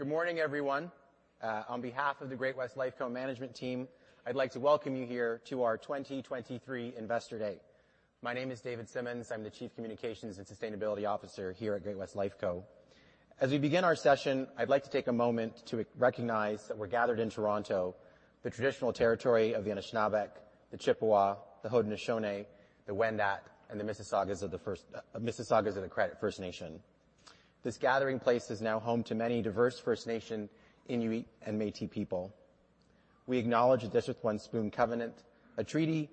Good morning, everyone. On behalf of the Great-West Lifeco management team, I'd like to welcome you here to our 2023 Investor Day. My name is David Simmonds. I'm the Chief Communications and Sustainability Officer here at Great-West Lifeco. As we begin our session, I'd like to take a moment to recognize that we're gathered in Toronto, the traditional territory of the Anishinaabe, the Chippewa, the Haudenosaunee, the Wendat, and the Mississaugas of the Credit First Nation. This gathering place is now home to many diverse First Nation, Inuit, and Métis people. We acknowledge the Dish With One Spoon covenant, a treaty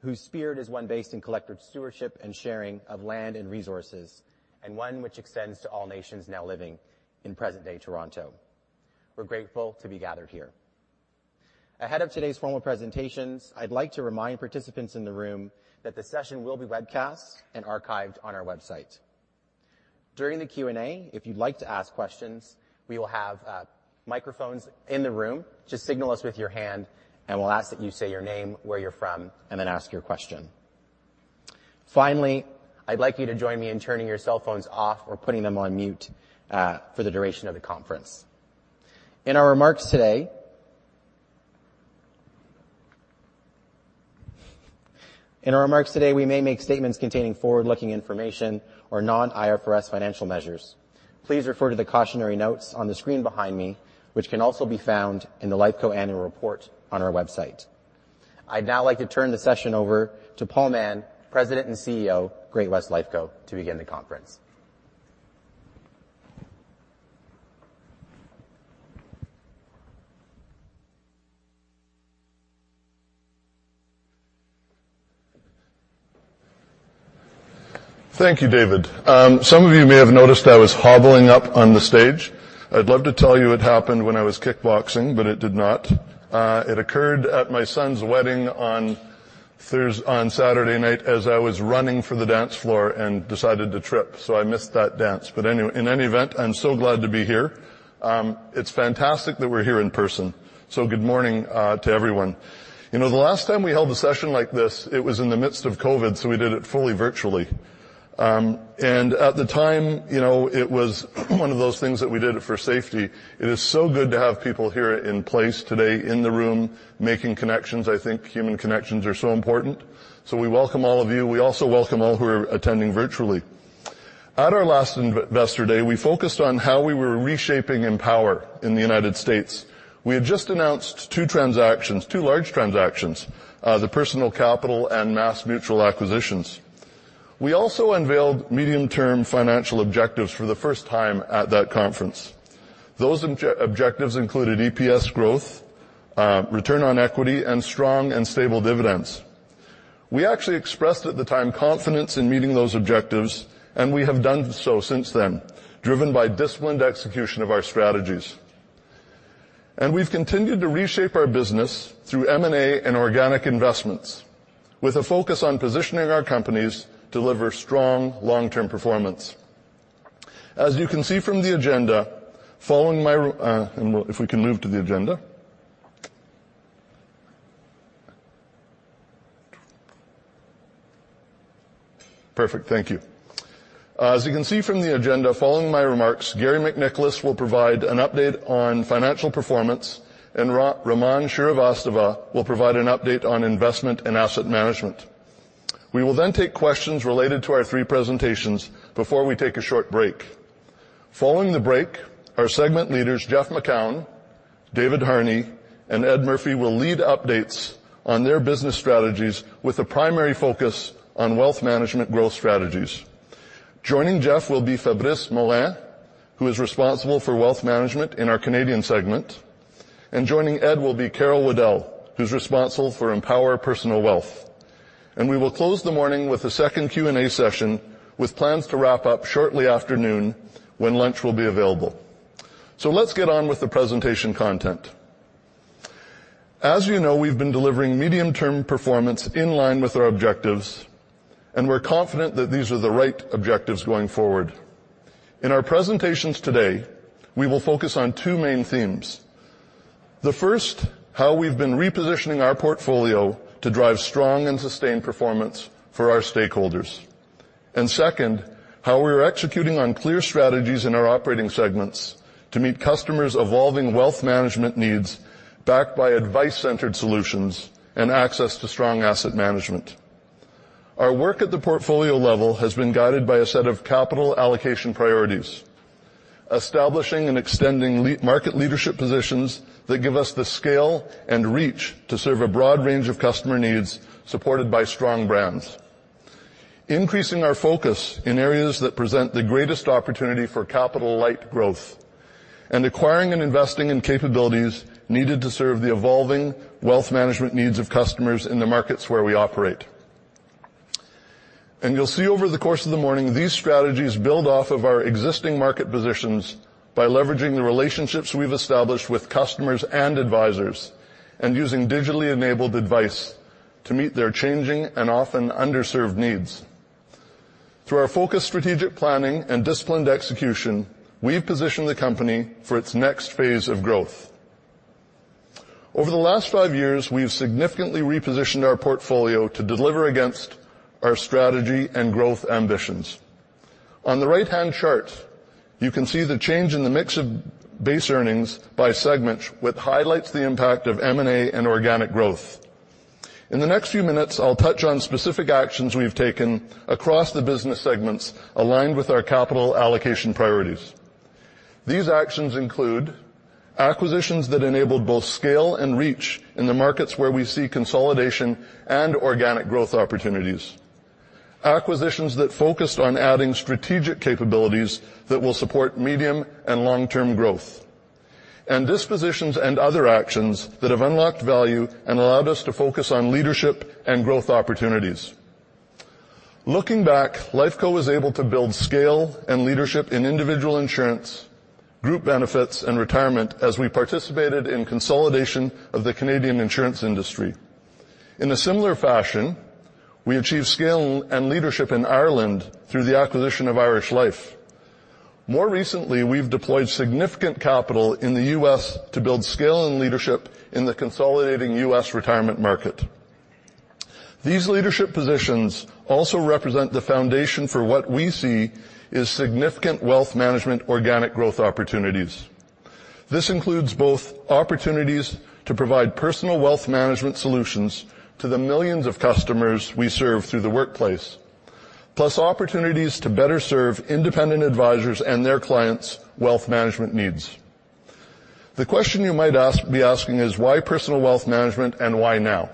whose spirit is one based in collective stewardship and sharing of land and resources, and one which extends to all nations now living in present-day Toronto. We're grateful to be gathered here. Ahead of today's formal presentations, I'd like to remind participants in the room that the session will be webcast and archived on our website. During the Q&A, if you'd like to ask questions, we will have microphones in the room. Just signal us with your hand, and we'll ask that you say your name, where you're from, and then ask your question. Finally, I'd like you to join me in turning your cell phones off or putting them on mute for the duration of the conference. In our remarks today, we may make statements containing forward-looking information or non-IFRS financial measures. Please refer to the cautionary notes on the screen behind me, which can also be found in the Lifeco annual report on our website. I'd now like to turn the session over to Paul Mahon, President and CEO, Great-West Lifeco, to begin the conference. Thank you, David. Some of you may have noticed I was hobbling up on the stage. I'd love to tell you it happened when I was kickboxing, but it did not. It occurred at my son's wedding on Saturday night as I was running for the dance floor and decided to trip, so I missed that dance. In any event, I'm so glad to be here. It's fantastic that we're here in person, so good morning to everyone. You know, the last time we held a session like this, it was in the midst of COVID, so we did it fully virtually. At the time, you know, it was one of those things that we did for safety. It is so good to have people here in place today in the room making connections. I think human connections are so important, so we welcome all of you. We also welcome all who are attending virtually. At our last investor day, we focused on how we were reshaping Empower in the United States. We had just announced two transactions, two large transactions, the Personal Capital and MassMutual acquisitions. We also unveiled medium-term financial objectives for the first time at that conference. Those objectives included EPS growth, return on equity, and strong and stable dividends. We actually expressed, at the time, confidence in meeting those objectives, and we have done so since then, driven by disciplined execution of our strategies. We've continued to reshape our business through M&A and organic investments, with a focus on positioning our companies to deliver strong long-term performance. As you can see from the agenda, following my, and if we can move to the agenda. Perfect, thank you. As you can see from the agenda, following my remarks, Garry MacNicholas will provide an update on financial performance, Raman Srivastava will provide an update on investment and asset management. We will then take questions related to our three presentations before we take a short break. Following the break, our segment leaders, Jeff Macoun, David Harney, and Ed Murphy, will lead updates on their business strategies with a primary focus on wealth management growth strategies. Joining Jeff will be Fabrice Morin, who is responsible for wealth management in our Canadian segment, and joining Ed will be Carol Waddell, who's responsible for Empower Personal Wealth. We will close the morning with a second Q&A session, with plans to wrap up shortly after noon, when lunch will be available. Let's get on with the presentation content. As you know, we've been delivering medium-term performance in line with our objectives, and we're confident that these are the right objectives going forward. In our presentations today, we will focus on two main themes. The first, how we've been repositioning our portfolio to drive strong and sustained performance for our stakeholders. Second, how we are executing on clear strategies in our operating segments to meet customers' evolving wealth management needs, backed by advice-centered solutions and access to strong asset management. Our work at the portfolio level has been guided by a set of capital allocation priorities, establishing and extending market leadership positions that give us the scale and reach to serve a broad range of customer needs, supported by strong brands. Increasing our focus in areas that present the greatest opportunity for capital-light growth and acquiring and investing in capabilities needed to serve the evolving wealth management needs of customers in the markets where we operate. You'll see over the course of the morning, these strategies build off of our existing market positions by leveraging the relationships we've established with customers and advisors, and using digitally enabled advice to meet their changing and often underserved needs. Through our focused strategic planning and disciplined execution, we've positioned the company for its next phase of growth. Over the last five years, we've significantly repositioned our portfolio to deliver against our strategy and growth ambitions. On the right-hand chart, you can see the change in the mix of base earnings by segment, with highlights the impact of M&A and organic growth. In the next few minutes, I'll touch on specific actions we've taken across the business segments aligned with our capital allocation priorities. These actions include acquisitions that enabled both scale and reach in the markets where we see consolidation and organic growth opportunities, acquisitions that focused on adding strategic capabilities that will support medium and long-term growth, and dispositions and other actions that have unlocked value and allowed us to focus on leadership and growth opportunities. Looking back, Lifeco was able to build scale and leadership in individual insurance, group benefits, and retirement as we participated in consolidation of the Canadian insurance industry. In a similar fashion, we achieved scale and leadership in Ireland through the acquisition of Irish Life. More recently, we've deployed significant capital in the U.S. to build scale and leadership in the consolidating U.S. retirement market. These leadership positions also represent the foundation for what we see as significant wealth management organic growth opportunities. This includes both opportunities to provide personal wealth management solutions to the millions of customers we serve through the workplace, plus opportunities to better serve independent advisors and their clients' wealth management needs. The question you might be asking is, why personal wealth management and why now?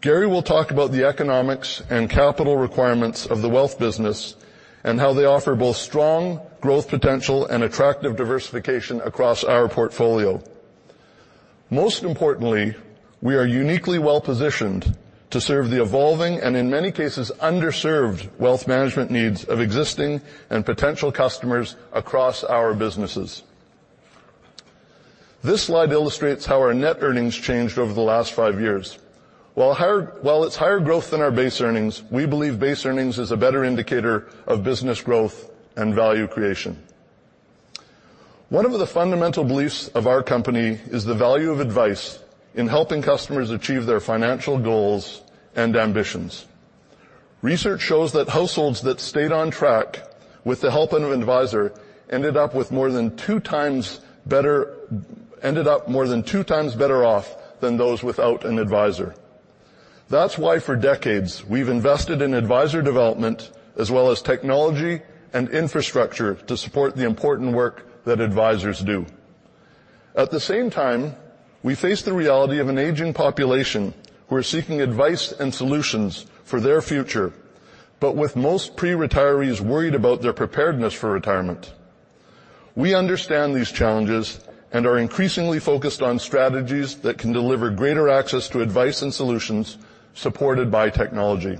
Garry will talk about the economics and capital requirements of the wealth business and how they offer both strong growth potential and attractive diversification across our portfolio. Most importantly, we are uniquely well-positioned to serve the evolving and, in many cases, underserved wealth management needs of existing and potential customers across our businesses. This slide illustrates how our net earnings changed over the last 5 years. While it's higher growth than our base earnings, we believe base earnings is a better indicator of business growth and value creation. One of the fundamental beliefs of our company is the value of advice in helping customers achieve their financial goals and ambitions. Research shows that households that stayed on track with the help of an advisor ended up more than two times better off than those without an advisor. That's why, for decades, we've invested in advisor development as well as technology and infrastructure to support the important work that advisors do. At the same time, we face the reality of an aging population who are seeking advice and solutions for their future, but with most pre-retirees worried about their preparedness for retirement. We understand these challenges and are increasingly focused on strategies that can deliver greater access to advice and solutions supported by technology.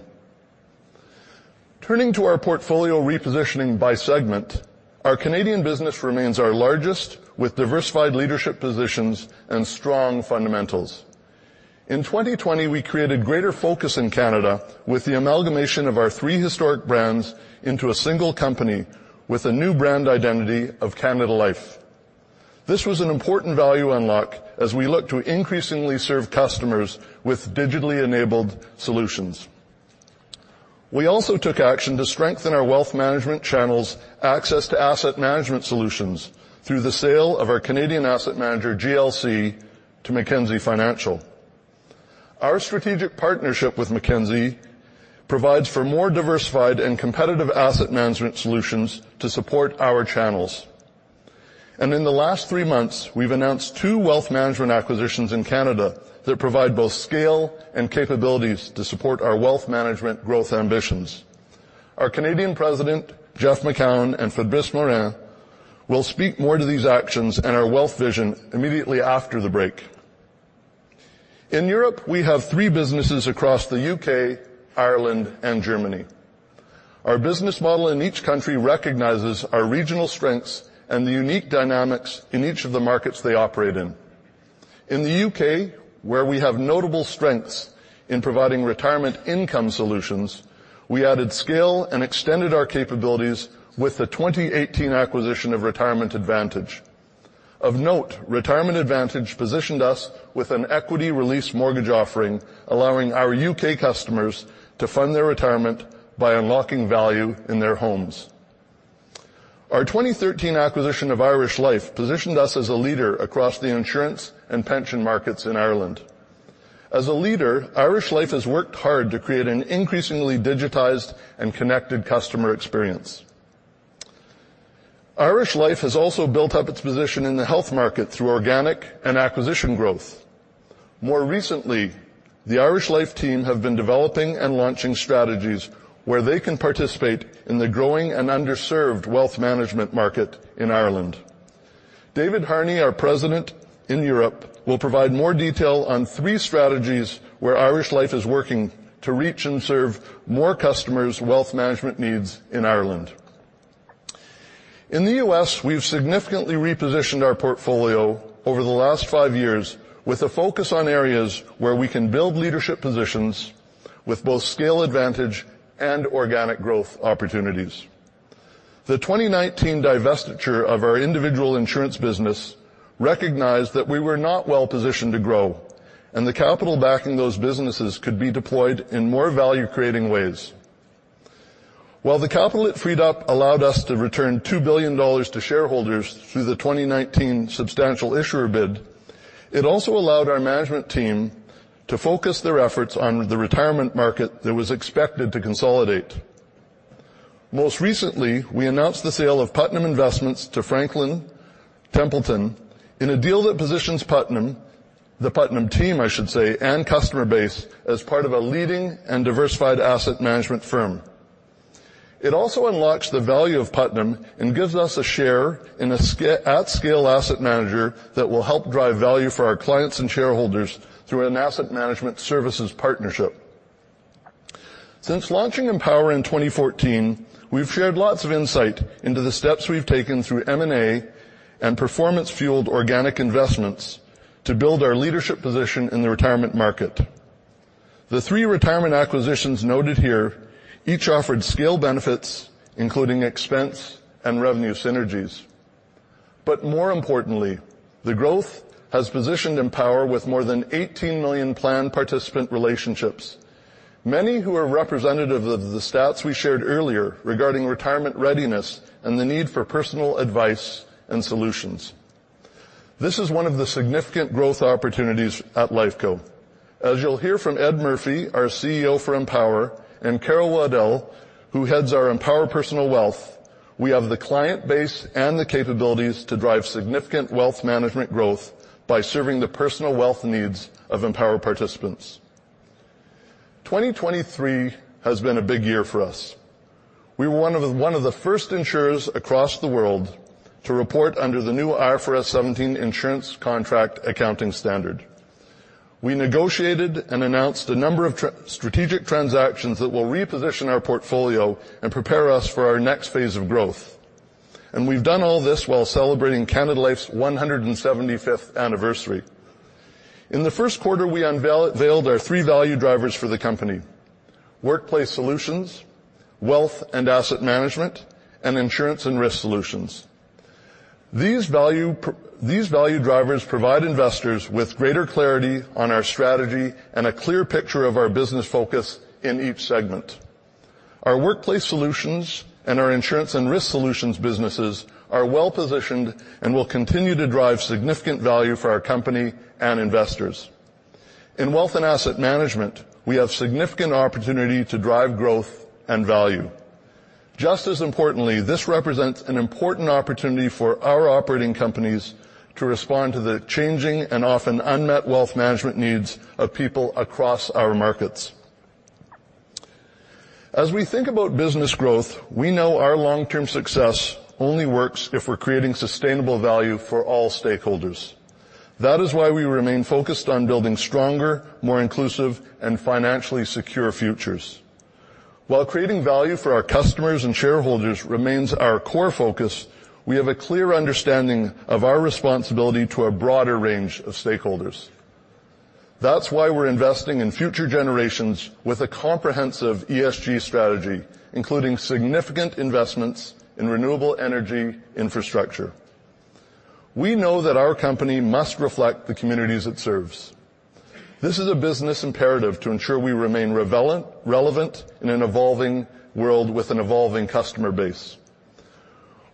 Turning to our portfolio repositioning by segment, our Canadian business remains our largest, with diversified leadership positions and strong fundamentals. In 2020, we created greater focus in Canada with the amalgamation of our 3 historic brands into a single company with a new brand identity of Canada Life. This was an important value unlock as we look to increasingly serve customers with digitally enabled solutions. We also took action to strengthen our wealth management channels' access to asset management solutions through the sale of our Canadian asset manager, GLC, to Mackenzie Financial. Our strategic partnership with Mackenzie provides for more diversified and competitive asset management solutions to support our channels. In the last 3 months, we've announced two wealth management acquisitions in Canada that provide both scale and capabilities to support our wealth management growth ambitions. Our Canadian president, Jeff Macoun and Fabrice Morin, will speak more to these actions and our wealth vision immediately after the break. In Europe, we have 3 businesses across the U.K., Ireland, and Germany. Our business model in each country recognizes our regional strengths and the unique dynamics in each of the markets they operate in. In the U.K., where we have notable strengths in providing retirement income solutions, we added scale and extended our capabilities with the 2018 acquisition of Retirement Advantage. Of note, Retirement Advantage positioned us with an equity release mortgage offering, allowing our U.K. customers to fund their retirement by unlocking value in their homes. Our 2013 acquisition of Irish Life positioned us as a leader across the insurance and pension markets in Ireland. As a leader, Irish Life has worked hard to create an increasingly digitized and connected customer experience. Irish Life has also built up its position in the health market through organic and acquisition growth. More recently, the Irish Life team have been developing and launching strategies where they can participate in the growing and underserved wealth management market in Ireland. David Harney, our president in Europe, will provide more detail on three strategies where Irish Life is working to reach and serve more customers' wealth management needs in Ireland. In the U.S., we've significantly repositioned our portfolio over the last five years with a focus on areas where we can build leadership positions with both scale advantage and organic growth opportunities.... The 2019 divestiture of our individual insurance business recognized that we were not well positioned to grow, and the capital backing those businesses could be deployed in more value-creating ways. While the capital it freed up allowed us to return 2 billion dollars to shareholders through the 2019 substantial issuer bid, it also allowed our management team to focus their efforts on the retirement market that was expected to consolidate. Most recently, we announced the sale of Putnam Investments to Franklin Templeton in a deal that positions Putnam, the Putnam team, I should say, and customer base, as part of a leading and diversified asset management firm. It also unlocks the value of Putnam and gives us an at-scale asset manager that will help drive value for our clients and shareholders through an asset management services partnership. Since launching Empower in 2014, we've shared lots of insight into the steps we've taken through M&A and performance-fueled organic investments to build our leadership position in the retirement market. The three retirement acquisitions noted here each offered scale benefits, including expense and revenue synergies. More importantly, the growth has positioned Empower with more than 18 million plan participant relationships, many who are representative of the stats we shared earlier regarding retirement readiness and the need for personal advice and solutions. This is one of the significant growth opportunities at Lifeco. As you'll hear from Ed Murphy, our CEO for Empower, and Carol Waddell, who heads our Empower Personal Wealth, we have the client base and the capabilities to drive significant wealth management growth by serving the personal wealth needs of Empower participants. 2023 has been a big year for us. We were one of the first insurers across the world to report under the new IFRS 17 insurance contract accounting standard. We negotiated and announced a number of strategic transactions that will reposition our portfolio and prepare us for our next phase of growth. We've done all this while celebrating Canada Life's 175th anniversary. In the first quarter, we veiled our three value drivers for the company: workplace solutions, wealth and asset management, and insurance and risk solutions. These value drivers provide investors with greater clarity on our strategy and a clear picture of our business focus in each segment. Our workplace solutions and our insurance and risk solutions businesses are well positioned and will continue to drive significant value for our company and investors. In wealth and asset management, we have significant opportunity to drive growth and value. Just as importantly, this represents an important opportunity for our operating companies to respond to the changing and often unmet wealth management needs of people across our markets. As we think about business growth, we know our long-term success only works if we're creating sustainable value for all stakeholders. That is why we remain focused on building stronger, more inclusive, and financially secure futures. While creating value for our customers and shareholders remains our core focus, we have a clear understanding of our responsibility to a broader range of stakeholders. That's why we're investing in future generations with a comprehensive ESG strategy, including significant investments in renewable energy infrastructure. We know that our company must reflect the communities it serves. This is a business imperative to ensure we remain relevant in an evolving world with an evolving customer base.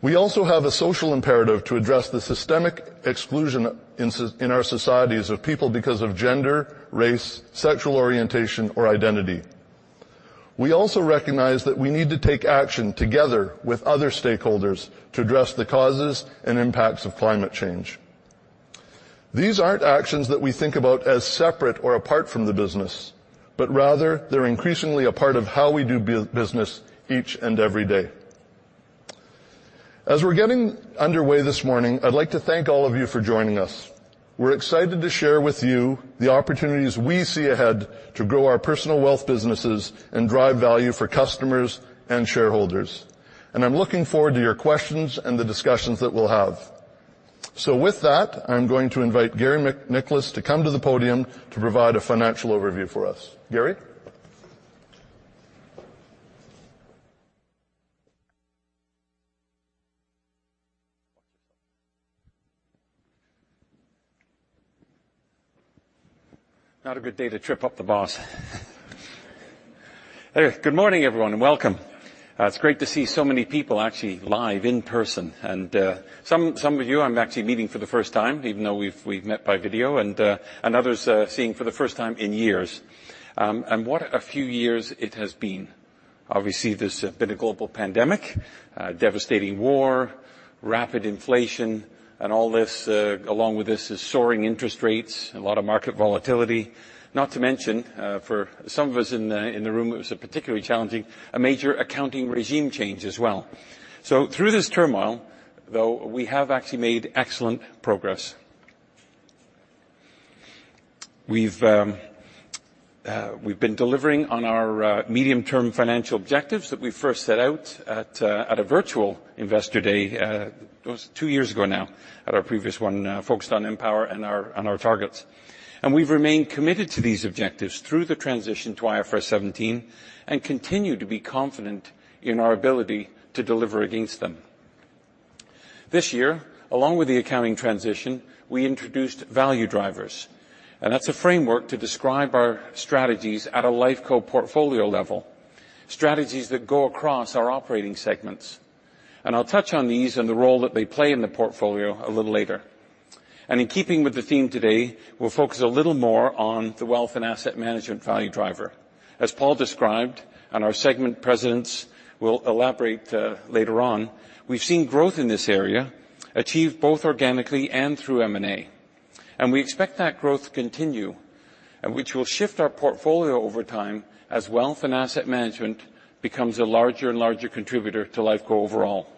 We also have a social imperative to address the systemic exclusion in our societies of people because of gender, race, sexual orientation, or identity. We also recognize that we need to take action together with other stakeholders to address the causes and impacts of climate change. These aren't actions that we think about as separate or apart from the business, but rather, they're increasingly a part of how we do business each and every day. As we're getting underway this morning, I'd like to thank all of you for joining us. We're excited to share with you the opportunities we see ahead to grow our personal wealth businesses and drive value for customers and shareholders, I'm looking forward to your questions and the discussions that we'll have. With that, I'm going to invite Garry MacNicholas to come to the podium to provide a financial overview for us. Garry? Not a good day to trip up the boss. Good morning, everyone, and welcome. It's great to see so many people actually live in person, and some of you I'm actually meeting for the first time, even though we've met by video, and others seeing for the first time in years. What a few years it has been. Obviously, there's been a global pandemic, a devastating war, rapid inflation, and all this along with this is soaring interest rates, a lot of market volatility. Not to mention, for some of us in the room, it was a particularly challenging, a major accounting regime change as well. Through this turmoil, though, we have actually made excellent progress. We've been delivering on our medium-term financial objectives that we first set out at a virtual investor day two years ago now, at our previous one, focused on Empower and our targets. We've remained committed to these objectives through the transition to IFRS 17 and continue to be confident in our ability to deliver against them. This year, along with the accounting transition, we introduced value drivers, that's a framework to describe our strategies at a Lifeco portfolio level, strategies that go across our operating segments. I'll touch on these and the role that they play in the portfolio a little later. In keeping with the theme today, we'll focus a little more on the wealth and asset management value driver. As Paul described, and our segment presidents will elaborate later on, we've seen growth in this area achieve both organically and through M&A, and we expect that growth to continue, and which will shift our portfolio over time as wealth and asset management becomes a larger and larger contributor to Lifeco overall.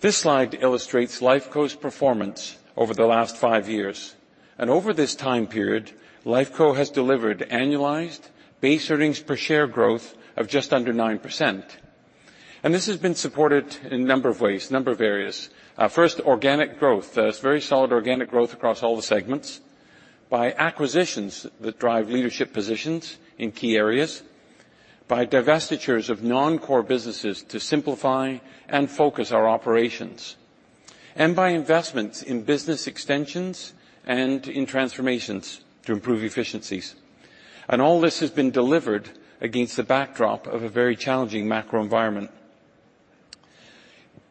This slide illustrates Lifeco's performance over the last five years. Over this time period, Lifeco has delivered annualized base earnings per share growth of just under 9%. This has been supported in a number of ways, a number of areas. First, organic growth. There's very solid organic growth across all the segments by acquisitions that drive leadership positions in key areas, by divestitures of non-core businesses to simplify and focus our operations, and by investments in business extensions and in transformations to improve efficiencies. All this has been delivered against the backdrop of a very challenging macro environment.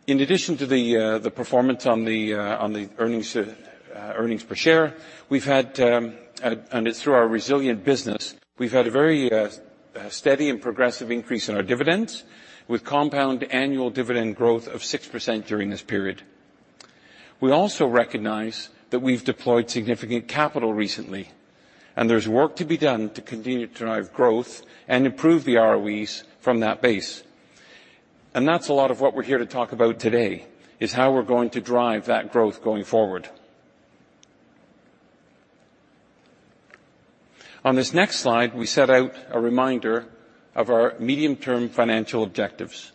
In addition to the performance on the earnings per share, and it's through our resilient business, we've had a very steady and progressive increase in our dividends, with compound annual dividend growth of 6% during this period. We also recognize that we've deployed significant capital recently, and there's work to be done to continue to drive growth and improve the ROEs from that base. That's a lot of what we're here to talk about today, is how we're going to drive that growth going forward. On this next slide, we set out a reminder of our medium-term financial objectives.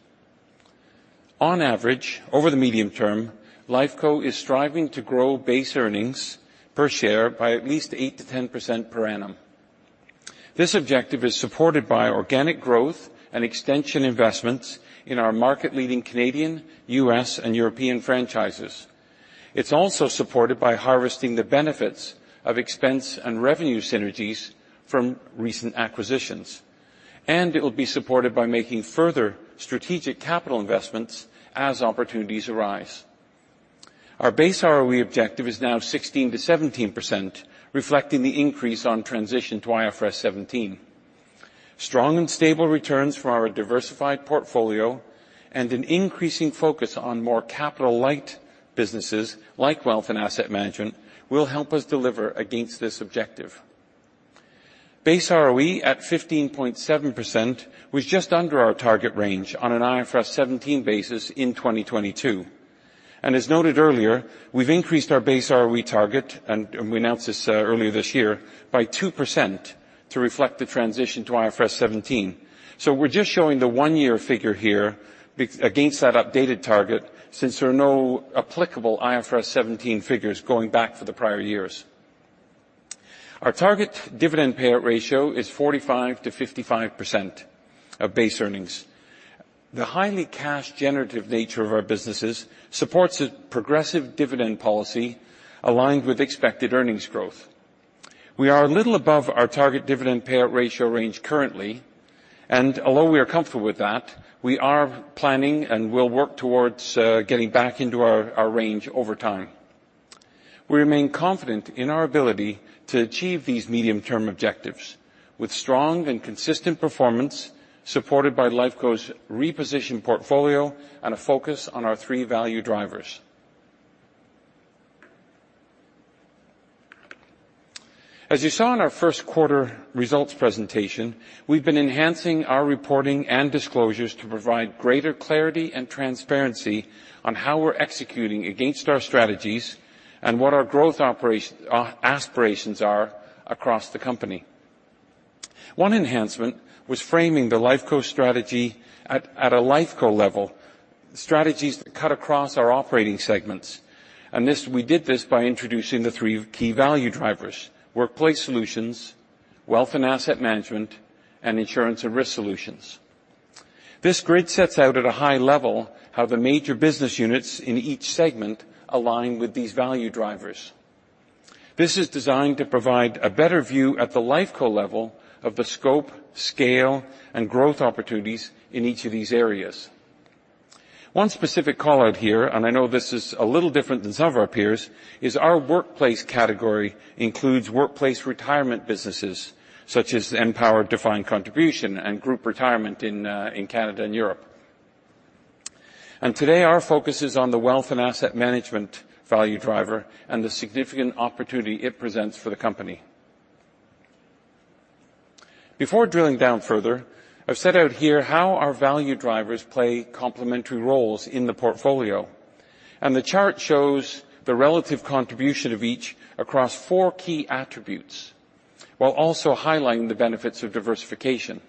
On average, over the medium term, Lifeco is striving to grow base earnings per share by at least 8%-10% per annum. This objective is supported by organic growth and extension investments in our market-leading Canadian, U.S., and European franchises. It's also supported by harvesting the benefits of expense and revenue synergies from recent acquisitions, and it will be supported by making further strategic capital investments as opportunities arise. Our base ROE objective is now 16%-17%, reflecting the increase on transition to IFRS 17. Strong and stable returns for our diversified portfolio and an increasing focus on more capital-light businesses, like wealth and asset management, will help us deliver against this objective. Base ROE at 15.7% was just under our target range on an IFRS 17 basis in 2022. As noted earlier, we've increased our base ROE target, and we announced this earlier this year, by 2% to reflect the transition to IFRS 17. We're just showing the 1-year figure here against that updated target, since there are no applicable IFRS 17 figures going back for the prior years. Our target dividend payout ratio is 45%-55% of base earnings. The highly cash generative nature of our businesses supports a progressive dividend policy aligned with expected earnings growth. We are a little above our target dividend payout ratio range currently, and although we are comfortable with that, we are planning and will work towards getting back into our range over time. We remain confident in our ability to achieve these medium-term objectives with strong and consistent performance, supported by Lifeco's repositioned portfolio and a focus on our three value drivers. As you saw in our first quarter results presentation, we've been enhancing our reporting and disclosures to provide greater clarity and transparency on how we're executing against our strategies and what our growth aspirations are across the company. One enhancement was framing the Lifeco strategy at a Lifeco level, strategies that cut across our operating segments. We did this by introducing the three key value drivers: Workplace Solutions, Wealth and Asset Management, and Insurance and Risk Solutions. This grid sets out at a high level how the major business units in each segment align with these value drivers. This is designed to provide a better view at the Lifeco level of the scope, scale, and growth opportunities in each of these areas. One specific call-out here, I know this is a little different than some of our peers, is our workplace category includes workplace retirement businesses such as Empower Defined Contribution and Group Retirement in Canada and Europe. Today, our focus is on the wealth and asset management value driver and the significant opportunity it presents for the company. Before drilling down further, I've set out here how our value drivers play complementary roles in the portfolio, the chart shows the relative contribution of each across four key attributes, while also highlighting the benefits of diversification.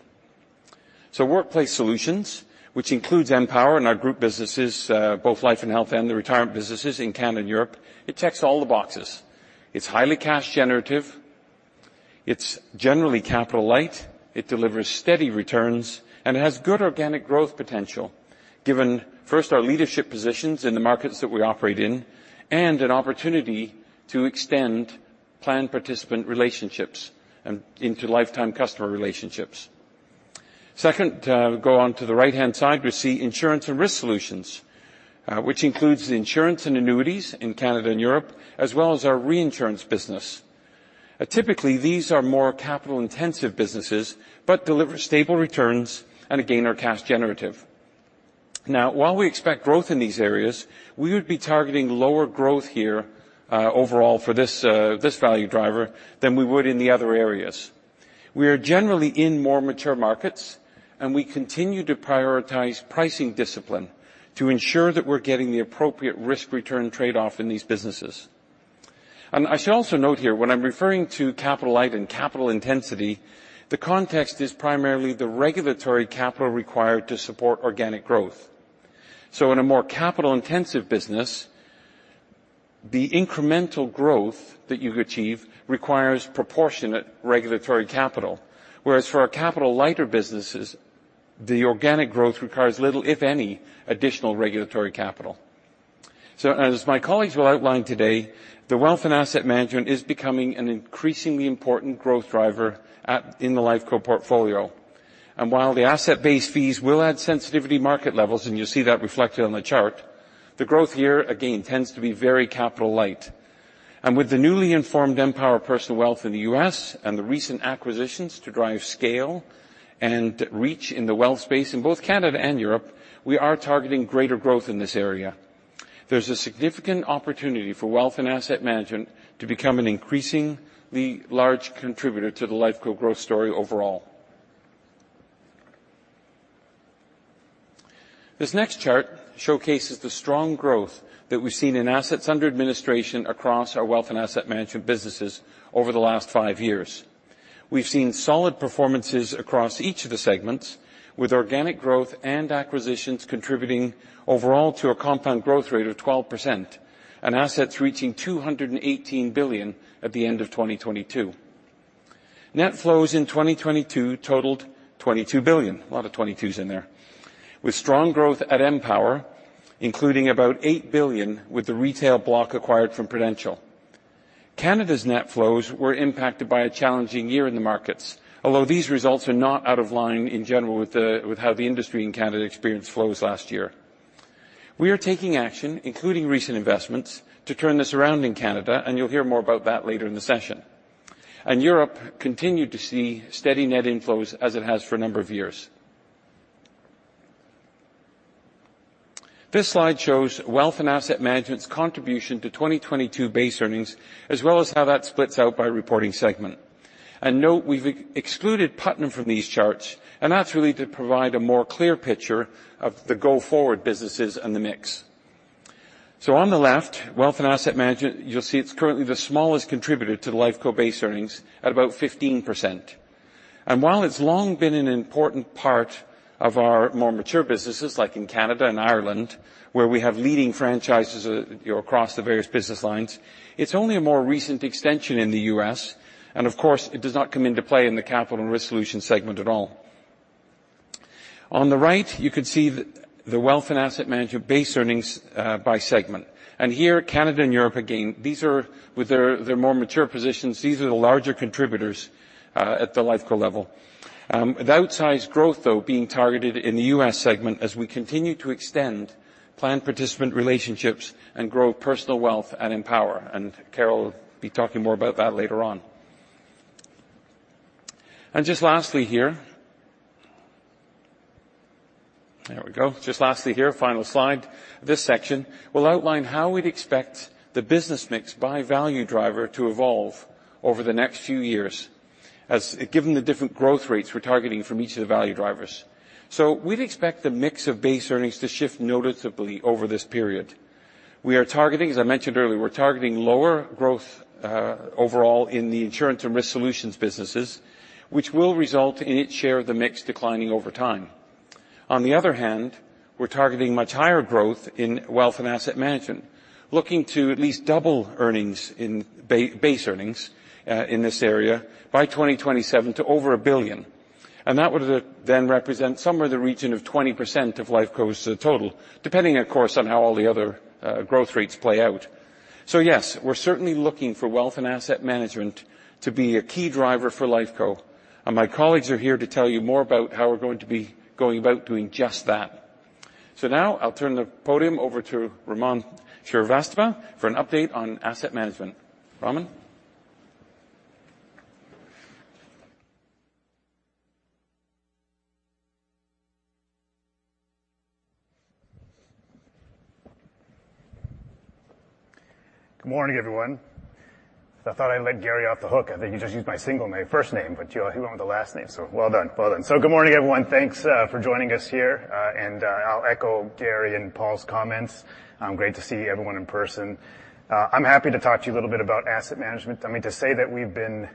Workplace Solutions, which includes Empower and our group businesses, both Life and Health and the Retirement businesses in Canada and Europe, it checks all the boxes. It's highly cash generative. It's generally capital light, it delivers steady returns, and it has good organic growth potential, given first, our leadership positions in the markets that we operate in, and an opportunity to extend plan participant relationships and into lifetime customer relationships. Second, go on to the right-hand side, we see insurance and risk solutions, which includes the insurance and annuities in Canada and Europe, as well as our reinsurance business. Typically, these are more capital-intensive businesses, but deliver stable returns and, again, are cash generative. While we expect growth in these areas, we would be targeting lower growth here, overall for this value driver than we would in the other areas. We are generally in more mature markets, we continue to prioritize pricing discipline to ensure that we're getting the appropriate risk-return trade-off in these businesses. I should also note here, when I'm referring to capital light and capital intensity, the context is primarily the regulatory capital required to support organic growth. In a more capital-intensive business, the incremental growth that you achieve requires proportionate regulatory capital, whereas for our capital lighter businesses, the organic growth requires little, if any, additional regulatory capital. As my colleagues will outline today, the wealth and asset management is becoming an increasingly important growth driver in the Lifeco portfolio. While the asset-based fees will add sensitivity market levels, and you'll see that reflected on the chart, the growth here, again, tends to be very capital light. With the newly informed Empower Personal Wealth in the U.S. and the recent acquisitions to drive scale and reach in the wealth space in both Canada and Europe, we are targeting greater growth in this area. There's a significant opportunity for wealth and asset management to become an increasingly large contributor to the Lifeco growth story overall. This next chart showcases the strong growth that we've seen in assets under administration across our wealth and asset management businesses over the last five years. We've seen solid performances across each of the segments, with organic growth and acquisitions contributing overall to a compound growth rate of 12%, and assets reaching 218 billion at the end of 2022. Net flows in 2022 totaled 22 billion, a lot of twenty-twos in there, with strong growth at Empower, including about $8 billion with the retail block acquired from Prudential. Canada's net flows were impacted by a challenging year in the markets, although these results are not out of line in general with how the industry in Canada experienced flows last year. We are taking action, including recent investments, to turn this around in Canada, you'll hear more about that later in the session. Europe continued to see steady net inflows as it has for a number of years. This slide shows wealth and asset management's contribution to 2022 base earnings, as well as how that splits out by reporting segment. Note, we've excluded Putnam from these charts, and that's really to provide a more clear picture of the go-forward businesses and the mix. On the left, wealth and asset management, you'll see it's currently the smallest contributor to the Lifeco base earnings at about 15%. While it's long been an important part of our more mature businesses, like in Canada and Ireland, where we have leading franchises, you know, across the various business lines, it's only a more recent extension in the U.S., and of course, it does not come into play in the capital and risk solution segment at all. On the right, you can see the wealth and asset management base earnings by segment. Here, Canada and Europe, again, these are with their more mature positions, these are the larger contributors at the Lifeco level. With outsized growth, though, being targeted in the U.S. segment as we continue to extend plan participant relationships and grow Personal Wealth and Empower. Carol will be talking more about that later on. Just lastly here, final slide. This section will outline how we'd expect the business mix by value driver to evolve over the next few years, as given the different growth rates we're targeting from each of the value drivers. We'd expect the mix of base earnings to shift noticeably over this period. We are targeting, as I mentioned earlier, we're targeting lower growth overall in the insurance and risk solutions businesses, which will result in each share of the mix declining over time. On the other hand, we're targeting much higher growth in wealth and asset management, looking to at least double earnings in base earnings in this area by 2027 to over 1 billion. That would then represent somewhere in the region of 20% of Lifeco's total, depending, of course, on how all the other growth rates play out. Yes, we're certainly looking for wealth and asset management to be a key driver for Lifeco. My colleagues are here to tell you more about how we're going to be going about doing just that. Now I'll turn the podium over to Raman Srivastava for an update on asset management. Raman? Good morning, everyone. I thought I let Garry off the hook. I think he just used my single name, first name, but he went with the last name, so well done. Well done. Good morning, everyone. Thanks for joining us here, and I'll echo Garry and Paul's comments. Great to see everyone in person. I'm happy to talk to you a little bit about asset management. I mean, to say that we've been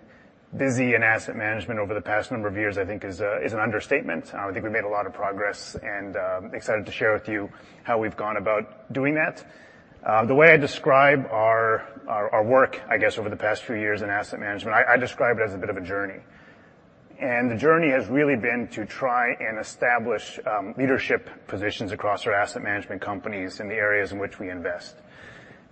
busy in asset management over the past number of years, I think is an understatement. I think we've made a lot of progress, and excited to share with you how we've gone about doing that. The way I describe our work, I guess, over the past few years in asset management, I describe it as a bit of a journey.... The journey has really been to try and establish leadership positions across our asset management companies in the areas in which we invest.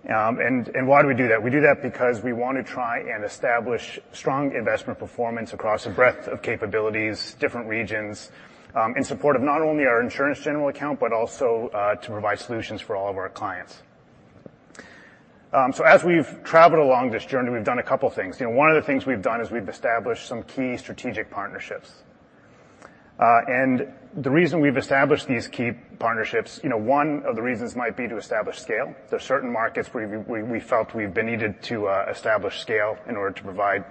Why do we do that? We do that because we want to try and establish strong investment performance across a breadth of capabilities, different regions, in support of not only our insurance general account, but also, to provide solutions for all of our clients. As we've traveled along this journey, we've done a couple things. You know, one of the things we've done is we've established some key strategic partnerships. The reason we've established these key partnerships, you know, one of the reasons might be to establish scale. There are certain markets where we felt we've been needed to establish scale in order to provide,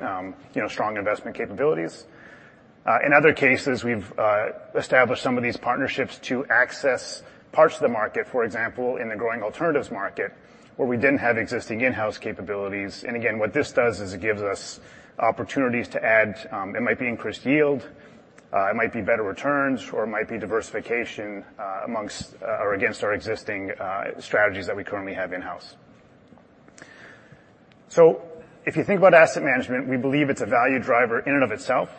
you know, strong investment capabilities. 've established some of these partnerships to access parts of the market, for example, in the growing alternatives market, where we didn't have existing in-house capabilities. Again, what this does is it gives us opportunities to add. It might be increased yield, it might be better returns, or it might be diversification amongst or against our existing strategies that we currently have in-house. If you think about asset management, we believe it's a value driver in and of itself.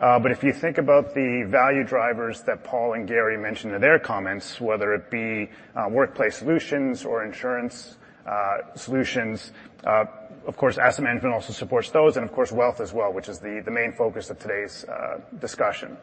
But if you think about the value drivers that Paul and Garry mentioned in their comments, whether it be workplace solutions or insurance solutions, of course, asset management also supports those, and of course, wealth as well, which is the main focus of today's discussion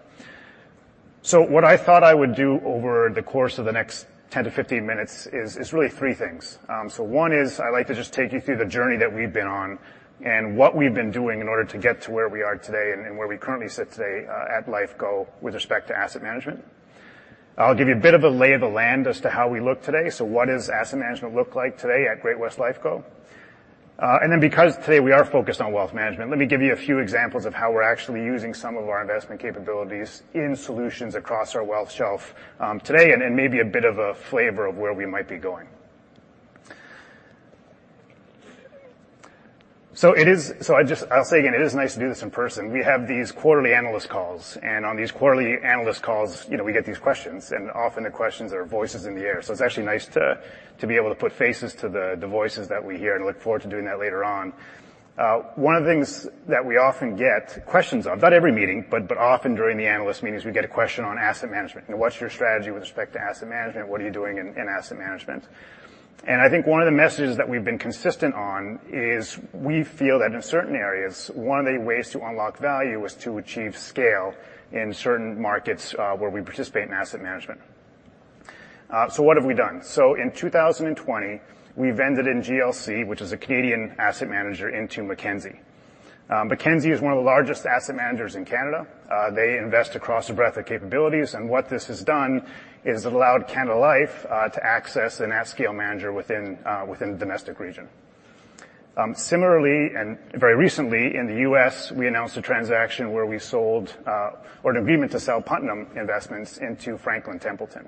What I thought I would do over the course of the next 10 to 15 minutes is really 3 things. One is I'd like to just take you through the journey that we've been on and what we've been doing in order to get to where we are today and where we currently sit today at Lifeco with respect to asset management. I'll give you a bit of a lay of the land as to how we look today. What does asset management look like today at Great-West Lifeco? Then because today we are focused on wealth management, let me give you a few examples of how we're actually using some of our investment capabilities in solutions across our wealth shelf today, and maybe a bit of a flavor of where we might be going. It is nice to do this in person. We have these quarterly analyst calls, and on these quarterly analyst calls, you know, we get these questions, and often the questions are voices in the air. It's actually nice to be able to put faces to the voices that we hear, and I look forward to doing that later on. One of the things that we often get questions on, not every meeting, but often during the analyst meetings, we get a question on asset management. You know, what's your strategy with respect to asset management? What are you doing in asset management? I think one of the messages that we've been consistent on is we feel that in certain areas, one of the ways to unlock value is to achieve scale in certain markets, where we participate in asset management. What have we done? In 2020, we vended in GLC, which is a Canadian asset manager, into Mackenzie. Mackenzie is one of the largest asset managers in Canada. They invest across a breadth of capabilities, and what this has done is it allowed Canada Life to access an at-scale manager within the domestic region. Similarly, and very recently in the U.S., we announced a transaction where we sold or an agreement to sell Putnam Investments into Franklin Templeton.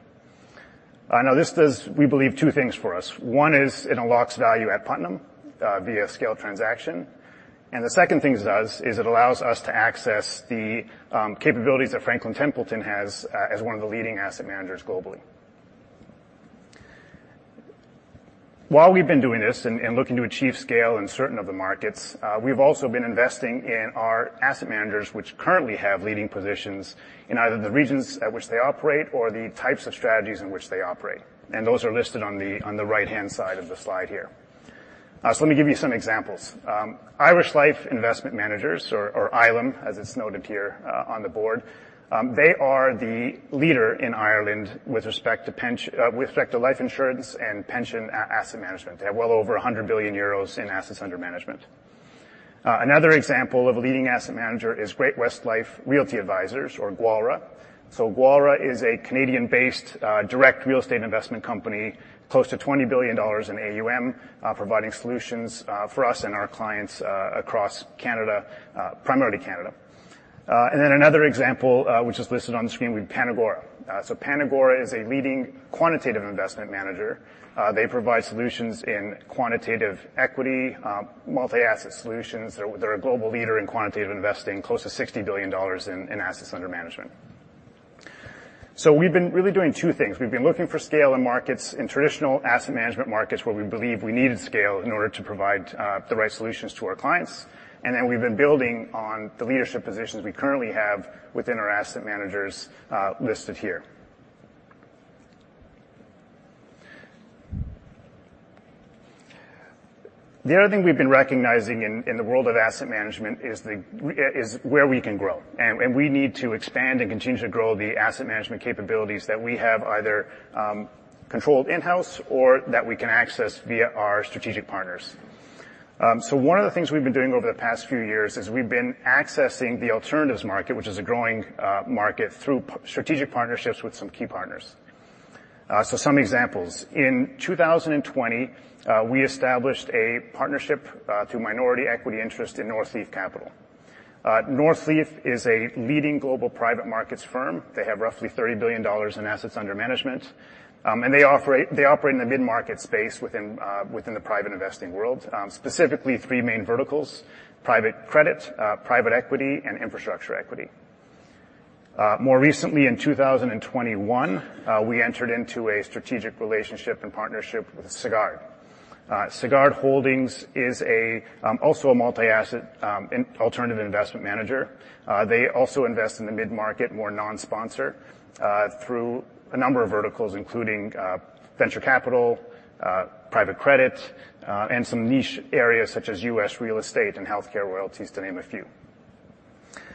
Now, this does, we believe, 2 things for us. One is it unlocks value at Putnam via scale transaction. The second thing it does is it allows us to access the capabilities that Franklin Templeton has as one of the leading asset managers globally. While we've been doing this and looking to achieve scale in certain of the markets, we've also been investing in our asset managers, which currently have leading positions in either the regions at which they operate or the types of strategies in which they operate, and those are listed on the right-hand side of the slide here. Let me give you some examples. Irish Life Investment Managers, or ILIM, as it's noted here on the board, they are the leader in Ireland with respect to life insurance and pension asset management. They have well over 100 billion euros in assets under management. Another example of a leading asset manager is GWL Realty Advisors, or GWLRA. GWLRA is a Canadian-based direct real estate investment company, close to $20 billion in AUM, providing solutions for us and our clients across Canada, primarily Canada. Another example which is listed on the screen would be PanAgora. PanAgora is a leading quantitative investment manager. They provide solutions in quantitative equity, multi-asset solutions. They're a global leader in quantitative investing, close to EUR 60 billion in assets under management. We've been really doing two things. We've been looking for scale in markets, in traditional asset management markets, where we believe we needed scale in order to provide the right solutions to our clients, and then we've been building on the leadership positions we currently have within our asset managers listed here. The other thing we've been recognizing in the world of asset management is where we can grow, and we need to expand and continue to grow the asset management capabilities that we have either controlled in-house or that we can access via our strategic partners. One of the things we've been doing over the past few years is we've been accessing the alternatives market, which is a growing market, through strategic partnerships with some key partners. Some examples. In 2020, we established a partnership through minority equity interest in Northleaf Capital. Northleaf is a leading global private markets firm. They have roughly $30 billion in assets under management, and they operate in the mid-market space within the private investing world, specifically three main verticals: private credit, private equity, and infrastructure equity. More recently, in 2021, we entered into a strategic relationship and partnership with Sagard. Sagard Holdings is also a multi-asset in alternative investment manager. They also invest in the mid-market, more non-sponsor, through a number of verticals, including venture capital, private credit, and some niche areas such as U.S. real estate and healthcare royalties, to name a few.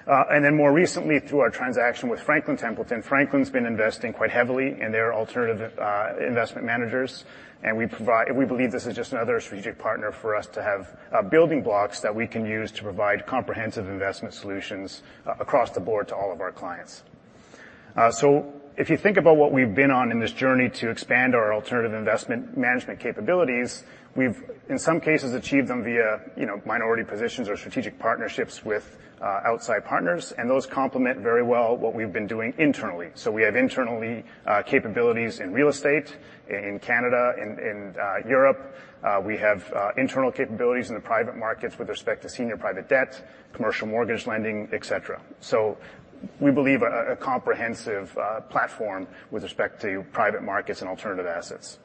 More recently, through our transaction with Franklin Templeton, Franklin's been investing quite heavily in their alternative investment managers, and we believe this is just another strategic partner for us to have building blocks that we can use to provide comprehensive investment solutions across the board to all of our clients. If you think about what we've been on in this journey to expand our alternative investment management capabilities, we've, in some cases, achieved them via, you know, minority positions or strategic partnerships with outside partners, and those complement very well what we've been doing internally. We have internally capabilities in real estate in Canada, in Europe. We have internal capabilities in the private markets with respect to senior private debt, commercial mortgage lending, et cetera. We believe a comprehensive platform with respect to private markets and alternative assets.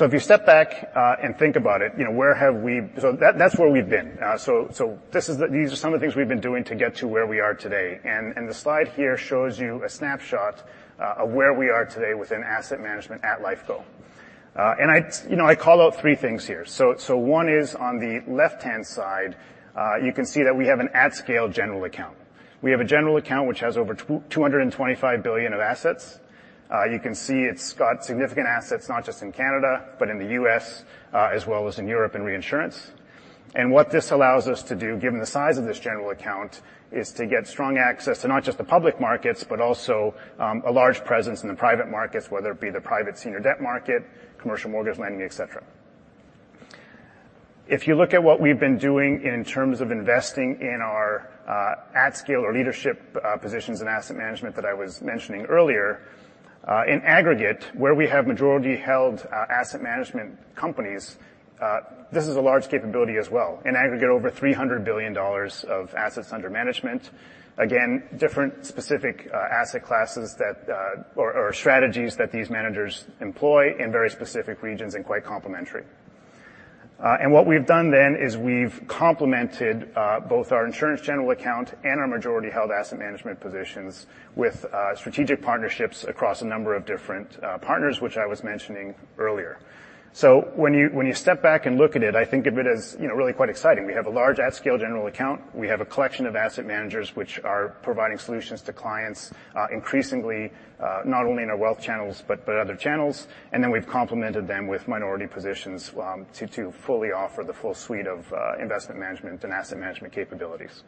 If you step back and think about it, you know, where have we... That's where we've been. These are some of the things we've been doing to get to where we are today, and the slide here shows you a snapshot of where we are today within asset management at Lifeco. And I, you know, I call out three things here. One is on the left-hand side, you can see that we have an at-scale general account. We have a general account which has over 225 billion of assets. You can see it's got significant assets, not just in Canada, but in the U.S., as well as in Europe and reinsurance. What this allows us to do, given the size of this general account, is to get strong access to not just the public markets, but also, a large presence in the private markets, whether it be the private senior debt market, commercial mortgage lending, et cetera. If you look at what we've been doing in terms of investing in our at scale or leadership positions in asset management that I was mentioning earlier, in aggregate, where we have majority-held asset management companies, this is a large capability as well. In aggregate, over 300 billion dollars of assets under management. Again, different specific asset classes that or strategies that these managers employ in very specific regions and quite complementary. What we've done then is we've complemented both our insurance general account and our majority-held asset management positions with strategic partnerships across a number of different partners, which I was mentioning earlier. When you step back and look at it, I think of it as, you know, really quite exciting. We have a large at-scale general account. We have a collection of asset managers, which are providing solutions to clients, increasingly, not only in our wealth channels, but other channels. Then we've complemented them with minority positions, to fully offer the full suite of investment management and asset management capabilities.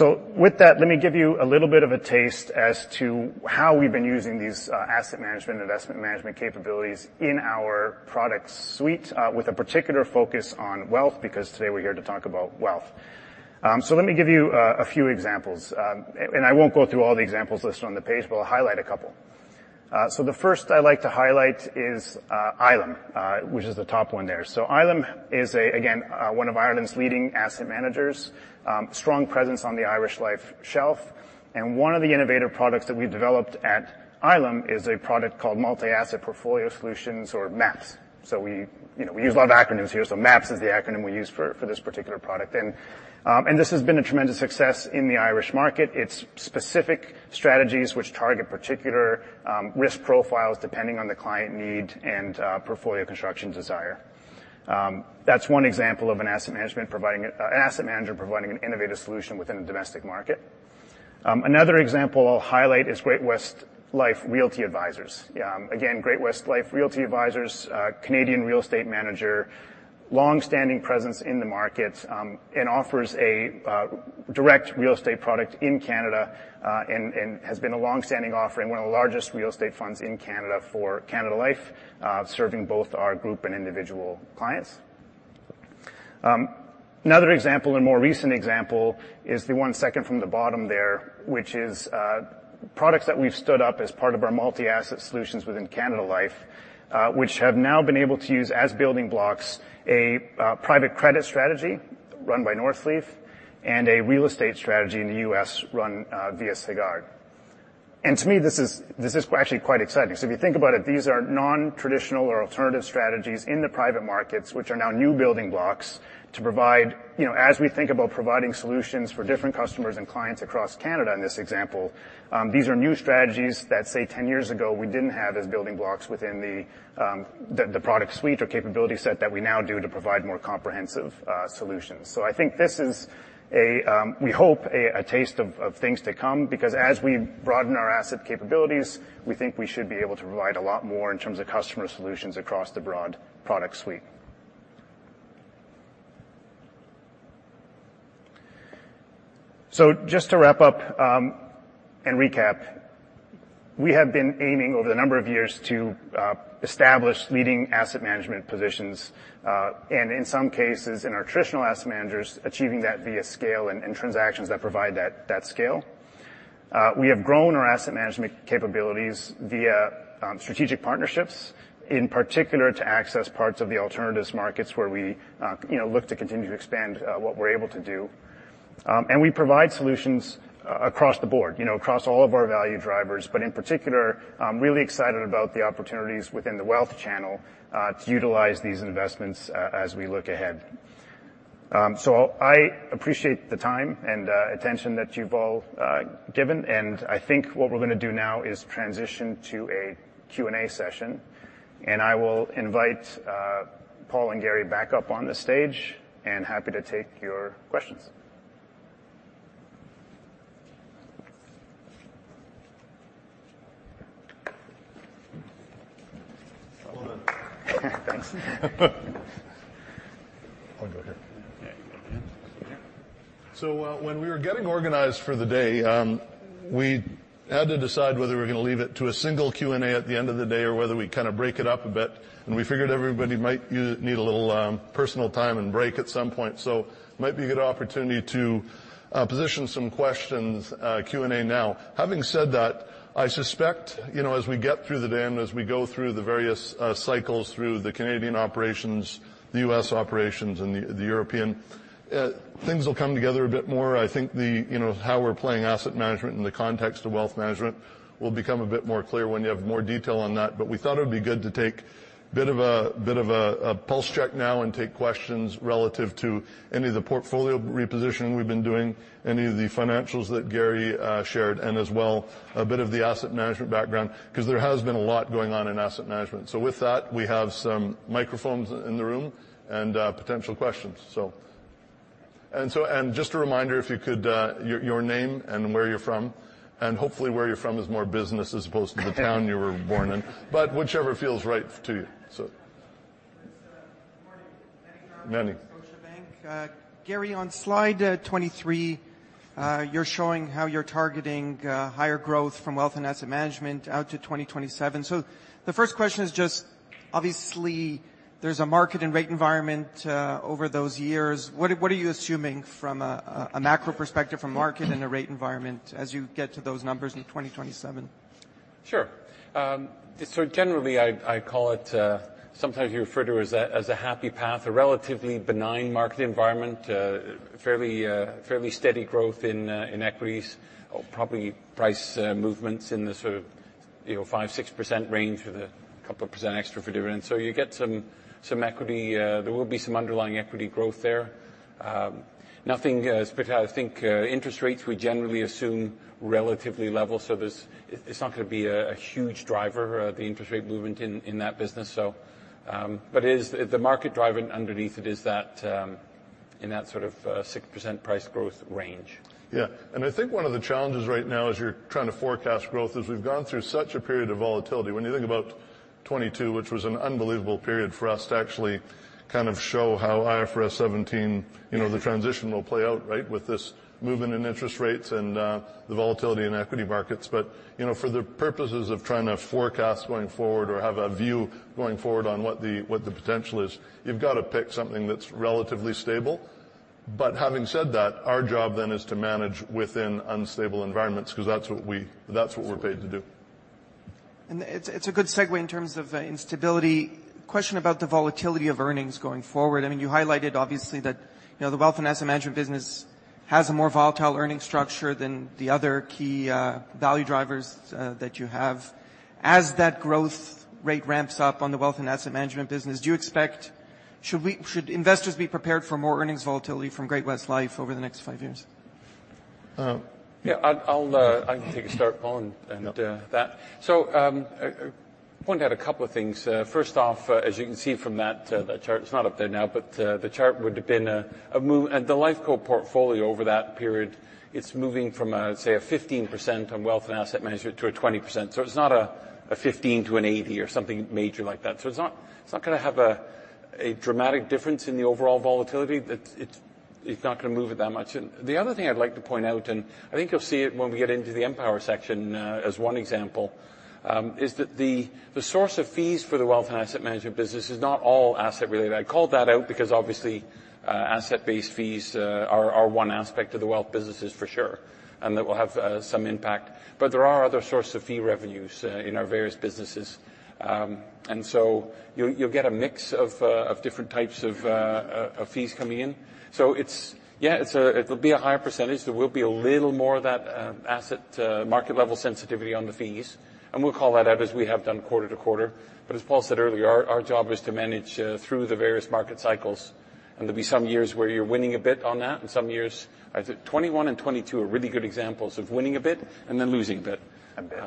With that, let me give you a little bit of a taste as to how we've been using these asset management, investment management capabilities in our product suite, with a particular focus on wealth, because today we're here to talk about wealth. Let me give you a few examples. I won't go through all the examples listed on the page, but I'll highlight a couple. The first I'd like to highlight is ILIM, which is the top one there. ILIM is again one of Ireland's leading asset managers, strong presence on the Irish Life shelf, and one of the innovative products that we developed at ILIM is a product called Multi-Asset Portfolio Solutions, or MAPS. We, you know, we use a lot of acronyms here, MAPS is the acronym we use for this particular product. This has been a tremendous success in the Irish market. It's specific strategies which target particular risk profiles, depending on the client need and portfolio construction desire. That's one example of an asset manager providing an innovative solution within a domestic market. Another example I'll highlight is Great-West Life Realty Advisors. Again, Great-West Life Realty Advisors, Canadian real estate manager, long-standing presence in the market, and offers a direct real estate product in Canada and has been a long-standing offering, one of the largest real estate funds in Canada for Canada Life, serving both our group and individual clients. Another example, a more recent example, is the one second from the bottom there, which is products that we've stood up as part of our multi-asset solutions within Canada Life, which have now been able to use, as building blocks, a private credit strategy run by Northleaf and a real estate strategy in the U.S. run via Sagard. To me, this is actually quite exciting. If you think about it, these are non-traditional or alternative strategies in the private markets, which are now new building blocks to provide, you know, as we think about providing solutions for different customers and clients across Canada, in this example, these are new strategies that, say, 10 years ago, we didn't have as building blocks within the product suite or capability set that we now do to provide more comprehensive solutions. I think this is a, we hope, a taste of things to come, because as we broaden our asset capabilities, we think we should be able to provide a lot more in terms of customer solutions across the broad product suite. Just to wrap up, and recap, we have been aiming over the number of years to establish leading asset management positions, and in some cases, in our traditional asset managers, achieving that via scale and transactions that provide that scale.... we have grown our asset management capabilities via strategic partnerships, in particular, to access parts of the alternatives markets where we, you know, look to continue to expand what we're able to do. We provide solutions across the board, you know, across all of our value drivers, but in particular, I'm really excited about the opportunities within the wealth channel to utilize these investments as we look ahead. So I appreciate the time and attention that you've all given, and I think what we're gonna do now is transition to a Q&A session. I will invite Paul and Garry back up on the stage, and happy to take your questions. Well done. Thanks. I'll go here. Yeah. When we were getting organized for the day, we had to decide whether we were gonna leave it to a single Q&A at the end of the day, or whether we kind of break it up a bit, and we figured everybody might need a little personal time and break at some point. Might be a good opportunity to position some questions, Q&A now. Having said that, I suspect, you know, as we get through the day and as we go through the various cycles through the Canadian operations, the U.S. operations, and the European, things will come together a bit more. I think the you know, how we're playing asset management in the context of wealth management will become a bit more clear when you have more detail on that. We thought it would be good to take a bit of a pulse check now and take questions relative to any of the portfolio repositioning we've been doing, any of the financials that Garry shared, and as well, a bit of the asset management background, 'cause there has been a lot going on in asset management. With that, we have some microphones in the room and potential questions. Just a reminder, if you could, your name and where you're from, and hopefully where you're from is more business as opposed to the town you were born in. Whichever feels right to you. Good morning. Meny Grauman Meny Scotiabank. Garry, on slide 23, you're showing how you're targeting higher growth from wealth and asset management out to 2027. The first question is just, obviously, there's a market and rate environment over those years. What are you assuming from a macro perspective from market and the rate environment as you get to those numbers in 2027? Sure. Generally, I call it, sometimes you refer to as a happy path, a relatively benign market environment, fairly steady growth in equities, or probably price movements in the sort of, you know, 5-6% range, with a couple of % extra for dividends. You get some equity, there will be some underlying equity growth there. Nothing spectacular. I think interest rates, we generally assume relatively level, there's it's not gonna be a huge driver, the interest rate movement in that business. It is, the market driving underneath it is that in that sort of 6% price growth range. Yeah. I think one of the challenges right now as you're trying to forecast growth, is we've gone through such a period of volatility. When you think about 2022, which was an unbelievable period for us to actually kind of show how IFRS 17, you know, the transition will play out, right? With this movement in interest rates and the volatility in equity markets. You know, for the purposes of trying to forecast going forward or have a view going forward on what the, what the potential is, you've got to pick something that's relatively stable. Having said that, our job then is to manage within unstable environments, 'cause that's what we're paid to do. It's a good segue in terms of instability. Question about the volatility of earnings going forward. I mean, you highlighted, obviously, that, you know, the wealth and asset management business has a more volatile earnings structure than the other key value drivers that you have. As that growth rate ramps up on the wealth and asset management business, do you expect... Should investors be prepared for more earnings volatility from Great-West Life over the next five years? Yeah, I'll, I can take a start, Paul, on, that. Yep. Point out a couple of things. First off, as you can see from that chart, it's not up there now, but the chart would have been a move- And the Lifeco portfolio over that period, it's moving from a, say, a 15% on wealth and asset management to a 20%. It's not a 15 to an 80 or something major like that. It's not, it's not gonna have a dramatic difference in the overall volatility. That it's not gonna move it that much. The other thing I'd like to point out, and I think you'll see it when we get into the Empower section, as one example, is that the source of fees for the wealth and asset management business is not all asset related. I called that out because, obviously, asset-based fees are one aspect of the wealth businesses for sure, and that will have some impact, but there are other sources of fee revenues in our various businesses. So you'll get a mix of different types of fees coming in. Yeah, it'll be a higher percentage. There will be a little more of that asset market level sensitivity on the fees, and we'll call that out as we have done quarter to quarter. As Paul said earlier, our job is to manage through the various market cycles. There'll be some years where you're winning a bit on that, and some years. I think '21 and '22 are really good examples of winning a bit and then losing a bit. A bit.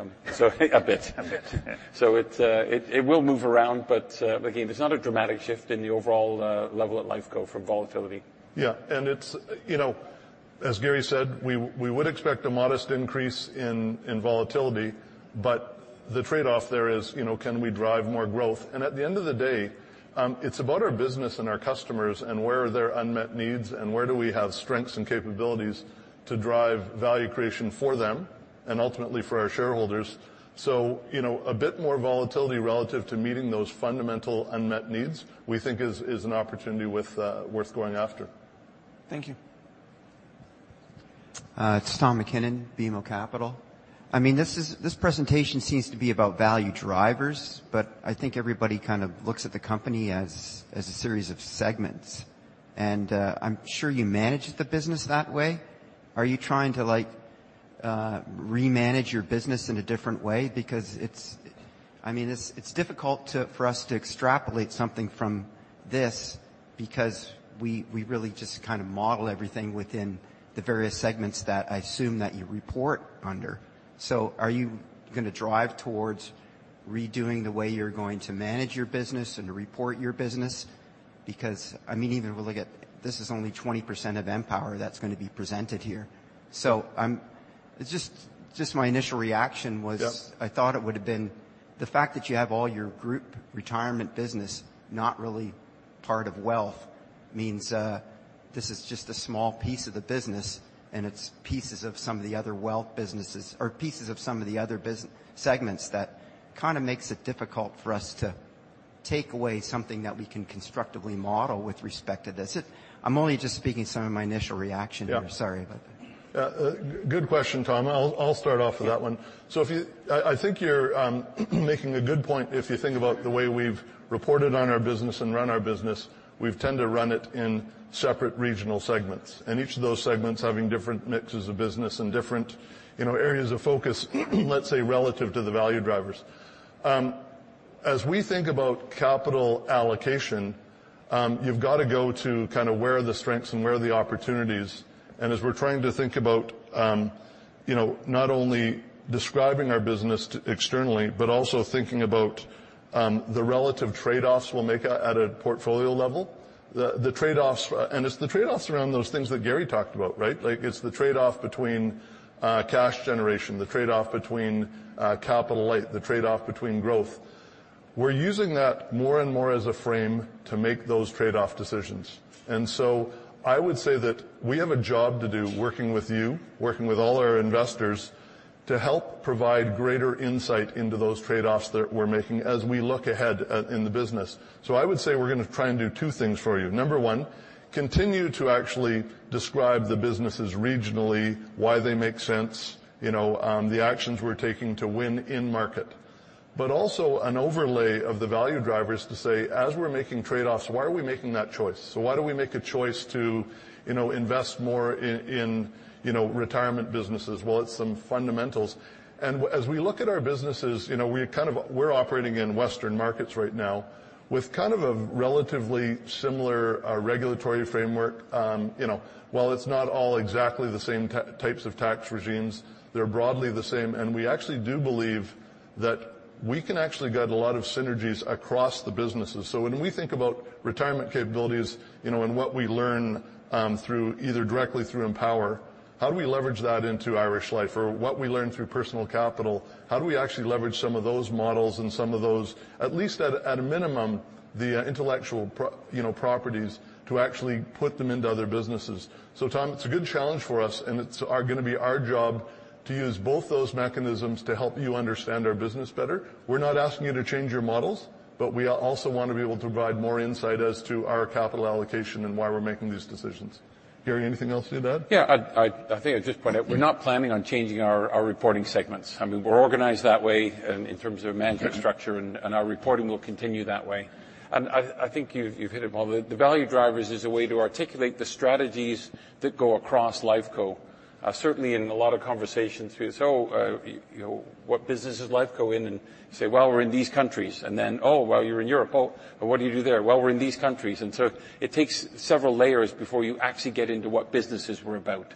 A bit. A bit, yeah. It will move around, but, again, there's not a dramatic shift in the overall level at Lifeco for volatility. Yeah, it's, you know, as Garry MacNicholas said, we would expect a modest increase in volatility, but the trade-off there is, you know, can we drive more growth? At the end of the day, it's about our business and our customers and where are their unmet needs, and where do we have strengths and capabilities to drive value creation for them and ultimately for our shareholders. You know, a bit more volatility relative to meeting those fundamental unmet needs, we think is an opportunity worth going after. Thank you. It's Tom MacKinnon, BMO Capital Markets. This presentation seems to be about value drivers, but I think everybody kind of looks at the company as a series of segments. I'm sure you manage the business that way. Are you trying to remanage your business in a different way? Because it's difficult for us to extrapolate something from this because we really just kind of model everything within the various segments that I assume that you report under. Are you gonna drive towards redoing the way you're going to manage your business and to report your business? Because, even when we look at, this is only 20% of Empower that's gonna be presented here. It's just my initial reaction was. Yep. I thought it would've been the fact that you have all your group retirement business, not really part of wealth, means, this is just a small piece of the business. It's pieces of some of the other wealth businesses or pieces of some of the other segments that kind of makes it difficult for us to take away something that we can constructively model with respect to this. I'm only just speaking some of my initial reaction here. Yeah. Sorry about that. Good question, Tom. I'll start off with that one. Yeah. If you... I think you're making a good point if you think about the way we've reported on our business and run our business. We tend to run it in separate regional segments, and each of those segments having different mixes of business and different, you know, areas of focus, let's say, relative to the value drivers. As we think about capital allocation, you've got to go to kind of where are the strengths and where are the opportunities, and as we're trying to think about, you know, not only describing our business externally, but also thinking about the relative trade-offs we'll make at a portfolio level. The trade-offs, and it's the trade-offs around those things that Garry talked about, right? Like, it's the trade-off between cash generation, the trade-off between capital light, the trade-off between growth. We're using that more and more as a frame to make those trade-off decisions. I would say that we have a job to do, working with you, working with all our investors, to help provide greater insight into those trade-offs that we're making as we look ahead in the business. I would say we're gonna try and do two things for you. Number one, continue to actually describe the businesses regionally, why they make sense, you know, the actions we're taking to win in market. Also an overlay of the value drivers to say, "As we're making trade-offs, why are we making that choice? Why do we make a choice to, you know, invest more in, you know, retirement businesses?" Well, it's some fundamentals. As we look at our businesses, you know, we kind of... We're operating in Western markets right now with kind of a relatively similar regulatory framework. You know, while it's not all exactly the same types of tax regimes, they're broadly the same, and we actually do believe that we can actually get a lot of synergies across the businesses. When we think about retirement capabilities, you know, and what we learn through either directly through Empower, how do we leverage that into Irish Life? What we learn through Personal Capital, how do we actually leverage some of those models and some of those, at a minimum, the intellectual properties, to actually put them into other businesses? Tom, it's a good challenge for us, and it's our job to use both those mechanisms to help you understand our business better. We're not asking you to change your models, but we also want to be able to provide more insight as to our capital allocation and why we're making these decisions. Garry, anything else to add? Yeah, I think I'd just point out, we're not planning on changing our reporting segments. I mean, we're organized that way in terms of management structure, and our reporting will continue that way. I think you've hit it, well, the value drivers is a way to articulate the strategies that go across Lifeco. Certainly in a lot of conversations, we say, oh, you know, "What business is Lifeco in?" You say, "Well, we're in these countries." Then, "Oh, well, you're in Europe. Oh, what do you do there?" "Well, we're in these countries." So it takes several layers before you actually get into what businesses we're about,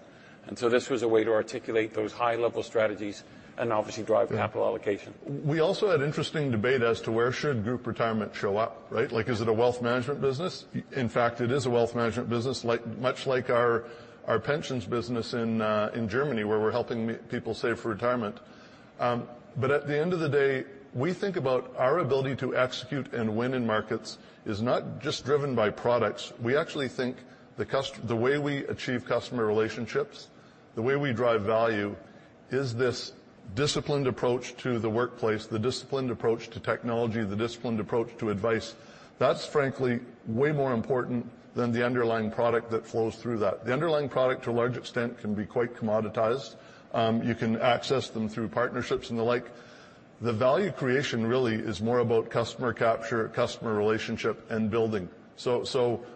so this was a way to articulate those high-level strategies and obviously drive... Yeah capital allocation. We also had interesting debate as to where should group retirement show up, right? Like, is it a wealth management business? In fact, it is a wealth management business, like, much like our pensions business in Germany, where we're helping people save for retirement. At the end of the day, we think about our ability to execute and win in markets is not just driven by products. We actually think the way we achieve customer relationships, the way we drive value, is this disciplined approach to the workplace, the disciplined approach to technology, the disciplined approach to advice. That's frankly way more important than the underlying product that flows through that. The underlying product, to a large extent, can be quite commoditized. You can access them through partnerships and the like. The value creation really is more about customer capture, customer relationship, and building.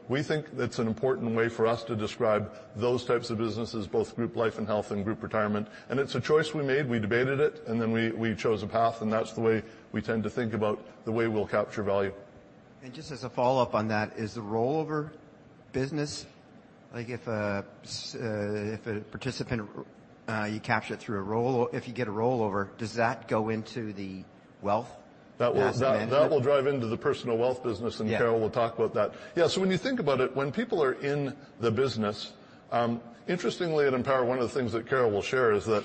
We think it's an important way for us to describe those types of businesses, both group life and health and group retirement, and it's a choice we made. We debated it, we chose a path, and that's the way we tend to think about the way we'll capture value. Just as a follow-up on that, is the rollover business... Like, if a participant, if you get a rollover, does that go into the wealth...? That will- asset management? That will drive into the Personal Wealth business. Yeah. Carol will talk about that. When you think about it, when people are in the business, interestingly, at Empower, one of the things that Carol will share is that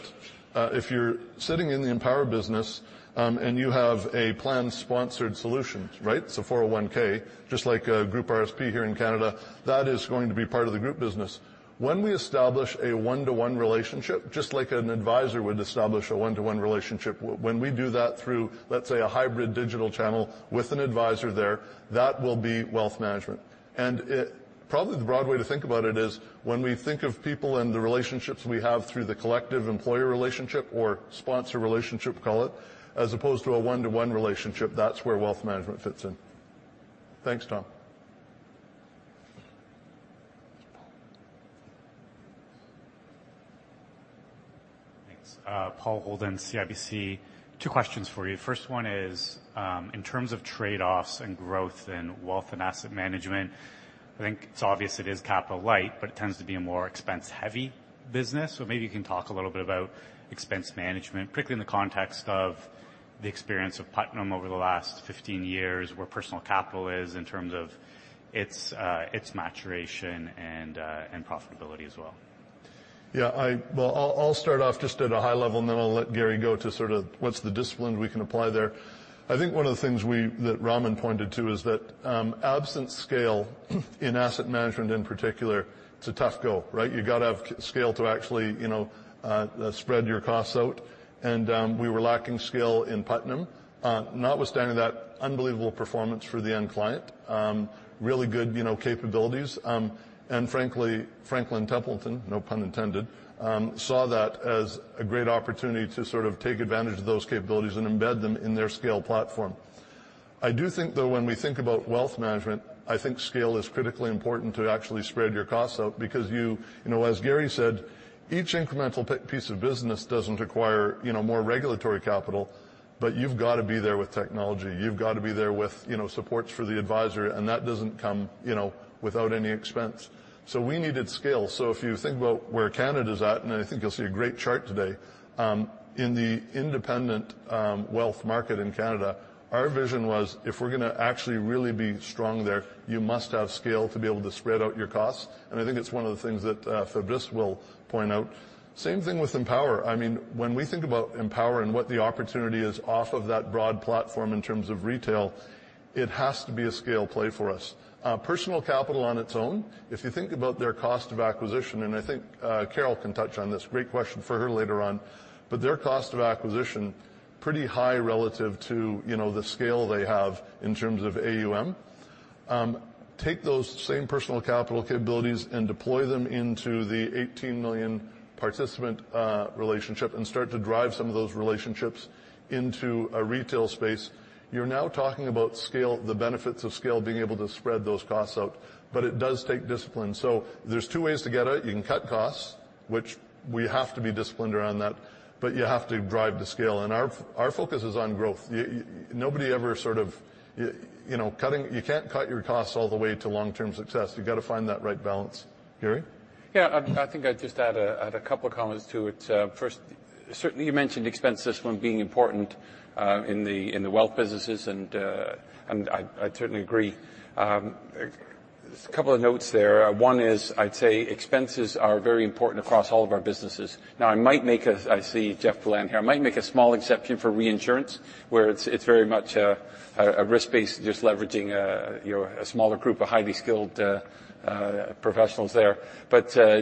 if you're sitting in the Empower business, and you have a plan-sponsored solution, right? 401(k), just like a group RRSP here in Canada, that is going to be part of the group business. When we establish a one-to-one relationship, just like an advisor would establish a one-to-one relationship, when we do that through, let's say, a hybrid digital channel with an advisor there, that will be wealth management. Probably the broad way to think about it is, when we think of people and the relationships we have through the collective employer relationship or sponsor relationship, call it, as opposed to a one-to-one relationship, that's where wealth management fits in. Thanks, Tom. Thanks. Paul Holden, CIBC. Two questions for you. First one is, in terms of trade-offs and growth in wealth and asset management, I think it's obvious it is capital light, but it tends to be a more expense-heavy business. Maybe you can talk a little bit about expense management, particularly in the context of the experience of Putnam over the last 15 years, where Personal Capital is in terms of its maturation and profitability as well. Well, I'll start off just at a high level, and then I'll let Garry go to sort of what's the discipline we can apply there. I think one of the things we, that Raman pointed to is that, absent scale, in asset management in particular, it's a tough go, right? You've got to have scale to actually, you know, spread your costs out, and we were lacking scale in Putnam. Notwithstanding that, unbelievable performance for the end client. Really good, you know, capabilities, and frankly, Franklin Templeton, no pun intended, saw that as a great opportunity to sort of take advantage of those capabilities and embed them in their scale platform. I do think, though, when we think about wealth management, I think scale is critically important to actually spread your costs out, because you know, as Garry said, each incremental piece of business doesn't require, you know, more regulatory capital, but you've got to be there with technology. You've got to be there with, you know, supports for the advisor, and that doesn't come, you know, without any expense. We needed scale. If you think about where Canada's at, and I think you'll see a great chart today, in the independent wealth market in Canada, our vision was, if we're gonna actually really be strong there, you must have scale to be able to spread out your costs, and I think it's one of the things that Fabrice will point out. Same thing with Empower. I mean, when we think about Empower and what the opportunity is off of that broad platform in terms of retail, it has to be a scale play for us. Personal Capital on its own, if you think about their cost of acquisition, and I think, Carol can touch on this, great question for her later on, but their cost of acquisition, pretty high relative to, you know, the scale they have in terms of AUM. Take those same Personal Capital capabilities and deploy them into the 18 million participant relationship and start to drive some of those relationships into a retail space, you're now talking about scale, the benefits of scale, being able to spread those costs out. It does take discipline. There's 2 ways to get it. You can cut costs, which we have to be disciplined around that. You have to drive the scale. Our focus is on growth. You know, cutting, you can't cut your costs all the way to long-term success. You've got to find that right balance. Garry? Yeah, I think I'd just add a couple comments to it. Certainly, you mentioned expenses from being important in the wealth businesses, and I certainly agree. A couple of notes there. One is, I'd say expenses are very important across all of our businesses. I see Jeff Poulin here. I might make a small exception for reinsurance, where it's very much a risk-based, just leveraging, you know, a smaller group of highly skilled professionals there.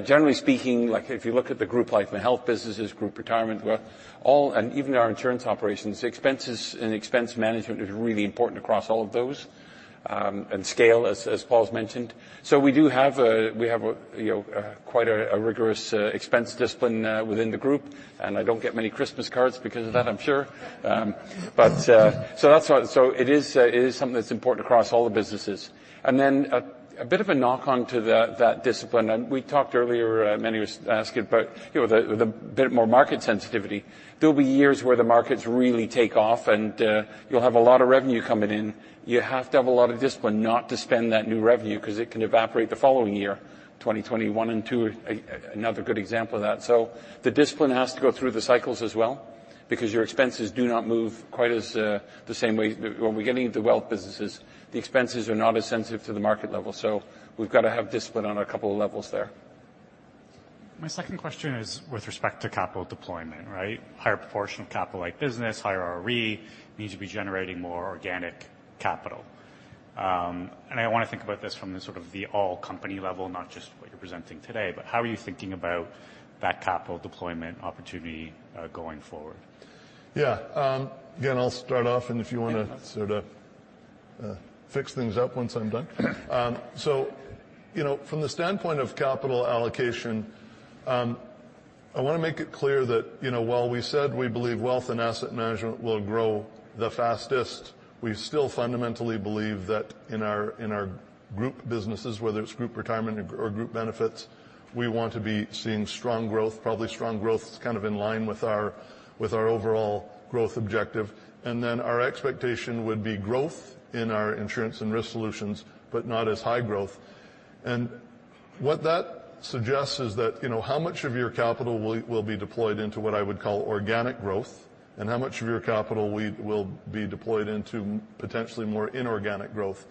Generally speaking, like, if you look at the group life and health businesses, group retirement, where all, and even our insurance operations, expenses and expense management is really important across all of those, and scale, as Paul's mentioned. We do have a, you know, quite a rigorous expense discipline within the group, and I don't get many Christmas cards because of that, I'm sure. That's why. It is something that's important across all the businesses. A bit of a knock-on to that discipline, and we talked earlier, Meny was asking about, you know, the bit more market sensitivity. There will be years where the markets really take off, and you'll have a lot of revenue coming in. You have to have a lot of discipline not to spend that new revenue, because it can evaporate the following year. 2021 and '22, another good example of that. The discipline has to go through the cycles as well, because your expenses do not move quite as the same way. When we get into wealth businesses, the expenses are not as sensitive to the market level, so we've got to have discipline on a couple of levels there. My second question is with respect to capital deployment, right? Higher proportion of capital-light business, higher ROE, needs to be generating more organic capital. I want to think about this from the sort of the all-company level, not just what you're presenting today, but how are you thinking about that capital deployment opportunity, going forward? Yeah, again, I'll start off, if you want to sort of fix things up once I'm done. You know, from the standpoint of capital allocation, I want to make it clear that, you know, while we said we believe wealth and asset management will grow the fastest, we still fundamentally believe that in our group businesses, whether it's group retirement or group benefits, we want to be seeing strong growth, probably strong growth kind of in line with our overall growth objective. Our expectation would be growth in our insurance and risk solutions, but not as high growth. What that suggests is that, you know, how much of your capital will be deployed into what I would call organic growth, and how much of your capital will be deployed into potentially more inorganic growth?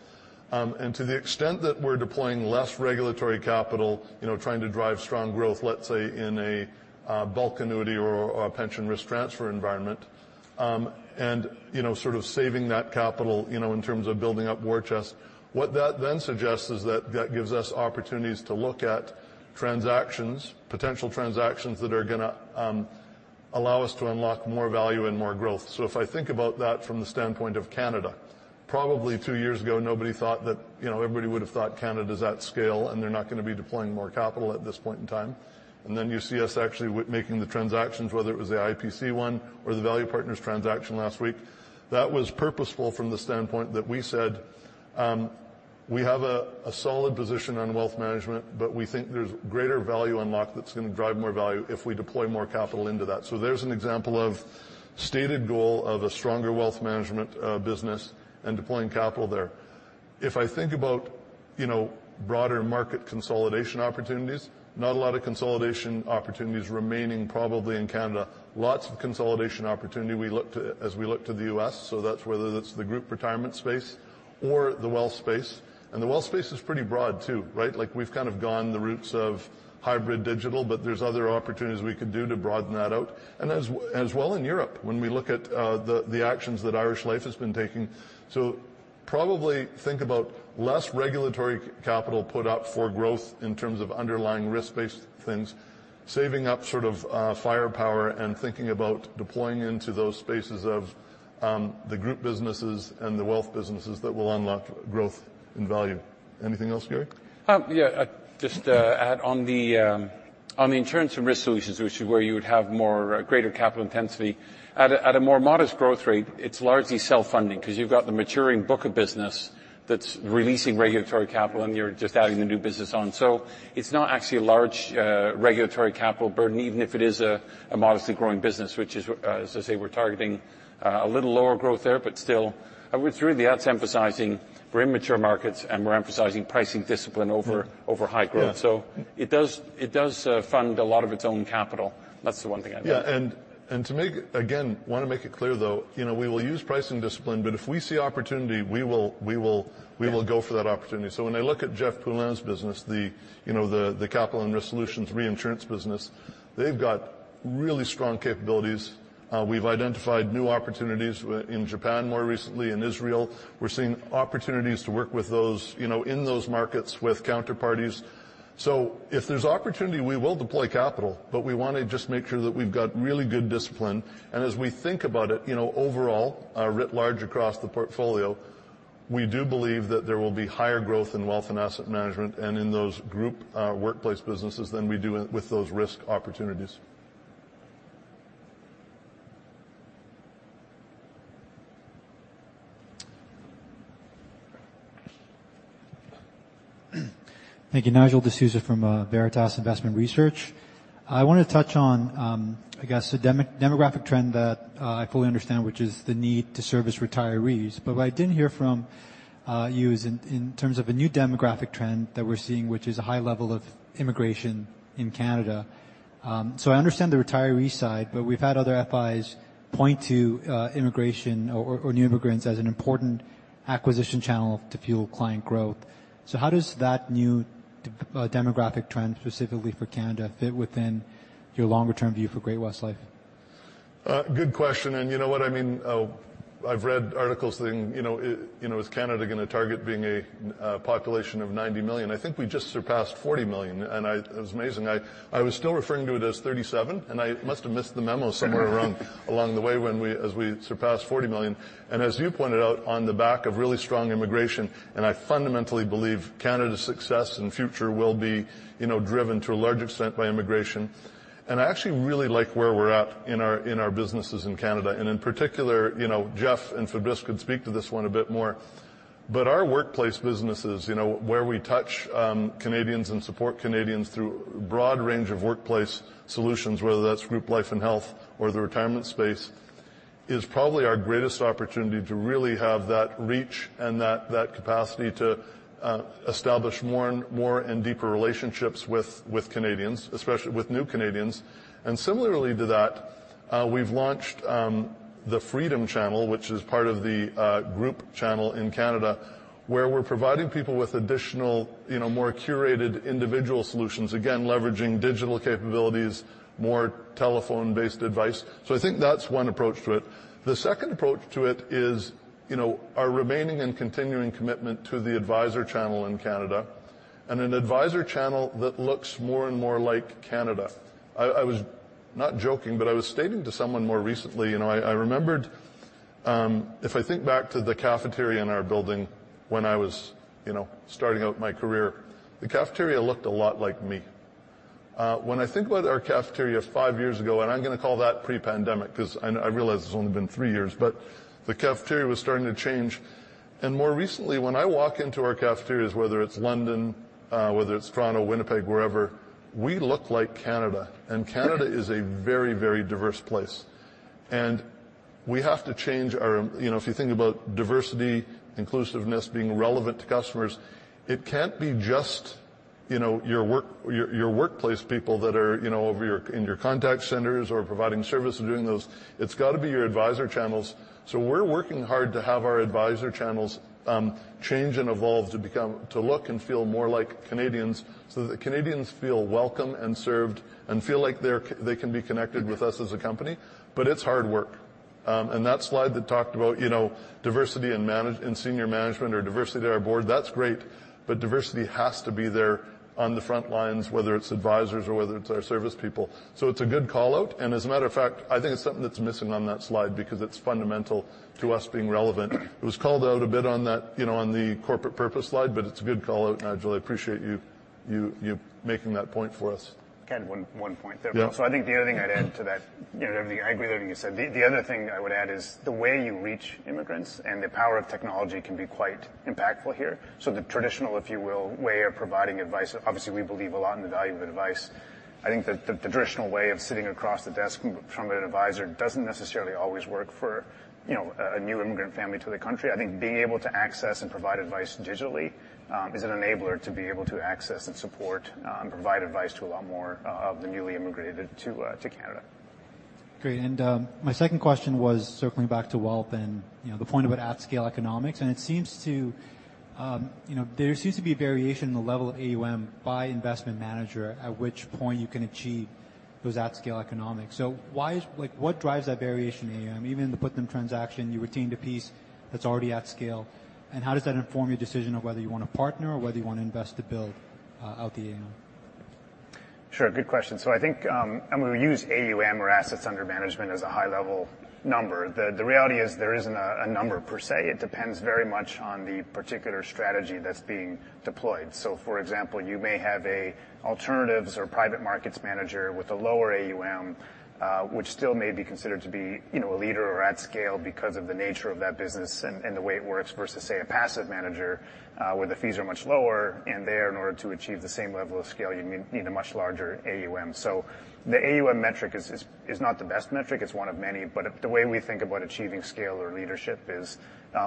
To the extent that we're deploying less regulatory capital, you know, trying to drive strong growth, let's say, in a bulk annuity or a pension risk transfer environment, and, you know, sort of saving that capital, you know, in terms of building up war chest, what that then suggests is that that gives us opportunities to look at transactions, potential transactions, that are gonna allow us to unlock more value and more growth. If I think about that from the standpoint of Canada, probably two years ago, nobody thought that. You know, everybody would have thought Canada's at scale, and they're not gonna be deploying more capital at this point in time. You see us actually making the transactions, whether it was the IPC one or the Value Partners transaction last week. That was purposeful from the standpoint that we said. We have a solid position on wealth management, but we think there's greater value unlocked that's gonna drive more value if we deploy more capital into that. There's an example of stated goal of a stronger wealth management business and deploying capital there. If I think about, you know, broader market consolidation opportunities, not a lot of consolidation opportunities remaining probably in Canada. Lots of consolidation opportunity we look to as we look to the U.S., so that's whether that's the group retirement space or the wealth space. The wealth space is pretty broad, too, right? We've kind of gone the routes of hybrid digital, but there's other opportunities we could do to broaden that out, and as well in Europe when we look at the actions that Irish Life has been taking. Probably think about less regulatory capital put up for growth in terms of underlying risk-based things, saving up sort of firepower, and thinking about deploying into those spaces of the group businesses and the wealth businesses that will unlock growth and value. Anything else, Garry? Just to add on the, on the insurance and risk solutions, which is where you would have more, greater capital intensity, at a, at a more modest growth rate, it's largely self-funding, 'cause you've got the maturing book of business that's releasing regulatory capital, and you're just adding the new business on. It's not actually a large, regulatory capital burden, even if it is a modestly growing business, which is, as I say, we're targeting, a little lower growth there. Still, we're truly, that's emphasizing we're in mature markets, and we're emphasizing pricing discipline over high growth. Yeah. It does fund a lot of its own capital. That's the one thing I'd add. To make, again, want to make it clear, though, you know, we will use pricing discipline, but if we see opportunity, we will go for that opportunity. When I look at Jeff Poulin's business, the, you know, the capital and risk solutions reinsurance business, they've got really strong capabilities. We've identified new opportunities in Japan, more recently in Israel. We're seeing opportunities to work with those, you know, in those markets with counterparties. If there's opportunity, we will deploy capital, but we want to just make sure that we've got really good discipline. As we think about it, you know, overall, writ large across the portfolio, we do believe that there will be higher growth in wealth and asset management and in those group, workplace businesses than we do with those risk opportunities. Thank you. Nigel D'Souza from Veritas Investment Research. I want to touch on, I guess, the demographic trend that I fully understand, which is the need to service retirees. What I didn't hear from you is in terms of a new demographic trend that we're seeing, which is a high level of immigration in Canada. I understand the retiree side, we've had other FIs point to immigration or new immigrants as an important acquisition channel to fuel client growth. How does that new demographic trend, specifically for Canada, fit within your longer term view for Great-West Life? Good question. You know what I mean, I've read articles saying, you know, is Canada gonna target being a population of 90 million? I think we just surpassed 40 million. It was amazing. I was still referring to it as 37, and I must have missed the memo somewhere along the way when we, as we surpassed 40 million. As you pointed out, on the back of really strong immigration, I fundamentally believe Canada's success and future will be, you know, driven to a large extent by immigration. I actually really like where we're at in our businesses in Canada, in particular, you know, Jeff Macoun and Fabrice Morin could speak to this one a bit more, but our workplace businesses, you know, where we touch Canadians and support Canadians through broad range of workplace solutions, whether that's group life and health or the retirement space, is probably our greatest opportunity to really have that reach and that capacity to establish more and deeper relationships with Canadians, especially with new Canadians. Similarly to that, we've launched the Freedom Channel, which is part of the group channel in Canada, where we're providing people with additional, you know, more curated individual solutions, again, leveraging digital capabilities, more telephone-based advice. I think that's one approach to it. The second approach to it is, you know, our remaining and continuing commitment to the advisor channel in Canada, and an advisor channel that looks more and more like Canada. I was not joking, but I was stating to someone more recently, you know, I remembered, if I think back to the cafeteria in our building when I was, you know, starting out my career, the cafeteria looked a lot like me. When I think about our cafeteria five years ago, and I'm gonna call that pre-pandemic, 'cause I realize it's only been three years, but the cafeteria was starting to change. More recently, when I walk into our cafeterias, whether it's London, whether it's Toronto, Winnipeg, wherever, we look like Canada, and Canada is a very, very diverse place. We have to change our... You know, if you think about diversity, inclusiveness being relevant to customers, it can't be just, you know, your workplace people that are, you know, in your contact centers or providing service or doing those. It's got to be your advisor channels. We're working hard to have our advisor channels change and evolve, to become, to look and feel more like Canadians, so that Canadians feel welcome and served and feel like they can be connected with us as a company. It's hard work. That slide that talked about, you know, diversity in senior management or diversity in our board, that's great, diversity has to be there on the front lines, whether it's advisors or whether it's our service people. It's a good call-out, and as a matter of fact, I think it's something that's missing on that slide, because it's fundamental to us being relevant. It was called out a bit on that, you know, on the corporate purpose slide, but it's a good call-out, Nigel. I appreciate you... You're making that point for us. I had one point there. Yeah. I think the other thing I'd add to that, you know, I agree with everything you said. The other thing I would add is the way you reach immigrants and the power of technology can be quite impactful here. The traditional, if you will, way of providing advice, obviously, we believe a lot in the value of advice. I think that the traditional way of sitting across the desk from an advisor doesn't necessarily always work for, you know, a new immigrant family to the country. I think being able to access and provide advice digitally, is an enabler to be able to access and support, and provide advice to a lot more of the newly immigrated to Canada. Great. My second question was circling back to wealth and, you know, the point about at-scale economics, it seems to, you know, there seems to be a variation in the level of AUM by investment manager, at which point you can achieve those at-scale economics. Why is... Like, what drives that variation in AUM? Even in the Putnam transaction, you retained a piece that's already at scale, and how does that inform your decision of whether you want to partner or whether you want to invest to build out the AUM? Sure, good question. I think, and when we use AUM or assets under management as a high-level number, the reality is there isn't a number per se. It depends very much on the particular strategy that's being deployed. For example, you may have a alternatives or private markets manager with a lower AUM, which still may be considered to be, you know, a leader or at scale because of the nature of that business and the way it works versus, say, a passive manager, where the fees are much lower. There, in order to achieve the same level of scale, you need a much larger AUM. The AUM metric is not the best metric. It's one of many. The way we think about achieving scale or leadership is,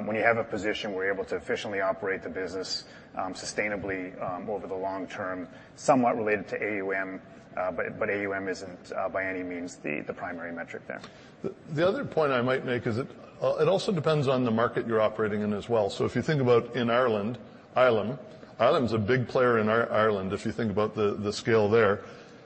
when you have a position where you're able to efficiently operate the business, sustainably, over the long term, somewhat related to AUM, but AUM isn't, by any means, the primary metric there. The other point I might make is it also depends on the market you're operating in as well. If you think about in Ireland, Aviva's a big player in Ireland if you think about the scale there.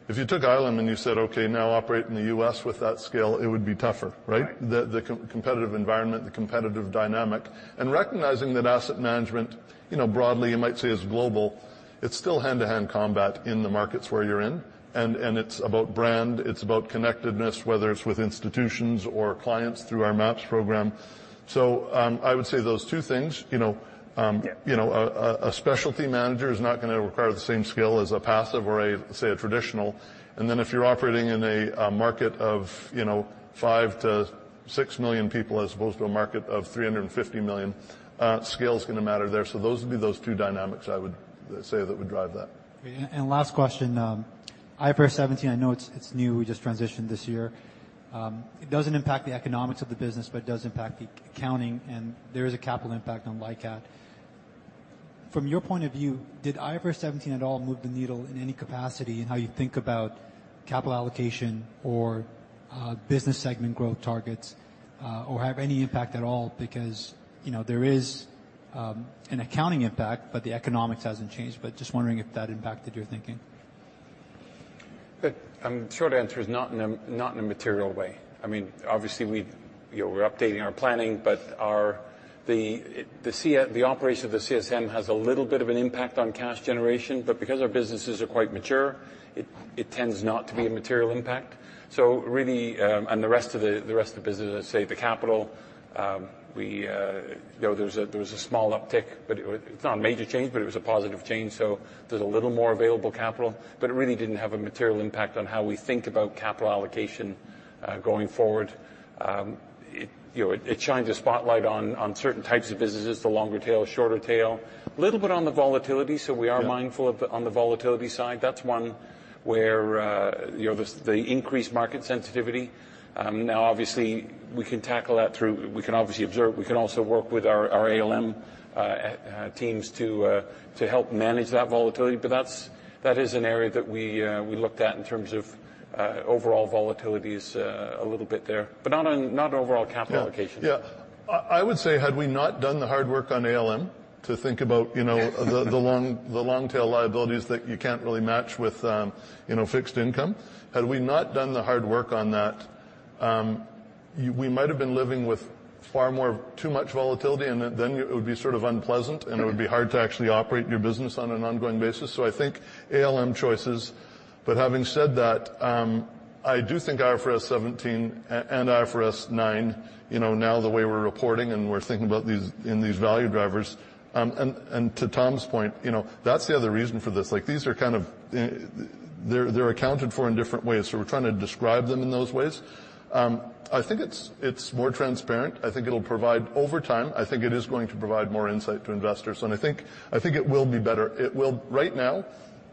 If you took Aviva, and you said, "Okay, now operate in the U.S. with that scale," it would be tougher, right? Right. The competitive environment, the competitive dynamic, and recognizing that asset management, you know, broadly, you might say, is global, it's still hand-to-hand combat in the markets where you're in, and it's about brand, it's about connectedness, whether it's with institutions or clients through our MAPS program. I would say those two things, you know. Yeah you know, a specialty manager is not gonna require the same skill as a passive or a, say, a traditional. If you're operating in a market of, you know, 5 to 6 million people as opposed to a market of 350 million, scale is gonna matter there. Those would be those two dynamics I would say that would drive that. Last question, IFRS 17, I know it's new. We just transitioned this year. It doesn't impact the economics of the business, but it does impact the accounting, there is a capital impact on LICAT. From your point of view, did IFRS 17 at all move the needle in any capacity in how you think about capital allocation or business segment growth targets or have any impact at all? You know, there is an accounting impact, but the economics hasn't changed. Just wondering if that impacted your thinking. The short answer is not in a material way. I mean, obviously, we, you know, we're updating our planning, but the operation of the CSM has a little bit of an impact on cash generation, but because our businesses are quite mature, it tends not to be a material impact. Really, and the rest of the business, let's say, the capital, we, you know, there was a small uptick, but it's not a major change, but it was a positive change, so there's a little more available capital. It really didn't have a material impact on how we think about capital allocation going forward. It, you know, it shines a spotlight on certain types of businesses, the longer tail, shorter tail. Little bit on the volatility. Yeah... mindful of the, on the volatility side. That's one where, you know, the increased market sensitivity. Now, obviously, we can tackle that through... We can obviously observe. We can also work with our ALM teams to help manage that volatility, but that is an area that we looked at in terms of overall volatilities a little bit there, but not overall capital allocation. Yeah. Yeah. I would say, had we not done the hard work on ALM to think about, you know, the long, the long-tail liabilities that you can't really match with, you know, fixed income, had we not done the hard work on that, we might have been living with far more, too much volatility, and then it would be sort of unpleasant, and it would be hard to actually operate your business on an ongoing basis. I think ALM choices. Having said that, I do think IFRS 17 and IFRS 9, you know, now the way we're reporting, and we're thinking about these, in these value drivers, and to Tom's point, you know, that's the other reason for this. Like, these are kind of, they're accounted for in different ways, so we're trying to describe them in those ways. I think it's more transparent. Over time, I think it is going to provide more insight to investors, and I think it will be better. It will, right now,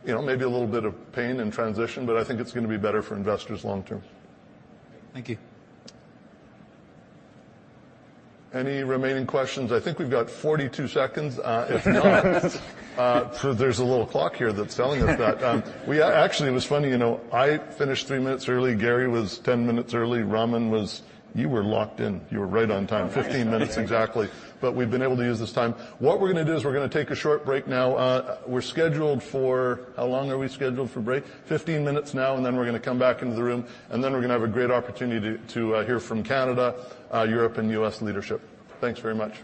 you know, maybe a little bit of pain in transition, but I think it's gonna be better for investors long term. Thank you. Any remaining questions? I think we've got 42 seconds, there's a little clock here that's telling us that. Actually, it was funny, you know, I finished 3 minutes early. Garry was 10 minutes early. Raman you were locked in. You were right on time, 15 minutes exactly. We've been able to use this time. What we're gonna do is we're gonna take a short break now. How long are we scheduled for break? 15 minutes now, we're gonna come back into the room, we're gonna have a great opportunity to hear from Canada, Europe, and US leadership. Thanks very much.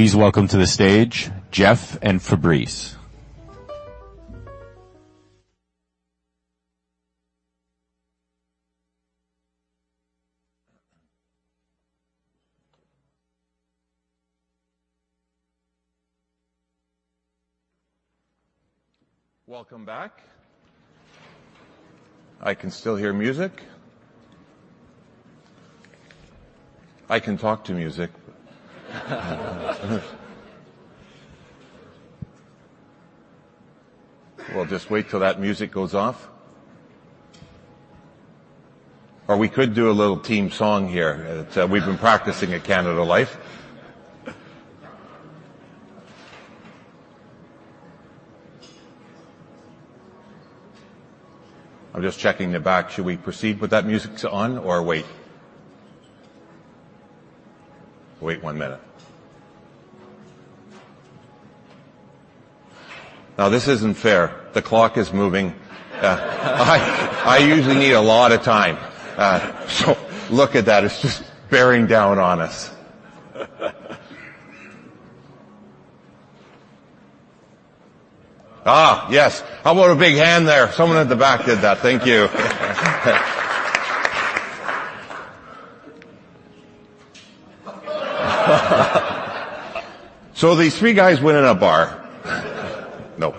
Please welcome to the stage, Jeff and Fabrice. Welcome back! I can still hear music. I can talk to music. We'll just wait till that music goes off. We could do a little team song here. We've been practicing at Canada Life. I'm just checking the back. Should we proceed with that music on or wait? Wait one minute. This isn't fair. The clock is moving. I usually need a lot of time. Look at that, it's just bearing down on us. Yes! How about a big hand there? Someone at the back did that. Thank you. These three guys went in a bar. Nope.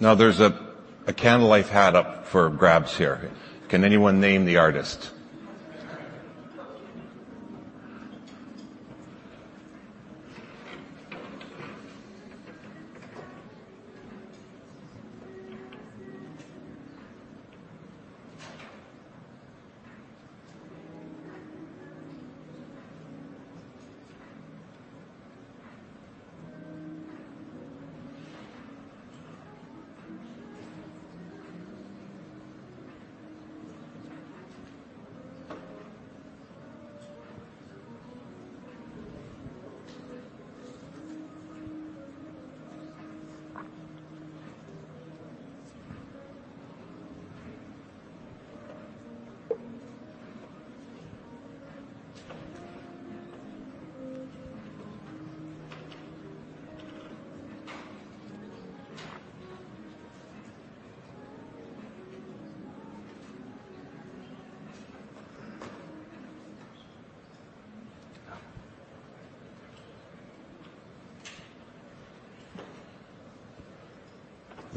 Now, there's a Canada Life hat up for grabs here. Can anyone name the artist?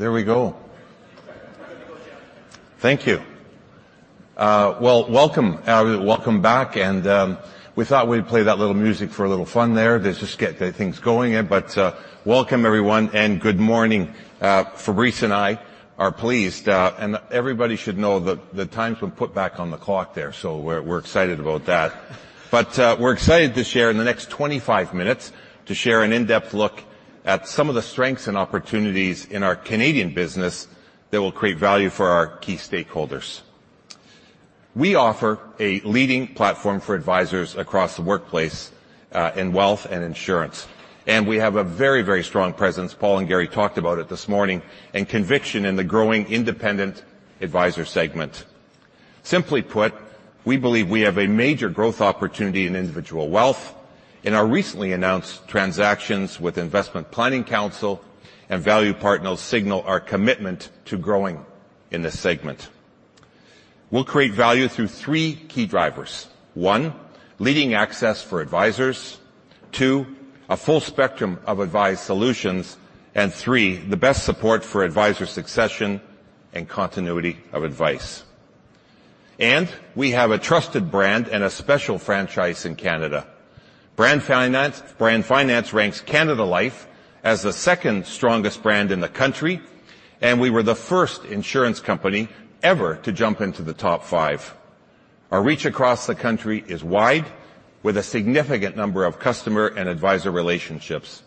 There we go. Thank you. Well, welcome back, we thought we'd play that little music for a little fun there, just to get things going here. Welcome, everyone, and good morning. Fabrice and I are pleased, everybody should know that the times were put back on the clock there, we're excited about that. We're excited to share in the next 25 minutes, to share an in-depth look at some of the strengths and opportunities in our Canadian business that will create value for our key stakeholders. We offer a leading platform for advisors across the workplace, in wealth and insurance, and we have a very strong presence, Paul and Garry talked about it this morning, and conviction in the growing independent advisor segment. Simply put, we believe we have a major growth opportunity in individual wealth, in our recently announced transactions with Investment Planning Counsel and Value Partners signal our commitment to growing in this segment. We'll create value through three key drivers: one, leading access for advisors. Two, a full spectrum of advice solutions. Three, the best support for advisor succession and continuity of advice. We have a trusted brand and a special franchise in Canada. Brand Finance ranks Canada Life as the second strongest brand in the country, and we were the first insurance company ever to jump into the top five. Our reach across the country is wide, with a significant number of customer and advisor relationships.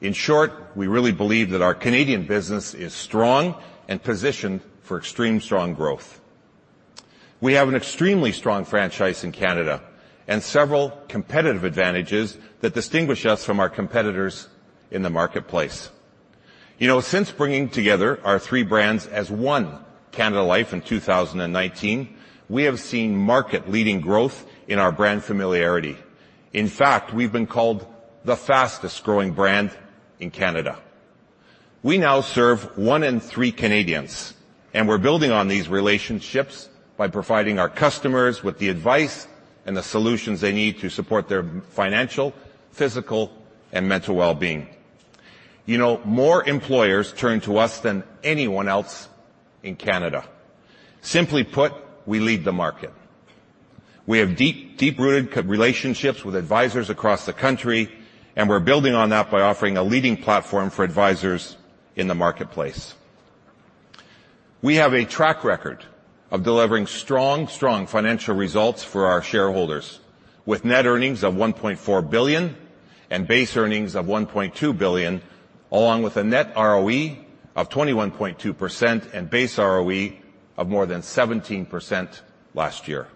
In short, we really believe that our Canadian business is strong and positioned for strong growth. We have an extremely strong franchise in Canada and several competitive advantages that distinguish us from our competitors in the marketplace. You know, since bringing together our three brands as one, Canada Life in 2019, we have seen market-leading growth in our brand familiarity. In fact, we've been called the fastest growing brand in Canada. We now serve 1 in 3 Canadians, and we're building on these relationships by providing our customers with the advice and the solutions they need to support their financial, physical, and mental well-being. You know, more employers turn to us than anyone else in Canada. Simply put, we lead the market. We have deep, deep-rooted relationships with advisors across the country, and we're building on that by offering a leading platform for advisors in the marketplace. We have a track record of delivering strong financial results for our shareholders, with net earnings of 1.4 billion and base earnings of 1.2 billion, along with a Net ROE of 21.2% and base ROE of more than 17% last year.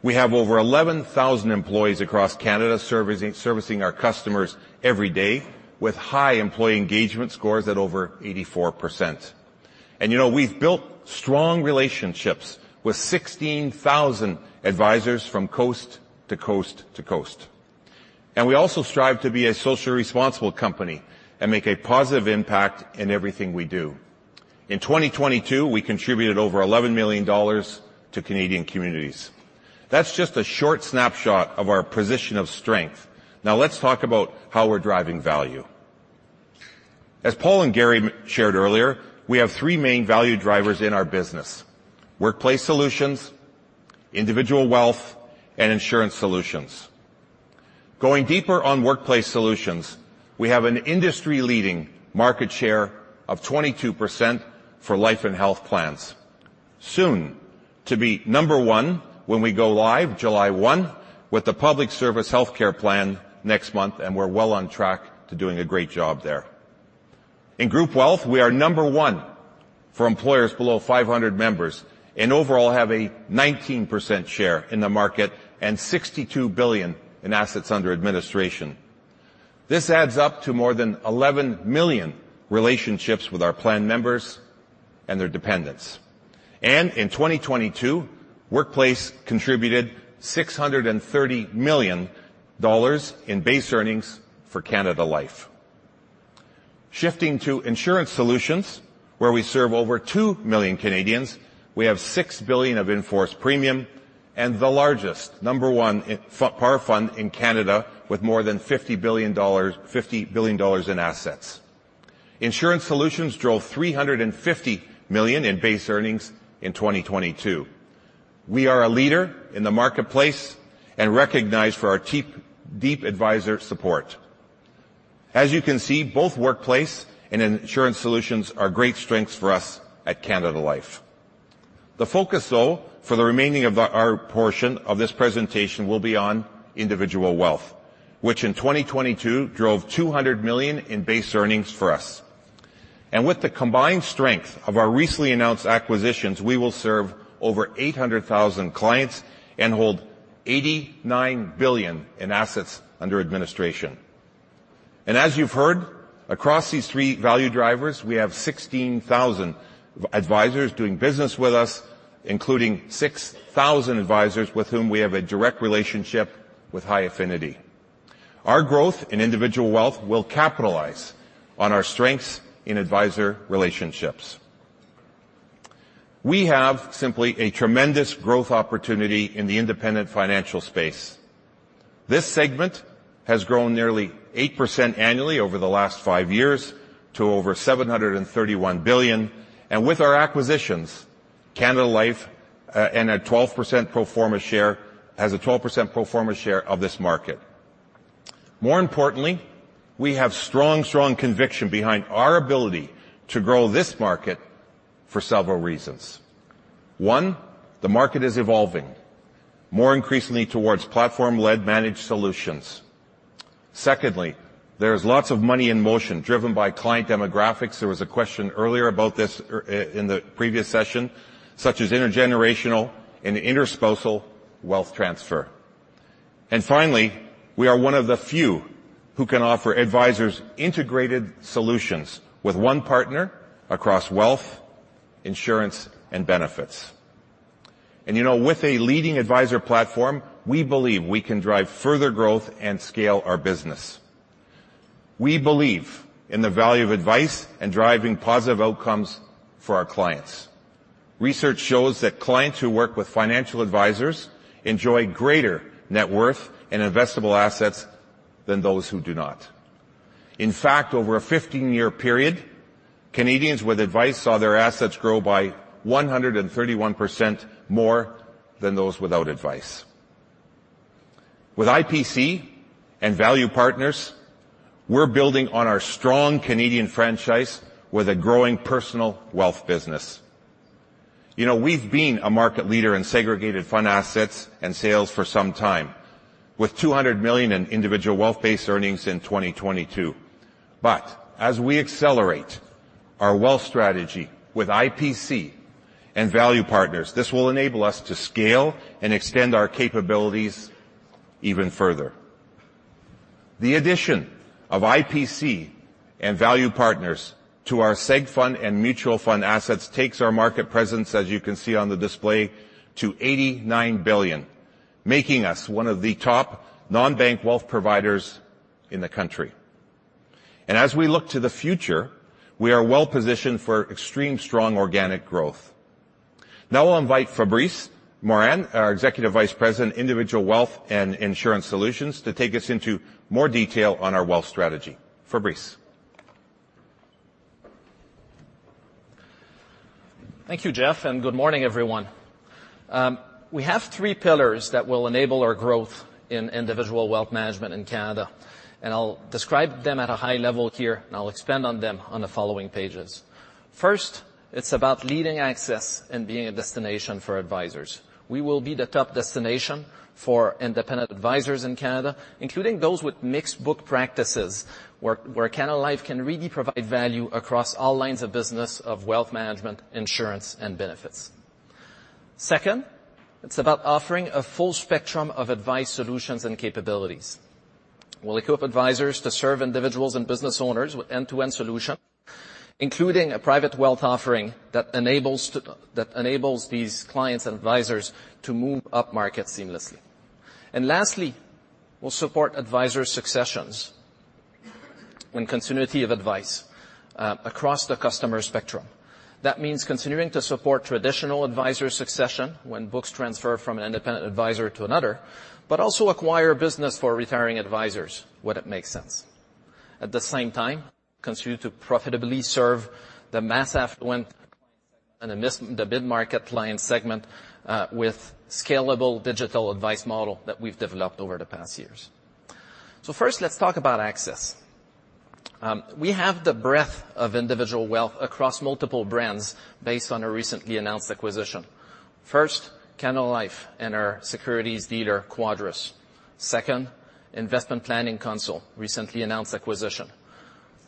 We have over 11,000 employees across Canada servicing our customers every day, with high employee engagement scores at over 84%. You know, we've built strong relationships with 16,000 advisors from coast to coast to coast. We also strive to be a socially responsible company and make a positive impact in everything we do. In 2022, we contributed over 11 million dollars to Canadian communities. That's just a short snapshot of our position of strength. Let's talk about how we're driving value. As Paul and Garry shared earlier, we have three main value drivers in our business: workplace solutions, individual wealth, and insurance solutions. Going deeper on workplace solutions, we have an industry-leading market share of 22% for life and health plans. Soon to be number 1 when we go live July 1 with the Public Service Health Care Plan next month, we're well on track to doing a great job there. In group wealth, we are number 1 for employers below 500 members and overall have a 19% share in the market and 62 billion in assets under administration. This adds up to more than 11 million relationships with our plan members and their dependents. In 2022, Workplace contributed 630 million dollars in base earnings for Canada Life. Shifting to insurance solutions, where we serve over 2 million Canadians, we have 6 billion of in-force premium and the largest number 1 in par fund in Canada with more than 50 billion dollars in assets. Insurance solutions drove 350 million in base earnings in 2022. We are a leader in the marketplace and recognized for our deep advisor support. As you can see, both workplace and insurance solutions are great strengths for us at Canada Life. The focus, though, for the remaining of our portion of this presentation will be on individual wealth, which in 2022 drove 200 million in base earnings for us. With the combined strength of our recently announced acquisitions, we will serve over 800,000 clients and hold 89 billion in assets under administration. As you've heard, across these three value drivers, we have 16,000 advisors doing business with us, including 6,000 advisors with whom we have a direct relationship with high affinity. Our growth in individual wealth will capitalize on our strengths in advisor relationships. We have simply a tremendous growth opportunity in the independent financial space. This segment has grown nearly 8% annually over the last five years to over $731 billion. With our acquisitions, Canada Life, and a 12% pro forma share, has a 12% pro forma share of this market. More importantly, we have strong conviction behind our ability to grow this market for several reasons. One, the market is evolving more increasingly towards platform-led managed solutions. Secondly, there's lots of money in motion driven by client demographics. There was a question earlier about this in the previous session, such as intergenerational and interspousal wealth transfer. Finally, we are one of the few who can offer advisors integrated solutions with one partner across wealth, insurance, and benefits. You know, with a leading advisor platform, we believe we can drive further growth and scale our business. We believe in the value of advice and driving positive outcomes for our clients. Research shows that clients who work with financial advisors enjoy greater net worth and investable assets than those who do not. In fact, over a 15-year period, Canadians with advice saw their assets grow by 131% more than those without advice. With IPC and Value Partners, we're building on our strong Canadian franchise with a growing personal wealth business. You know, we've been a market leader in segregated fund assets and sales for some time, with 200 million in individual wealth base earnings in 2022. As we accelerate our wealth strategy with IPC and Value Partners, this will enable us to scale and extend our capabilities even further. The addition of IPC and Value Partners to our seg fund and mutual fund assets takes our market presence, as you can see on the display, to 89 billion, making us one of the top non-bank wealth providers in the country. As we look to the future, we are well positioned for extreme strong organic growth. Now I'll invite Fabrice Morin, our Executive Vice President, Individual Wealth and Insurance Solutions, to take us into more detail on our wealth strategy. Fabrice? Thank you, Jeff. Good morning, everyone. We have three pillars that will enable our growth in individual wealth management in Canada. I'll describe them at a high level here. I'll expand on them on the following pages. First, it's about leading access and being a destination for advisors. We will be the top destination for independent advisors in Canada, including those with mixed book practices, where Canada Life can really provide value across all lines of business of wealth management, insurance, and benefits. Second, it's about offering a full spectrum of advice, solutions, and capabilities. We'll equip advisors to serve individuals and business owners with end-to-end solution, including a private wealth offering that enables these clients and advisors to move up market seamlessly. Lastly, we'll support advisor successions when continuity of advice across the customer spectrum. That means continuing to support traditional advisor succession when books transfer from an independent advisor to another, also acquire business for retiring advisors when it makes sense. At the same time, continue to profitably serve the mass affluent and the mid-market client segment with scalable digital advice model that we've developed over the past years. First, let's talk about access. We have the breadth of individual wealth across multiple brands based on a recently announced acquisition. First, Canada Life and our securities dealer, Quadrus. Second, Investment Planning Counsel, recently announced acquisition.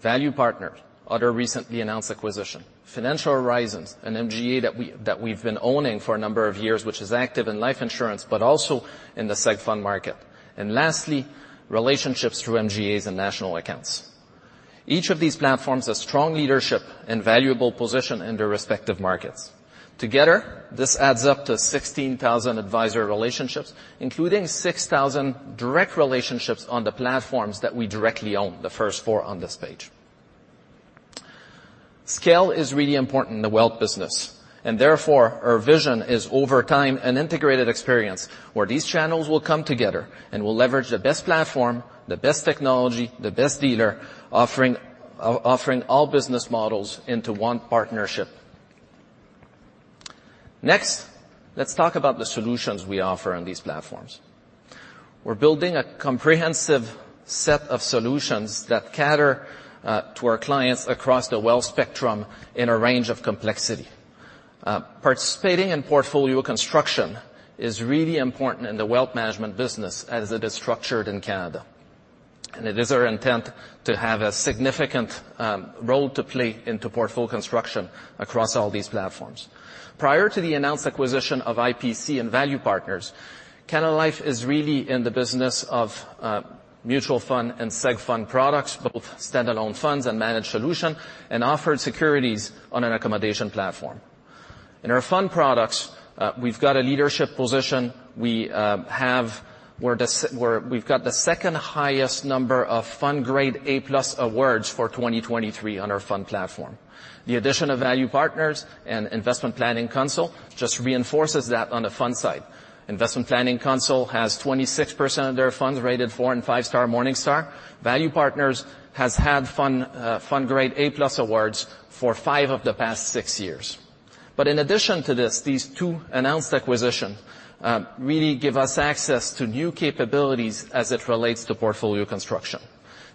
Value Partners, other recently announced acquisition. Financial Horizons, an MGA that we've been owning for a number of years, which is active in life insurance, but also in the seg fund market. Lastly, relationships through MGAs and national accounts. Each of these platforms has strong leadership and valuable position in their respective markets. Together, this adds up to 16,000 advisor relationships, including 6,000 direct relationships on the platforms that we directly own, the first four on this page. Scale is really important in the wealth business, and therefore, our vision is, over time, an integrated experience, where these channels will come together and will leverage the best platform, the best technology, the best dealer, offering all business models into one partnership. Next, let's talk about the solutions we offer on these platforms. We're building a comprehensive set of solutions that cater to our clients across the wealth spectrum in a range of complexity. Participating in portfolio construction is really important in the wealth management business as it is structured in Canada, it is our intent to have a significant role to play into portfolio construction across all these platforms. Prior to the announced acquisition of IPC and Value Partners, Canada Life is really in the business of mutual fund and seg fund products, both standalone funds and managed solution, offered securities on an accommodation platform. In our fund products, we've got a leadership position. We have where we've got the second highest number of FundGrade A+ awards for 2023 on our fund platform. The addition of Value Partners and Investment Planning Council just reinforces that on the fund side. Investment Planning Council has 26% of their funds rated 4 and 5-star Morningstar. Value Partners has had FundGrade A+ awards for five of the past six years. In addition to this, these two announced acquisition really give us access to new capabilities as it relates to portfolio construction.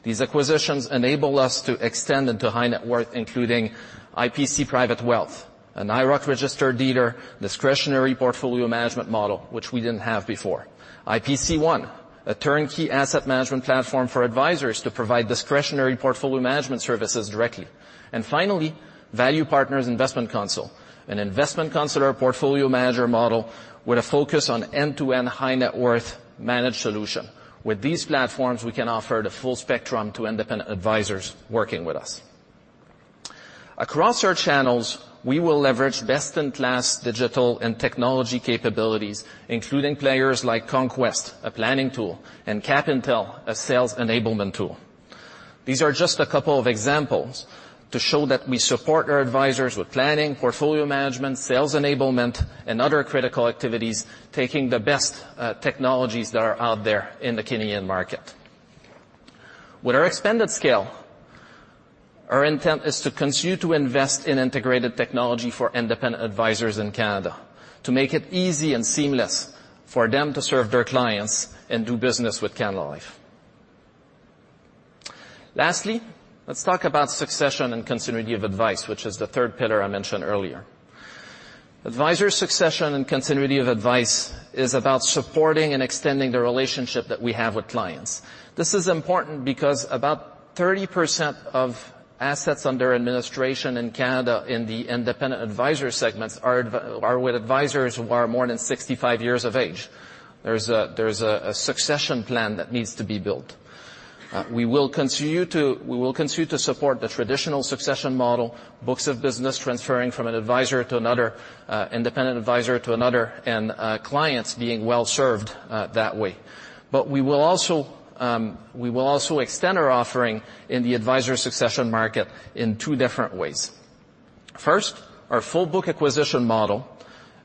These acquisitions enable us to extend into high net worth, including IPC Private Wealth, an IIROC registered dealer, discretionary portfolio management model, which we didn't have before. IPC One, a turnkey asset management platform for advisors to provide discretionary portfolio management services directly. Finally, Value Partners Investment Counsel, an investment counselor portfolio manager model with a focus on end-to-end high net worth managed solution. With these platforms, we can offer the full spectrum to independent advisors working with us. Across our channels, we will leverage best-in-class digital and technology capabilities, including players like Conquest, a planning tool, and CapIntel, a sales enablement tool. These are just a couple of examples to show that we support our advisors with planning, portfolio management, sales enablement, and other critical activities, taking the best technologies that are out there in the Canadian market. With our expanded scale, our intent is to continue to invest in integrated technology for independent advisors in Canada, to make it easy and seamless for them to serve their clients and do business with Canada Life. Let's talk about succession and continuity of advice, which is the third pillar I mentioned earlier. Advisor succession and continuity of advice is about supporting and extending the relationship that we have with clients. This is important because about 30% of assets under administration in Canada in the independent advisor segments are with advisors who are more than 65 years of age. There's a succession plan that needs to be built. We will continue to support the traditional succession model, books of business transferring from an advisor to another, independent advisor to another, and clients being well served that way. We will also extend our offering in the advisor succession market in two different ways. First, our full book acquisition model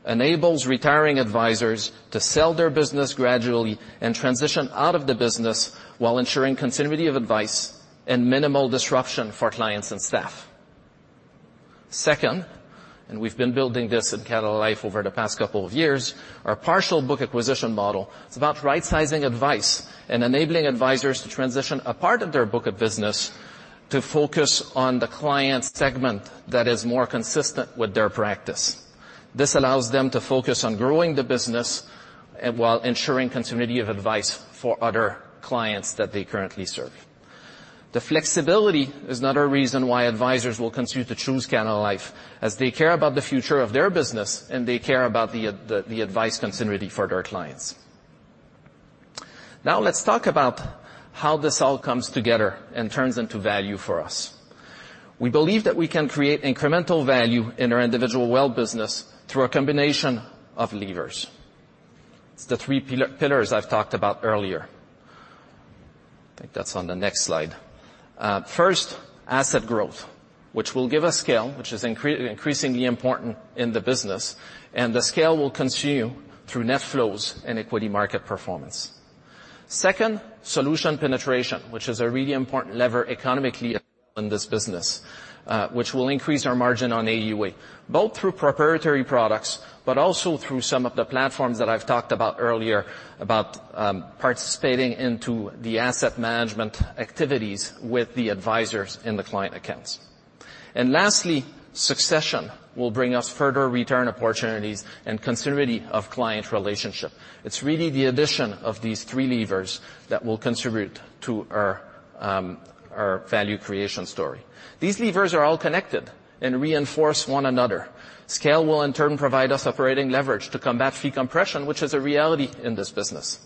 enables retiring advisors to sell their business gradually and transition out of the business while ensuring continuity of advice and minimal disruption for clients and staff. Second, we've been building this in Canada Life over the past couple of years, our partial book acquisition model is about right-sizing advice and enabling advisors to transition a part of their book of business to focus on the client segment that is more consistent with their practice. This allows them to focus on growing the business, while ensuring continuity of advice for other clients that they currently serve. The flexibility is another reason why advisors will continue to choose Canada Life, as they care about the future of their business, and they care about the advice continuity for their clients. Now let's talk about how this all comes together and turns into value for us. We believe that we can create incremental value in our individual wealth business through a combination of levers. It's the three pillars I've talked about earlier. I think that's on the next slide. First, asset growth, which will give us scale, which is increasingly important in the business, and the scale will continue through net flows and equity market performance. Second, solution penetration, which is a really important lever economically in this business, which will increase our margin on AUA, both through proprietary products, but also through some of the platforms that I've talked about earlier, about participating into the asset management activities with the advisors in the client accounts. Lastly, succession will bring us further return opportunities and continuity of client relationship. It's really the addition of these three levers that will contribute to our value creation story. These levers are all connected and reinforce one another. Scale will in turn provide us operating leverage to combat fee compression, which is a reality in this business.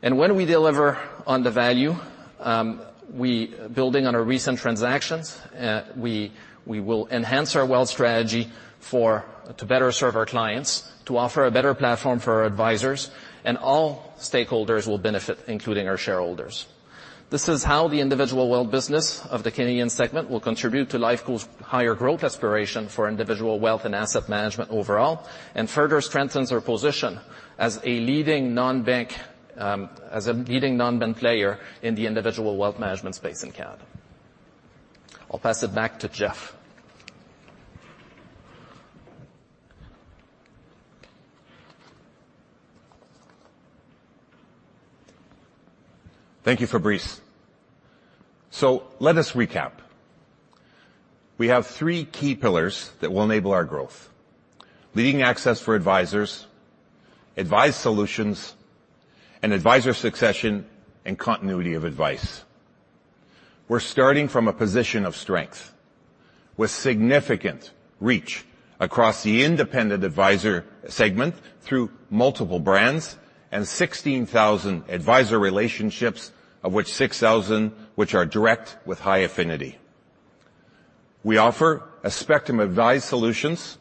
When we deliver on the value, we, building on our recent transactions, we will enhance our wealth strategy to better serve our clients, to offer a better platform for our advisors, and all stakeholders will benefit, including our shareholders. This is how the individual wealth business of the Canadian segment will contribute to Lifeco's higher growth aspiration for individual wealth and asset management overall, and further strengthens our position as a leading non-bank player in the individual wealth management space in Canada. I'll pass it back to Jeff. Thank you, Fabrice. Let us recap. We have three key pillars that will enable our growth: leading access for advisors, advised solutions, and advisor succession and continuity of advice. We're starting from a position of strength, with significant reach across the independent advisor segment through multiple brands and 16,000 advisor relationships, of which 6,000 which are direct with high affinity. We offer a spectrum of advice, solutions,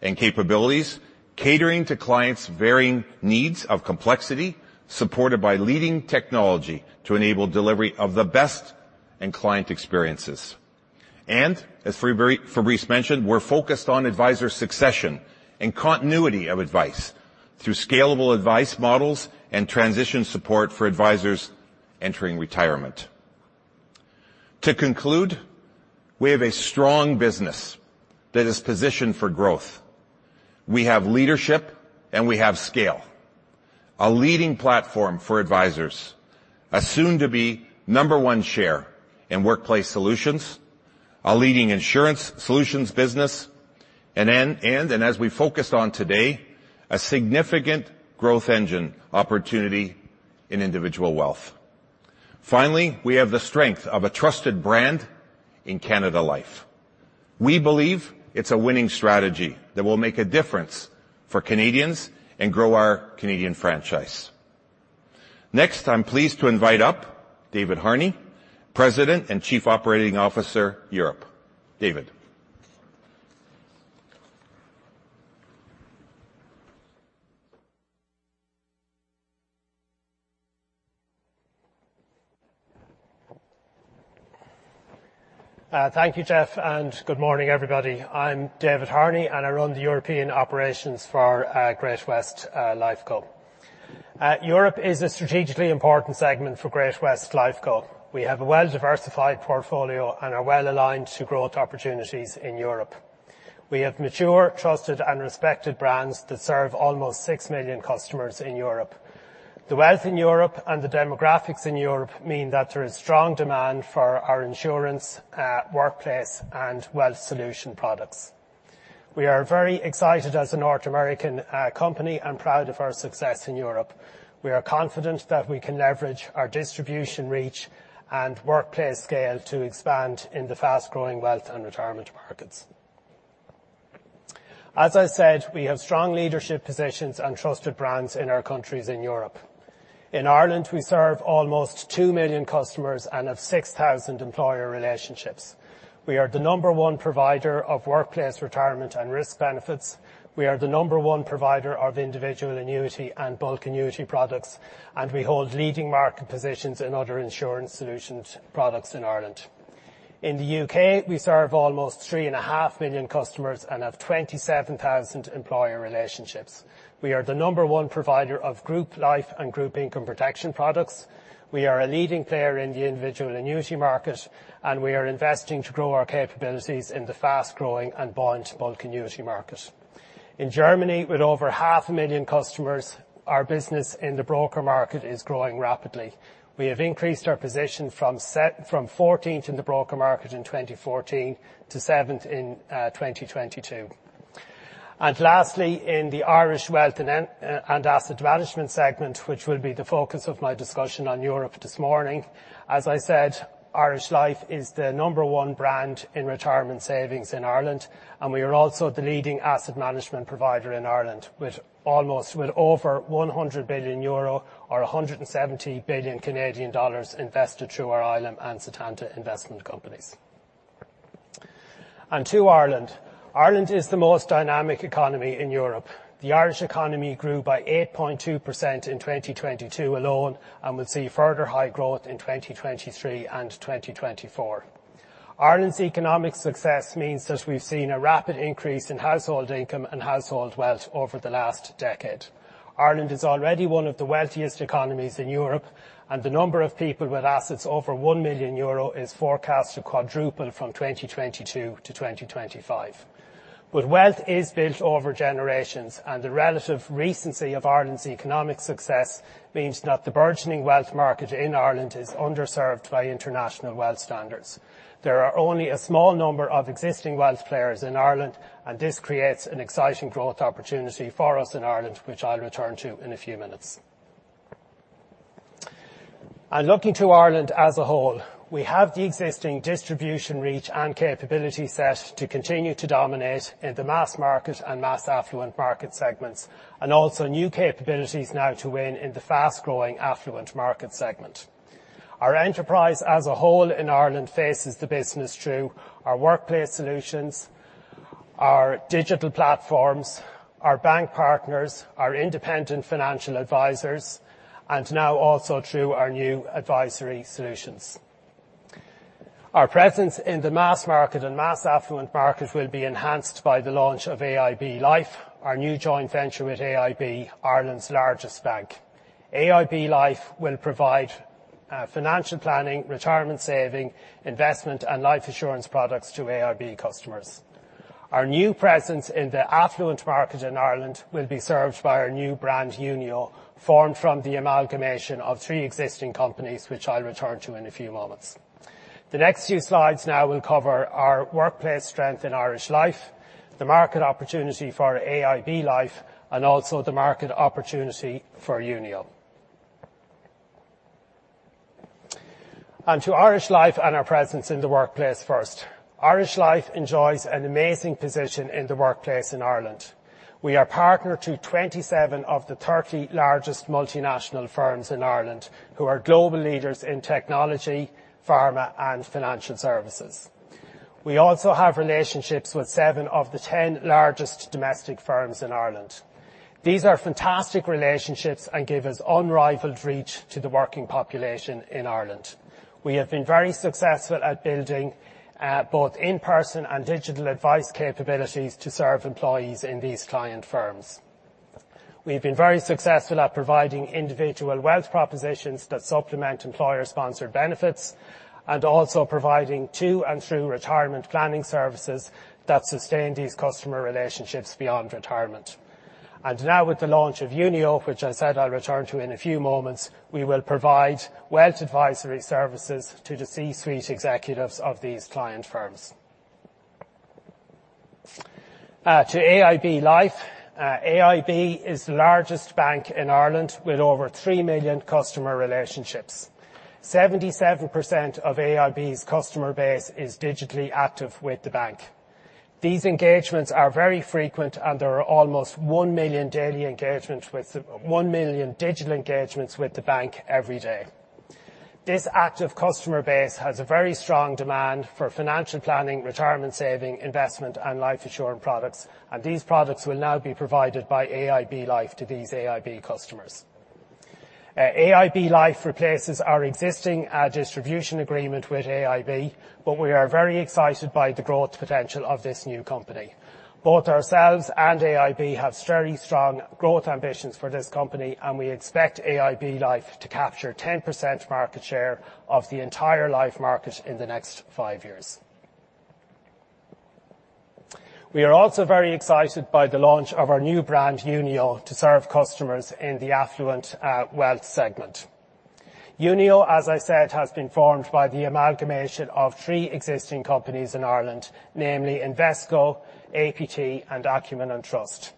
and capabilities catering to clients' varying needs of complexity, supported by leading technology to enable delivery of the best in client experiences. As Fabrice mentioned, we're focused on advisor succession and continuity of advice through scalable advice models and transition support for advisors entering retirement. To conclude, we have a strong business that is positioned for growth. We have leadership, we have scale, a leading platform for advisors, a soon-to-be number one share in workplace solutions, a leading insurance solutions business, as we focused on today, a significant growth engine opportunity in individual wealth. Finally, we have the strength of a trusted brand in Canada Life. We believe it's a winning strategy that will make a difference for Canadians and grow our Canadian franchise. Next, I'm pleased to invite up David Harney, President and Chief Operating Officer, Europe. David? Thank you, Jeff, Good morning, everybody. I'm David Harney, I run the European operations for Great-West Lifeco. Europe is a strategically important segment for Great-West Lifeco. We have a well-diversified portfolio and are well aligned to growth opportunities in Europe. We have mature, trusted, and respected brands that serve almost 6 million customers in Europe. The wealth in Europe and the demographics in Europe mean that there is strong demand for our insurance, workplace, and wealth solution products. We are very excited as a North American company and proud of our success in Europe. We are confident that we can leverage our distribution reach and workplace scale to expand in the fast-growing wealth and retirement markets. As I said, we have strong leadership positions and trusted brands in our countries in Europe. In Ireland, we serve almost 2 million customers and have 6,000 employer relationships. We are the number one provider of workplace retirement and risk benefits. We are the number one provider of individual annuity and bulk annuity products. We hold leading market positions in other insurance solutions products in Ireland. In the U.K., we serve almost 3.5 million customers and have 27,000 employer relationships. We are the number one provider of group life and group income protection products. We are a leading player in the individual annuity market. We are investing to grow our capabilities in the fast-growing and bulk annuity market. In Germany, with over 0.5 million customers, our business in the broker market is growing rapidly. We have increased our position from 14th in the broker market in 2014 to 7th in 2022. Lastly, in the Irish wealth and asset management segment, which will be the focus of my discussion on Europe this morning, as I said, Irish Life is the number one brand in retirement savings in Ireland, and we are also the leading asset management provider in Ireland, with over 100 billion euro or 170 billion Canadian dollars invested through our ILIM and Setanta investment companies. To Ireland. Ireland is the most dynamic economy in Europe. The Irish economy grew by 8.2% in 2022 alone and will see further high growth in 2023 and 2024. Ireland's economic success means that we've seen a rapid increase in household income and household wealth over the last decade. Ireland is already one of the wealthiest economies in Europe. The number of people with assets over 1 million euro is forecast to quadruple from 2022 to 2025. Wealth is built over generations, and the relative recency of Ireland's economic success means that the burgeoning wealth market in Ireland is underserved by international wealth standards. There are only a small number of existing wealth players in Ireland, and this creates an exciting growth opportunity for us in Ireland, which I'll return to in a few minutes. Looking to Ireland as a whole, we have the existing distribution reach and capability set to continue to dominate in the mass market and mass affluent market segments, and also new capabilities now to win in the fast-growing affluent market segment. Our enterprise as a whole in Ireland faces the business through our workplace solutions, our digital platforms, our bank partners, our independent financial advisors, and now also through our new advisory solutions. Our presence in the mass market and mass affluent market will be enhanced by the launch of AIB Life, our new joint venture with AIB, Ireland's largest bank. AIB Life will provide financial planning, retirement saving, investment, and life insurance products to AIB customers. Our new presence in the affluent market in Ireland will be served by our new brand, Unio, formed from the amalgamation of 3 existing companies, which I'll return to in a few moments. The next few slides now will cover our workplace strength in Irish Life, the market opportunity for AIB Life, and also the market opportunity for Unio. To Irish Life and our presence in the workplace first. Irish Life enjoys an amazing position in the workplace in Ireland. We are partner to 27 of the 30 largest multinational firms in Ireland, who are global leaders in technology, pharma, and financial services. We also have relationships with 7 of the 10 largest domestic firms in Ireland. These are fantastic relationships and give us unrivaled reach to the working population in Ireland. We have been very successful at building both in-person and digital advice capabilities to serve employees in these client firms. We've been very successful at providing individual wealth propositions that supplement employer-sponsored benefits, and also providing to and through retirement planning services that sustain these customer relationships beyond retirement. Now with the launch of Unio, which I said I'll return to in a few moments, we will provide wealth advisory services to the C-suite executives of these client firms. To AIB Life, AIB is the largest bank in Ireland with over 3 million customer relationships. 77% of AIB's customer base is digitally active with the bank. These engagements are very frequent. There are almost 1 million digital engagements with the bank every day. This active customer base has a very strong demand for financial planning, retirement saving, investment, and life insurance products. These products will now be provided by AIB Life to these AIB customers. AIB Life replaces our existing distribution agreement with AIB. We are very excited by the growth potential of this new company. Both ourselves and AIB have very strong growth ambitions for this company. We expect AIB Life to capture 10% market share of the entire life market in the next 5 years. We are also very excited by the launch of our new brand, Unio, to serve customers in the affluent wealth segment. Unio, as I said, has been formed by the amalgamation of three existing companies in Ireland, namely Invesco, APT, and Acumen & Trust.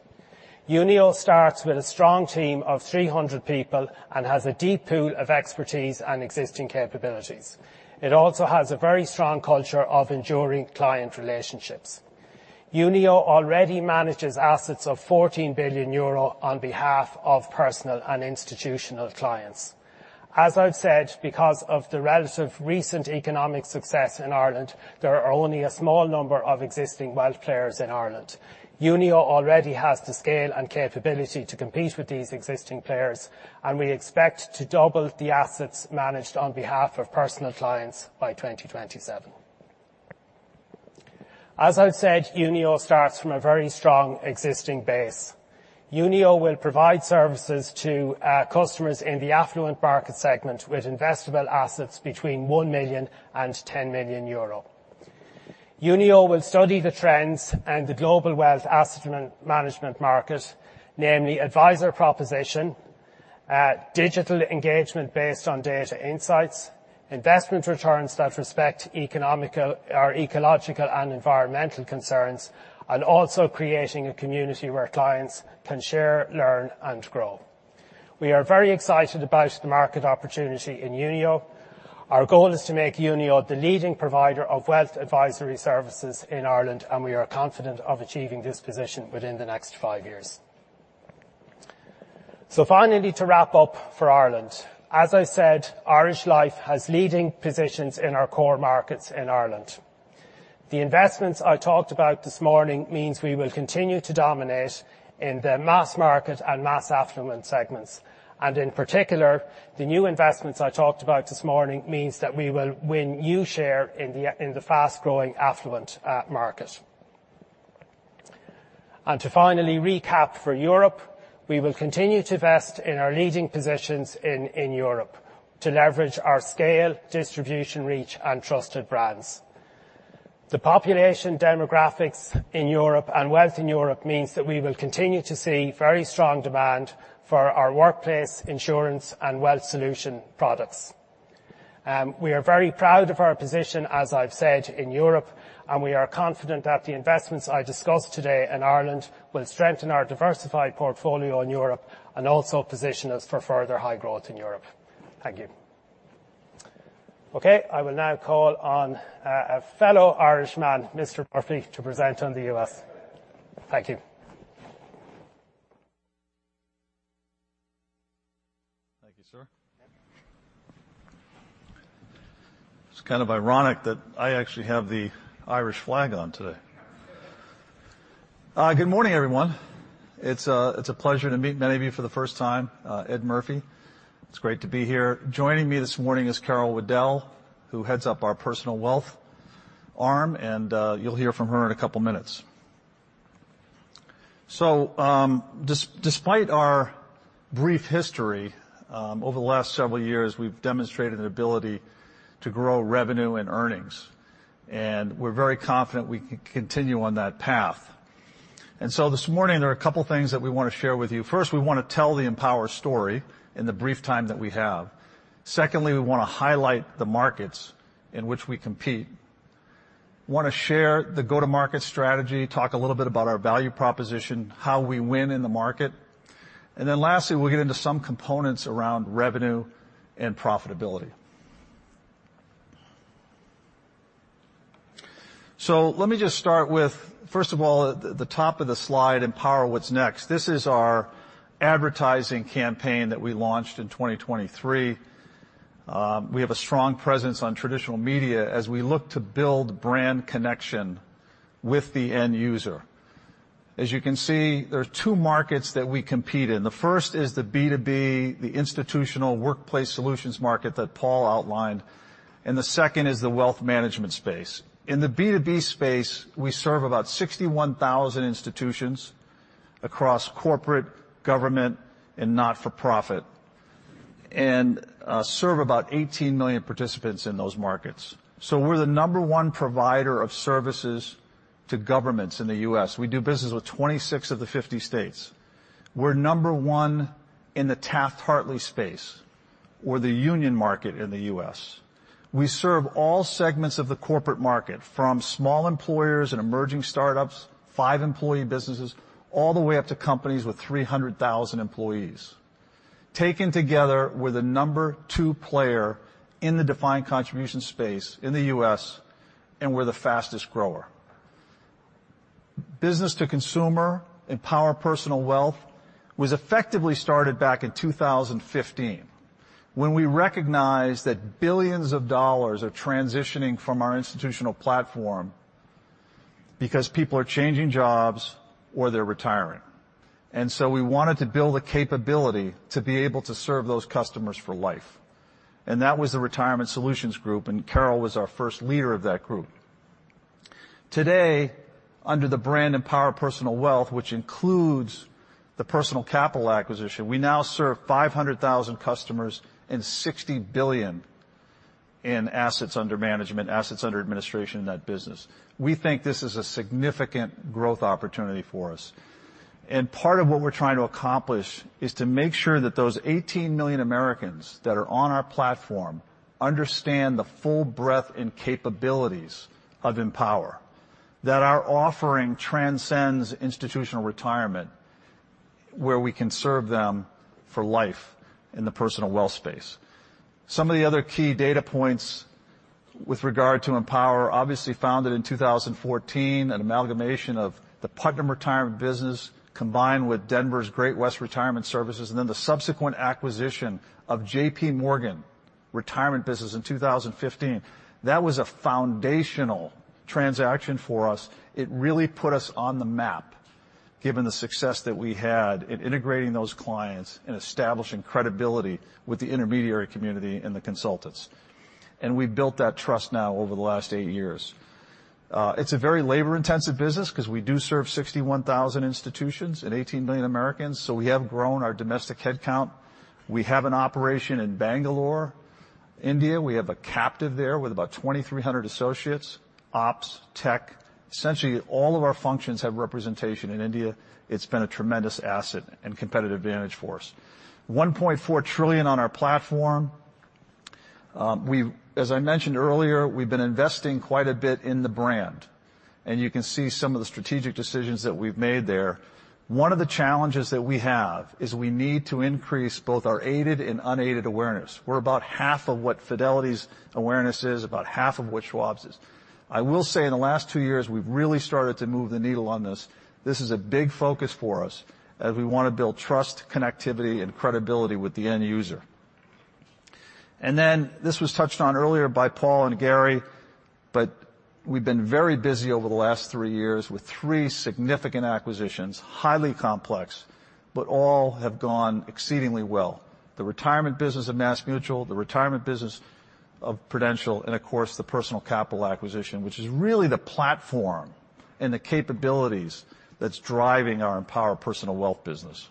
Unio starts with a strong team of 300 people and has a deep pool of expertise and existing capabilities. It also has a very strong culture of enduring client relationships. Unio already manages assets of 14 billion euro on behalf of personal and institutional clients. As I've said, because of the relative recent economic success in Ireland, there are only a small number of existing wealth players in Ireland. Unio already has the scale and capability to compete with these existing players. We expect to double the assets managed on behalf of personal clients by 2027. As I've said, Unio starts from a very strong existing base. Unio will provide services to customers in the affluent market segment, with investable assets between 1 million and 10 million euro. Unio will study the trends and the global wealth asset management market, namely advisor proposition, digital engagement based on data insights, investment returns that respect economical or ecological and environmental concerns, and also creating a community where clients can share, learn, and grow. We are very excited about the market opportunity in Unio. Our goal is to make Unio the leading provider of wealth advisory services in Ireland, and we are confident of achieving this position within the next 5 years. Finally, to wrap up for Ireland, as I said, Irish Life has leading positions in our core markets in Ireland. The investments I talked about this morning means we will continue to dominate in the mass market and mass affluent segments, and in particular, the new investments I talked about this morning means that we will win new share in the fast-growing affluent market. To finally recap for Europe, we will continue to invest in our leading positions in Europe to leverage our scale, distribution reach, and trusted brands. The population demographics in Europe and wealth in Europe means that we will continue to see very strong demand for our workplace insurance and wealth solution products. We are very proud of our position, as I've said, in Europe, and we are confident that the investments I discussed today in Ireland will strengthen our diversified portfolio in Europe and also position us for further high growth in Europe. Thank you. Okay, I will now call on a fellow Irishman, Mr. Murphy, to present on the U.S. Thank you. Thank you, sir. It's kind of ironic that I actually have the Irish flag on today. Good morning, everyone. It's a pleasure to meet many of you for the first time, Ed Murphy. It's great to be here. Joining me this morning is Carol Waddell, who heads up our personal wealth arm, and you'll hear from her in a couple minutes. Despite our brief history, over the last several years, we've demonstrated an ability to grow revenue and earnings, and we're very confident we can continue on that path. This morning, there are a couple of things that we wanna share with you. First, we wanna tell the Empower story in the brief time that we have. Secondly, we wanna highlight the markets in which we compete. Wanna share the go-to-market strategy, talk a little bit about our value proposition, how we win in the market. Lastly, we'll get into some components around revenue and profitability. Let me just start with, first of all, the top of the slide, Empower What's Next. This is our advertising campaign that we launched in 2023. We have a strong presence on traditional media as we look to build brand connection with the end user. As you can see, there are two markets that we compete in. The first is the B2B, the institutional workplace solutions market that Paul outlined. The second is the wealth management space. In the B2B space, we serve about 61,000 institutions across corporate, government, and not-for-profit, and serve about 18 million participants in those markets. We're the number one provider of services to governments in the U.S. We do business with 26 of the 50 states. We're number one in the Taft-Hartley space or the union market in the U.S. We serve all segments of the corporate market, from small employers and emerging startups, five-employee businesses, all the way up to companies with 300,000 employees. Taken together, we're the number two player in the defined contribution space in the U.S., and we're the fastest grower. Business-to-consumer, Empower Personal Wealth, was effectively started back in 2015, when we recognized that billions of dollars are transitioning from our institutional platform because people are changing jobs or they're retiring. We wanted to build the capability to be able to serve those customers for life, and that was the Retirement Solutions Group, and Carol was our first leader of that group. Today, under the brand Empower Personal Wealth, which includes the Personal Capital acquisition, we now serve 500,000 customers in $60 billion in assets under management, assets under administration in that business. We think this is a significant growth opportunity for us. Part of what we're trying to accomplish is to make sure that those 18 million Americans that are on our platform understand the full breadth and capabilities of Empower, that our offering transcends institutional retirement, where we can serve them for life in the personal wealth space. Some of the other key data points with regard to Empower, obviously founded in 2014, an amalgamation of the Putnam Retirement, combined with Denver's Great-West Retirement Services, and then the subsequent acquisition of JPMorgan retirement business in 2015. That was a foundational transaction for us. It really put us on the map, given the success that we had in integrating those clients and establishing credibility with the intermediary community and the consultants. We've built that trust now over the last 8 years. It's a very labor-intensive business because we do serve 61,000 institutions and 18 million Americans, so we have grown our domestic headcount. We have an operation in Bangalore, India. We have a captive there with about 2,300 associates. Ops, tech, essentially, all of our functions have representation in India. It's been a tremendous asset and competitive advantage for us. $1.4 trillion on our platform. As I mentioned earlier, we've been investing quite a bit in the brand, and you can see some of the strategic decisions that we've made there. One of the challenges that we have is we need to increase both our aided and unaided awareness. We're about half of what Fidelity's awareness is, about half of what Schwab's is. I will say in the last two years, we've really started to move the needle on this. This is a big focus for us, as we want to build trust, connectivity, and credibility with the end user. This was touched on earlier by Paul and Garry, but we've been very busy over the last three years with three significant acquisitions, highly complex, but all have gone exceedingly well. The retirement business of MassMutual, the retirement business of Prudential, and of course, the Personal Capital acquisition, which is really the platform and the capabilities that's driving our Empower Personal Wealth business.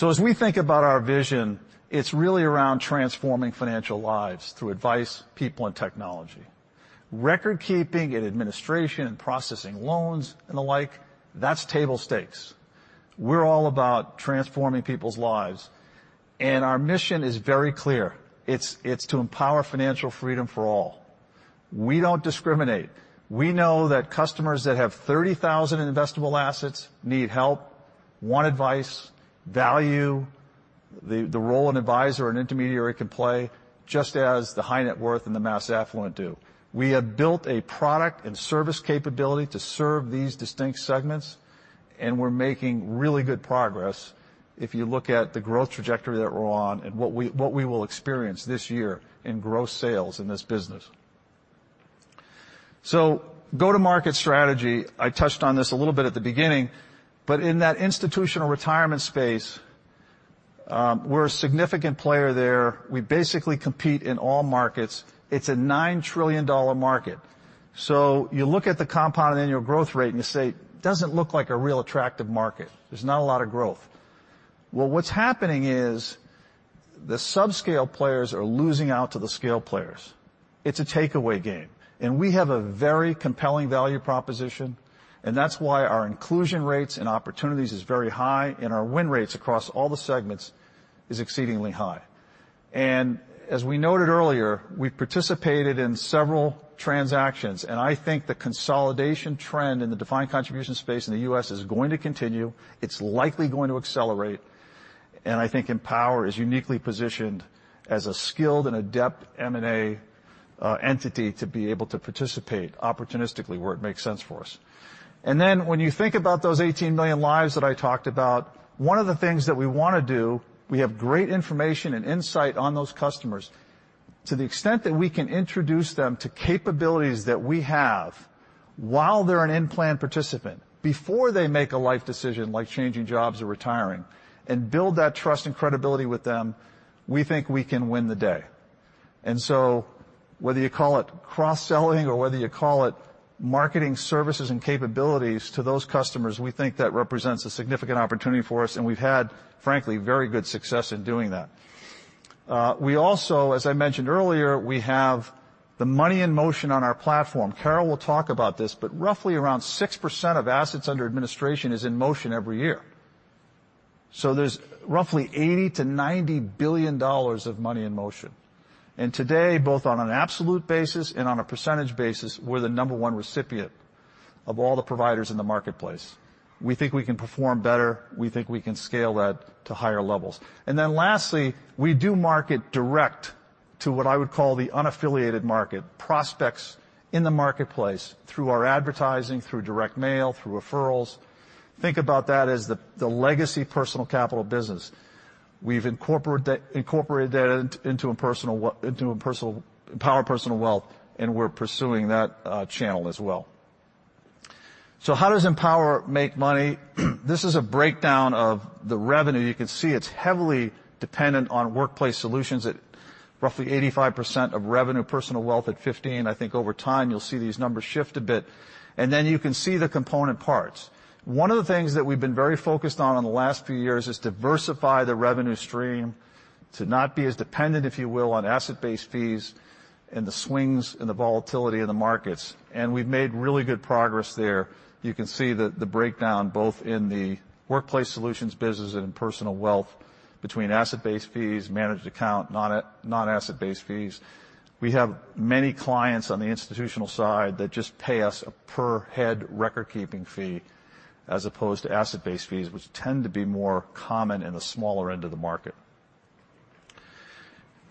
As we think about our vision, it's really around transforming financial lives through advice, people, and technology. Recordkeeping and administration, and processing loans, and the like, that's table stakes. We're all about transforming people's lives, and our mission is very clear. It's to empower financial freedom for all. We don't discriminate. We know that customers that have $30,000 in investable assets need help, want advice, value the role an advisor or an intermediary can play, just as the high net worth and the mass affluent do. We have built a product and service capability to serve these distinct segments. We're making really good progress if you look at the growth trajectory that we're on and what we will experience this year in gross sales in this business. Go-to-market strategy, I touched on this a little bit at the beginning, but in that institutional retirement space, we're a significant player there. We basically compete in all markets. It's a $9 trillion market. You look at the compound annual growth rate, you say, "Doesn't look like a real attractive market. There's not a lot of growth." Well, what's happening is the subscale players are losing out to the scale players. It's a takeaway game, and we have a very compelling value proposition, and that's why our inclusion rates and opportunities is very high, and our win rates across all the segments is exceedingly high. As we noted earlier, we've participated in several transactions, and I think the consolidation trend in the defined contribution space in the U.S. is going to continue. It's likely going to accelerate, and I think Empower is uniquely positioned as a skilled and adept M&A entity to be able to participate opportunistically where it makes sense for us. When you think about those 18 million lives that I talked about, one of the things that we want to do, we have great information and insight on those customers. To the extent that we can introduce them to capabilities that we have while they're an in-plan participant, before they make a life decision, like changing jobs or retiring, and build that trust and credibility with them, we think we can win the day. Whether you call it cross-selling or whether you call it marketing services and capabilities to those customers, we think that represents a significant opportunity for us, and we've had, frankly, very good success in doing that. We also, as I mentioned earlier, we have the money in motion on our platform. Carol will talk about this, but roughly around 6% of assets under administration is in motion every year. There's roughly $80 billion-$90 billion of money in motion. Today, both on an absolute basis and on a percentage basis, we're the number one recipient of all the providers in the marketplace. We think we can perform better. We think we can scale that to higher levels. Lastly, we do market direct to what I would call the unaffiliated market, prospects in the marketplace, through our advertising, through direct mail, through referrals. Think about that as the legacy Personal Capital business. We've incorporated that into Empower Personal Wealth, and we're pursuing that channel as well. How does Empower make money? This is a breakdown of the revenue. You can see it's heavily dependent on workplace solutions at roughly 85% of revenue, personal wealth at 15%. I think over time, you'll see these numbers shift a bit. You can see the component parts. One of the things that we've been very focused on in the last few years is diversify the revenue stream. To not be as dependent, if you will, on asset-based fees and the swings and the volatility in the markets, and we've made really good progress there. You can see the breakdown both in the workplace solutions business and in personal wealth between asset-based fees, managed account, non-asset-based fees. We have many clients on the institutional side that just pay us a per head record-keeping fee as opposed to asset-based fees, which tend to be more common in the smaller end of the market.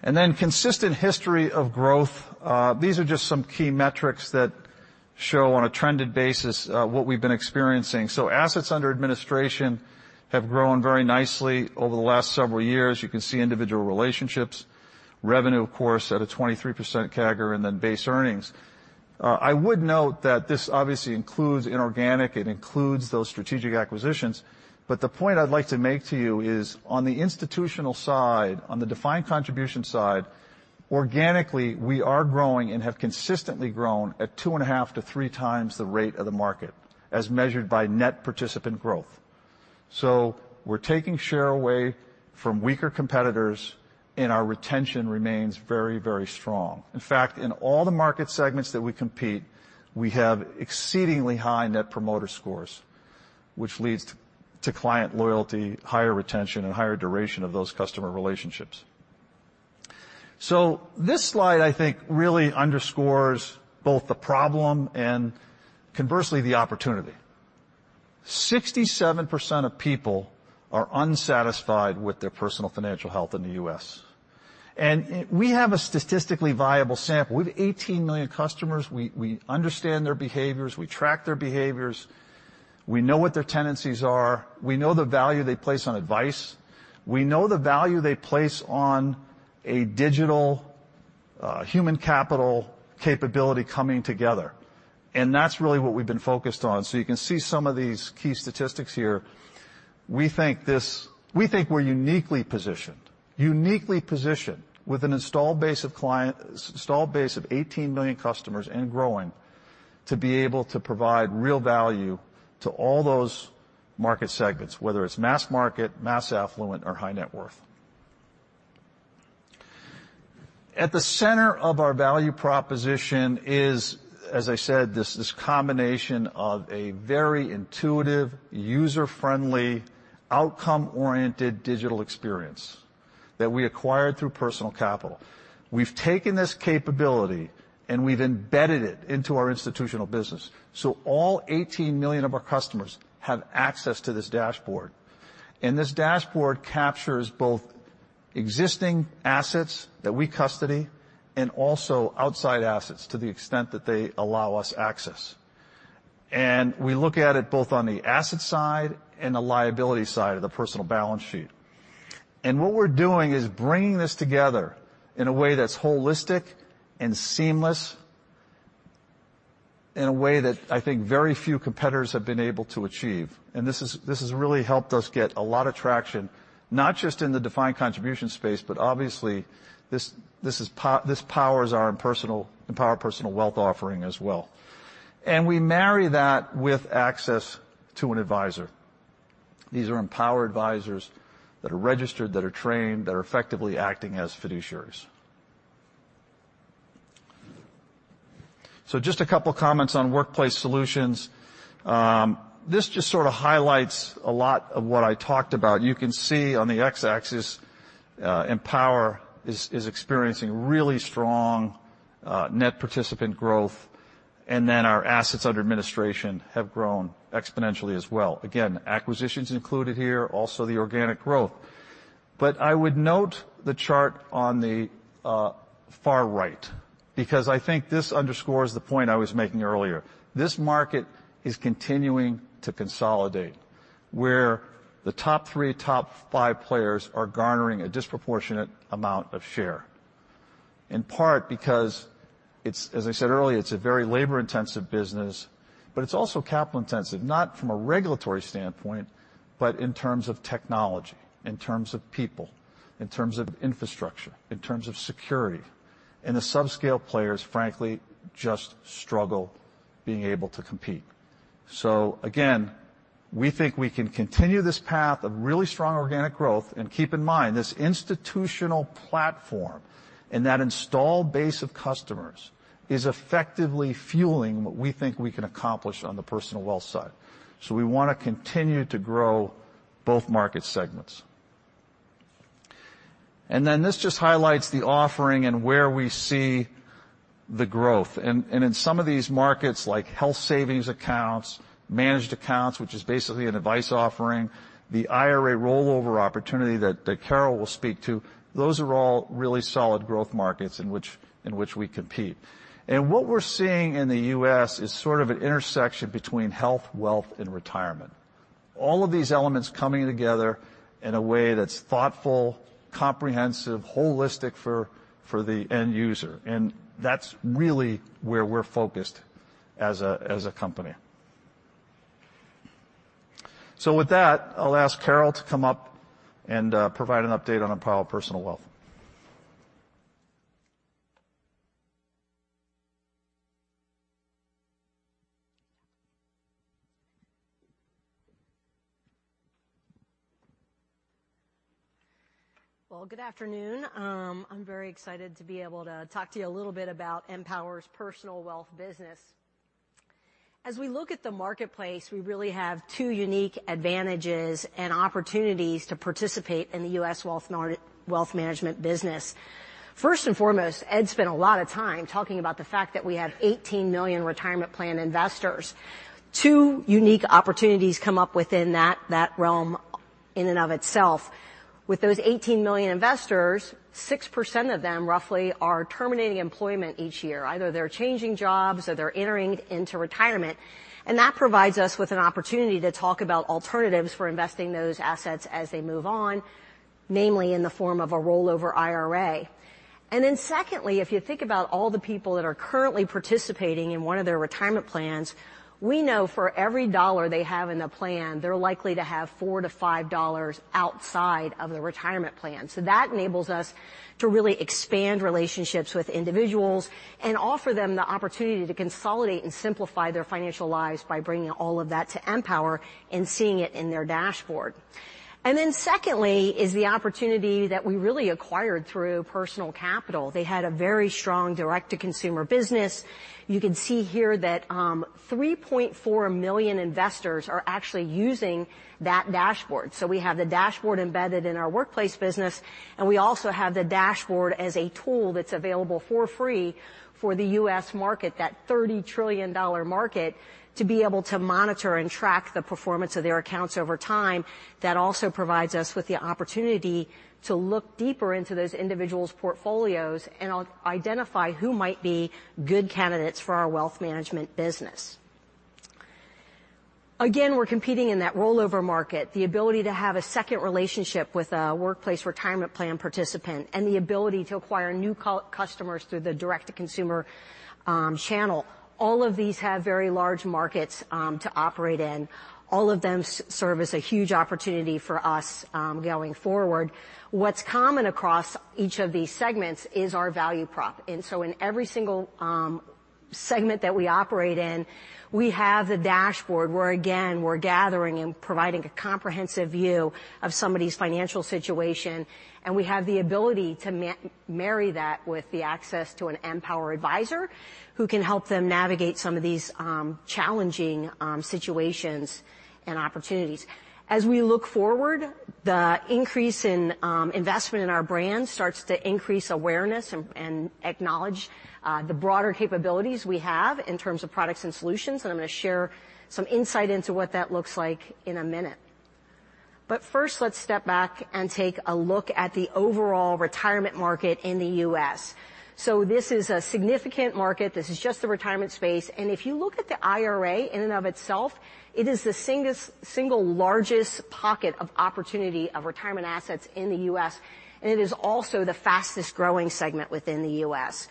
Consistent history of growth, these are just some key metrics that show on a trended basis what we've been experiencing. Assets under administration have grown very nicely over the last several years. You can see individual relationships, revenue, of course, at a 23% CAGR, and then base earnings. I would note that this obviously includes inorganic, it includes those strategic acquisitions, but the point I'd like to make to you is on the institutional side, on the defined contribution side, organically, we are growing and have consistently grown at 2.5-3 times the rate of the market, as measured by net participant growth. We're taking share away from weaker competitors, and our retention remains very strong. In fact, in all the market segments that we compete, we have exceedingly high Net Promoter Score, which leads to client loyalty, higher retention, and higher duration of those customer relationships. This slide, I think, really underscores both the problem and conversely, the opportunity. 67% of people are unsatisfied with their personal financial health in the U.S., and we have a statistically viable sample. We have 18 million customers. We understand their behaviors, we track their behaviors, we know what their tendencies are, we know the value they place on advice, we know the value they place on a digital human capital capability coming together, and that's really what we've been focused on. You can see some of these key statistics here. We think we're uniquely positioned, uniquely positioned with an installed base of 18 million customers and growing, to be able to provide real value to all those market segments, whether it's mass market, mass affluent, or high net worth. At the center of our value proposition is, as I said, this combination of a very intuitive, user-friendly, outcome-oriented digital experience that we acquired through Personal Capital. We've taken this capability, we've embedded it into our institutional business. All 18 million of our customers have access to this dashboard, this dashboard captures both existing assets that we custody and also outside assets to the extent that they allow us access. We look at it both on the asset side and the liability side of the personal balance sheet. What we're doing is bringing this together in a way that's holistic and seamless, in a way that I think very few competitors have been able to achieve. This has really helped us get a lot of traction, not just in the defined contribution space, but obviously, this powers our Empower Personal Wealth offering as well. We marry that with access to an advisor. These are Empower advisors that are registered, that are trained, that are effectively acting as fiduciaries. Just a couple comments on workplace solutions. This just sort of highlights a lot of what I talked about. You can see on the x-axis, Empower is experiencing really strong net participant growth, and then our assets under administration have grown exponentially as well. Again, acquisitions included here, also the organic growth. I would note the chart on the far right, because I think this underscores the point I was making earlier. This market is continuing to consolidate, where the top three, top five players are garnering a disproportionate amount of share. In part because it's, as I said earlier, it's a very labor-intensive business, but it's also capital-intensive, not from a regulatory standpoint, but in terms of technology, in terms of people, in terms of infrastructure, in terms of security, and the subscale players, frankly, just struggle being able to compete. Again, we think we can continue this path of really strong organic growth. Keep in mind, this institutional platform and that installed base of customers is effectively fueling what we think we can accomplish on the personal wealth side. We want to continue to grow both market segments. This just highlights the offering and where we see the growth. In some of these markets, like health savings accounts, managed accounts, which is basically an advice offering, the IRA rollover opportunity that Carol will speak to, those are all really solid growth markets in which we compete. What we're seeing in the U.S. is sort of an intersection between health, wealth, and retirement. All of these elements coming together in a way that's thoughtful, comprehensive, holistic for the end user, and that's really where we're focused as a company. With that, I'll ask Carol to come up and provide an update on Empower Personal Wealth. Well, good afternoon. I'm very excited to be able to talk to you a little bit about Empower's Personal Wealth business. As we look at the marketplace, we really have two unique advantages and opportunities to participate in the U.S. wealth management business. First and foremost, Ed spent a lot of time talking about the fact that we have 18 million retirement plan investors. Two unique opportunities come up within that realm in and of itself. With those 18 million investors, 6% of them, roughly, are terminating employment each year. Either they're changing jobs or they're entering into retirement, that provides us with an opportunity to talk about alternatives for investing those assets as they move on, namely in the form of a rollover IRA. Secondly, if you think about all the people that are currently participating in one of their retirement plans, we know for every dollar they have in the plan, they're likely to have $4-$5 outside of the retirement plan. That enables us to really expand relationships with individuals and offer them the opportunity to consolidate and simplify their financial lives by bringing all of that to Empower and seeing it in their dashboard. Secondly, is the opportunity that we really acquired through Personal Capital. They had a very strong direct-to-consumer business. You can see here that 3.4 million investors are actually using that dashboard. We have the dashboard embedded in our workplace business, and we also have the dashboard as a tool that's available for free for the U.S. market, that $30 trillion market, to be able to monitor and track the performance of their accounts over time. That also provides us with the opportunity to look deeper into those individuals' portfolios and identify who might be good candidates for our wealth management business. Again, we're competing in that rollover market, the ability to have a second relationship with a workplace retirement plan participant, and the ability to acquire new customers through the direct-to-consumer channel. All of these have very large markets to operate in. All of them serve as a huge opportunity for us going forward. What's common across each of these segments is our value prop. In every single segment that we operate in, we have the dashboard, where, again, we're gathering and providing a comprehensive view of somebody's financial situation, and we have the ability to marry that with the access to an Empower advisor, who can help them navigate some of these challenging situations and opportunities. As we look forward, the increase in investment in our brand starts to increase awareness and acknowledge the broader capabilities we have in terms of products and solutions, and I'm going to share some insight into what that looks like in a minute. First, let's step back and take a look at the overall retirement market in the U.S. This is a significant market. This is just the retirement space. If you look at the IRA in and of itself, it is the single largest pocket of opportunity of retirement assets in the U.S. It is also the fastest-growing segment within the U.S.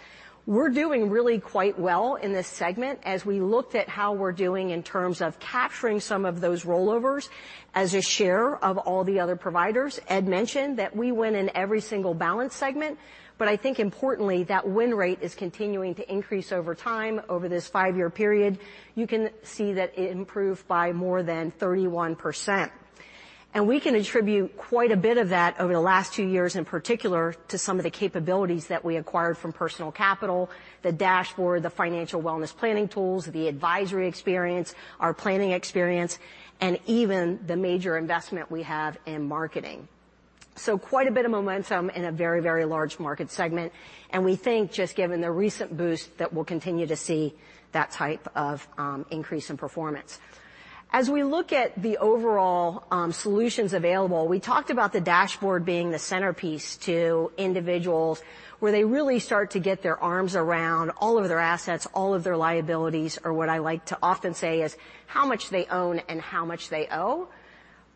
We're doing really quite well in this segment as we looked at how we're doing in terms of capturing some of those rollovers as a share of all the other providers. Ed mentioned that we win in every single balance segment. I think importantly, that win rate is continuing to increase over time. Over this five-year period, you can see that it improved by more than 31%. We can attribute quite a bit of that, over the last two years in particular, to some of the capabilities that we acquired from Personal Capital, the dashboard, the financial wellness planning tools, the advisory experience, our planning experience, and even the major investment we have in marketing. Quite a bit of momentum in a very, very large market segment, and we think, just given the recent boost, that we'll continue to see that type of increase in performance. As we look at the overall solutions available, we talked about the dashboard being the centerpiece to individuals, where they really start to get their arms around all of their assets, all of their liabilities, or what I like to often say is, how much they own and how much they owe.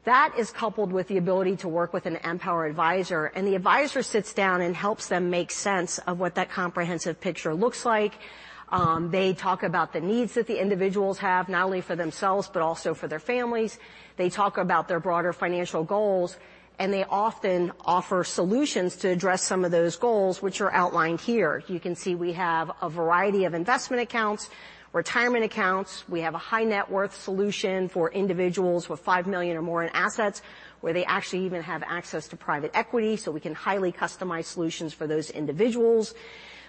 That is coupled with the ability to work with an Empower advisor, and the advisor sits down and helps them make sense of what that comprehensive picture looks like. They talk about the needs that the individuals have, not only for themselves, but also for their families. They talk about their broader financial goals, and they often offer solutions to address some of those goals, which are outlined here. You can see we have a variety of investment accounts, retirement accounts. We have a high net worth solution for individuals with $5 million or more in assets, where they actually even have access to private equity, so we can highly customize solutions for those individuals.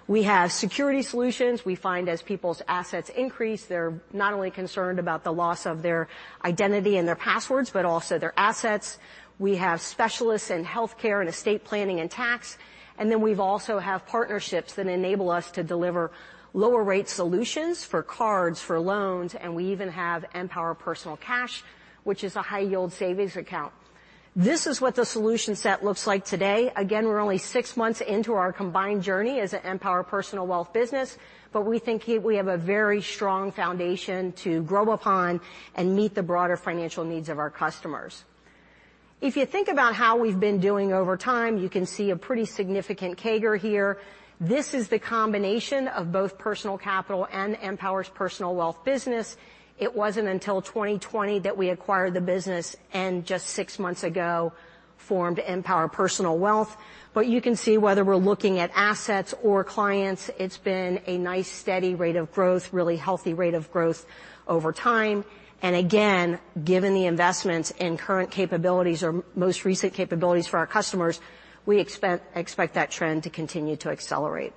We have security solutions. We find as people's assets increase, they're not only concerned about the loss of their identity and their passwords, but also their assets. We have specialists in healthcare and estate planning and tax. Then we've also have partnerships that enable us to deliver lower rate solutions for cards, for loans, and we even have Empower Personal Cash, which is a high-yield savings account. This is what the solution set looks like today. We're only six months into our combined journey as an Empower Personal Wealth business, but we think we have a very strong foundation to grow upon and meet the broader financial needs of our customers. If you think about how we've been doing over time, you can see a pretty significant CAGR here. This is the combination of both Personal Capital and Empower's Personal Wealth business. It wasn't until 2020 that we acquired the business and just six months ago formed Empower Personal Wealth. You can see whether we're looking at assets or clients, it's been a nice, steady rate of growth, really healthy rate of growth over time. Again, given the investments in current capabilities or most recent capabilities for our customers, we expect that trend to continue to accelerate.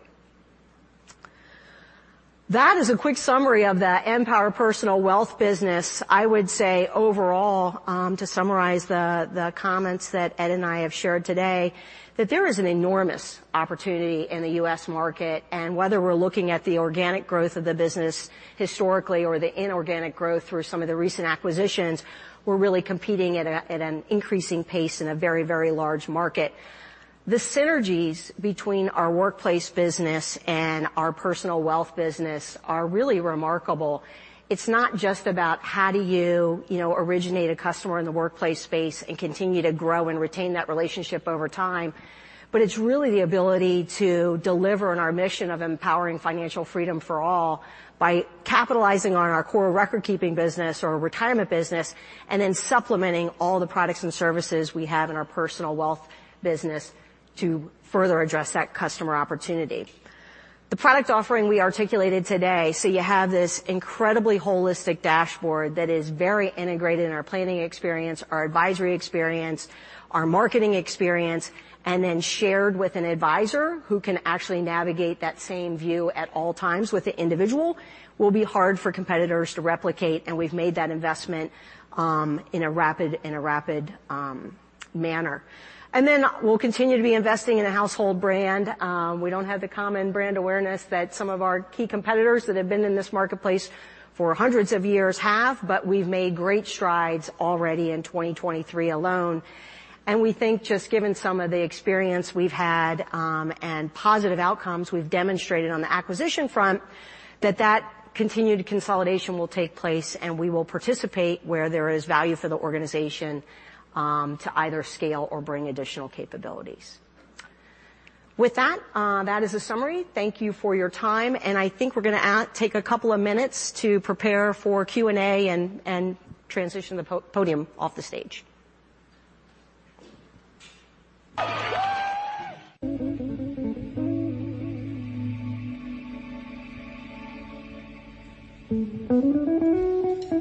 That is a quick summary of the Empower Personal Wealth business. I would say overall, to summarize the comments that Ed and I have shared today, that there is an enormous opportunity in the U.S. market. Whether we're looking at the organic growth of the business historically or the inorganic growth through some of the recent acquisitions, we're really competing at an increasing pace in a very, very large market. The synergies between our workplace business and our personal wealth business are really remarkable. It's not just about how do you know, originate a customer in the workplace space and continue to grow and retain that relationship over time, but it's really the ability to deliver on our mission of empowering financial freedom for all by capitalizing on our core record-keeping business or retirement business, and then supplementing all the products and services we have in our personal wealth business to further address that customer opportunity. The product offering we articulated today, so you have this incredibly holistic dashboard that is very integrated in our planning experience, our advisory experience, our marketing experience, and then shared with an advisor who can actually navigate that same view at all times with the individual, will be hard for competitors to replicate, and we've made that investment in a rapid manner. We'll continue to be investing in a household brand. We don't have the common brand awareness that some of our key competitors that have been in this marketplace for hundreds of years have, but we've made great strides already in 2023 alone. We think, just given some of the experience we've had, and positive outcomes we've demonstrated on the acquisition front, that that continued consolidation will take place, and we will participate where there is value for the organization to either scale or bring additional capabilities. With that is a summary. Thank you for your time, and I think we're gonna take a couple of minutes to prepare for Q&A and transition the podium off the stage. Nice job. Thank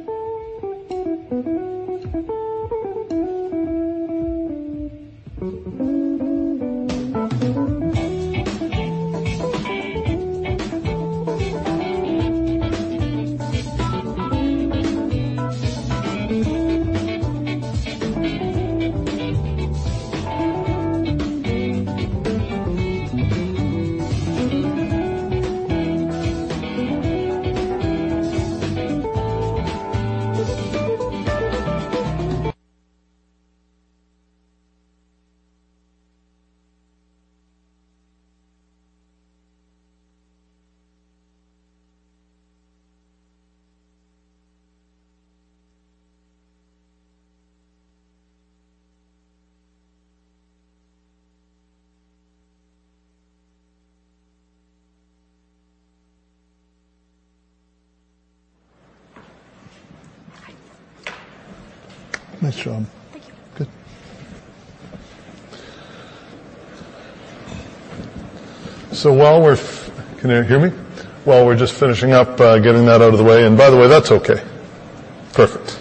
you. Good. Can you hear me? While we're just finishing up, getting that out of the way, and by the way, that's okay. Perfect.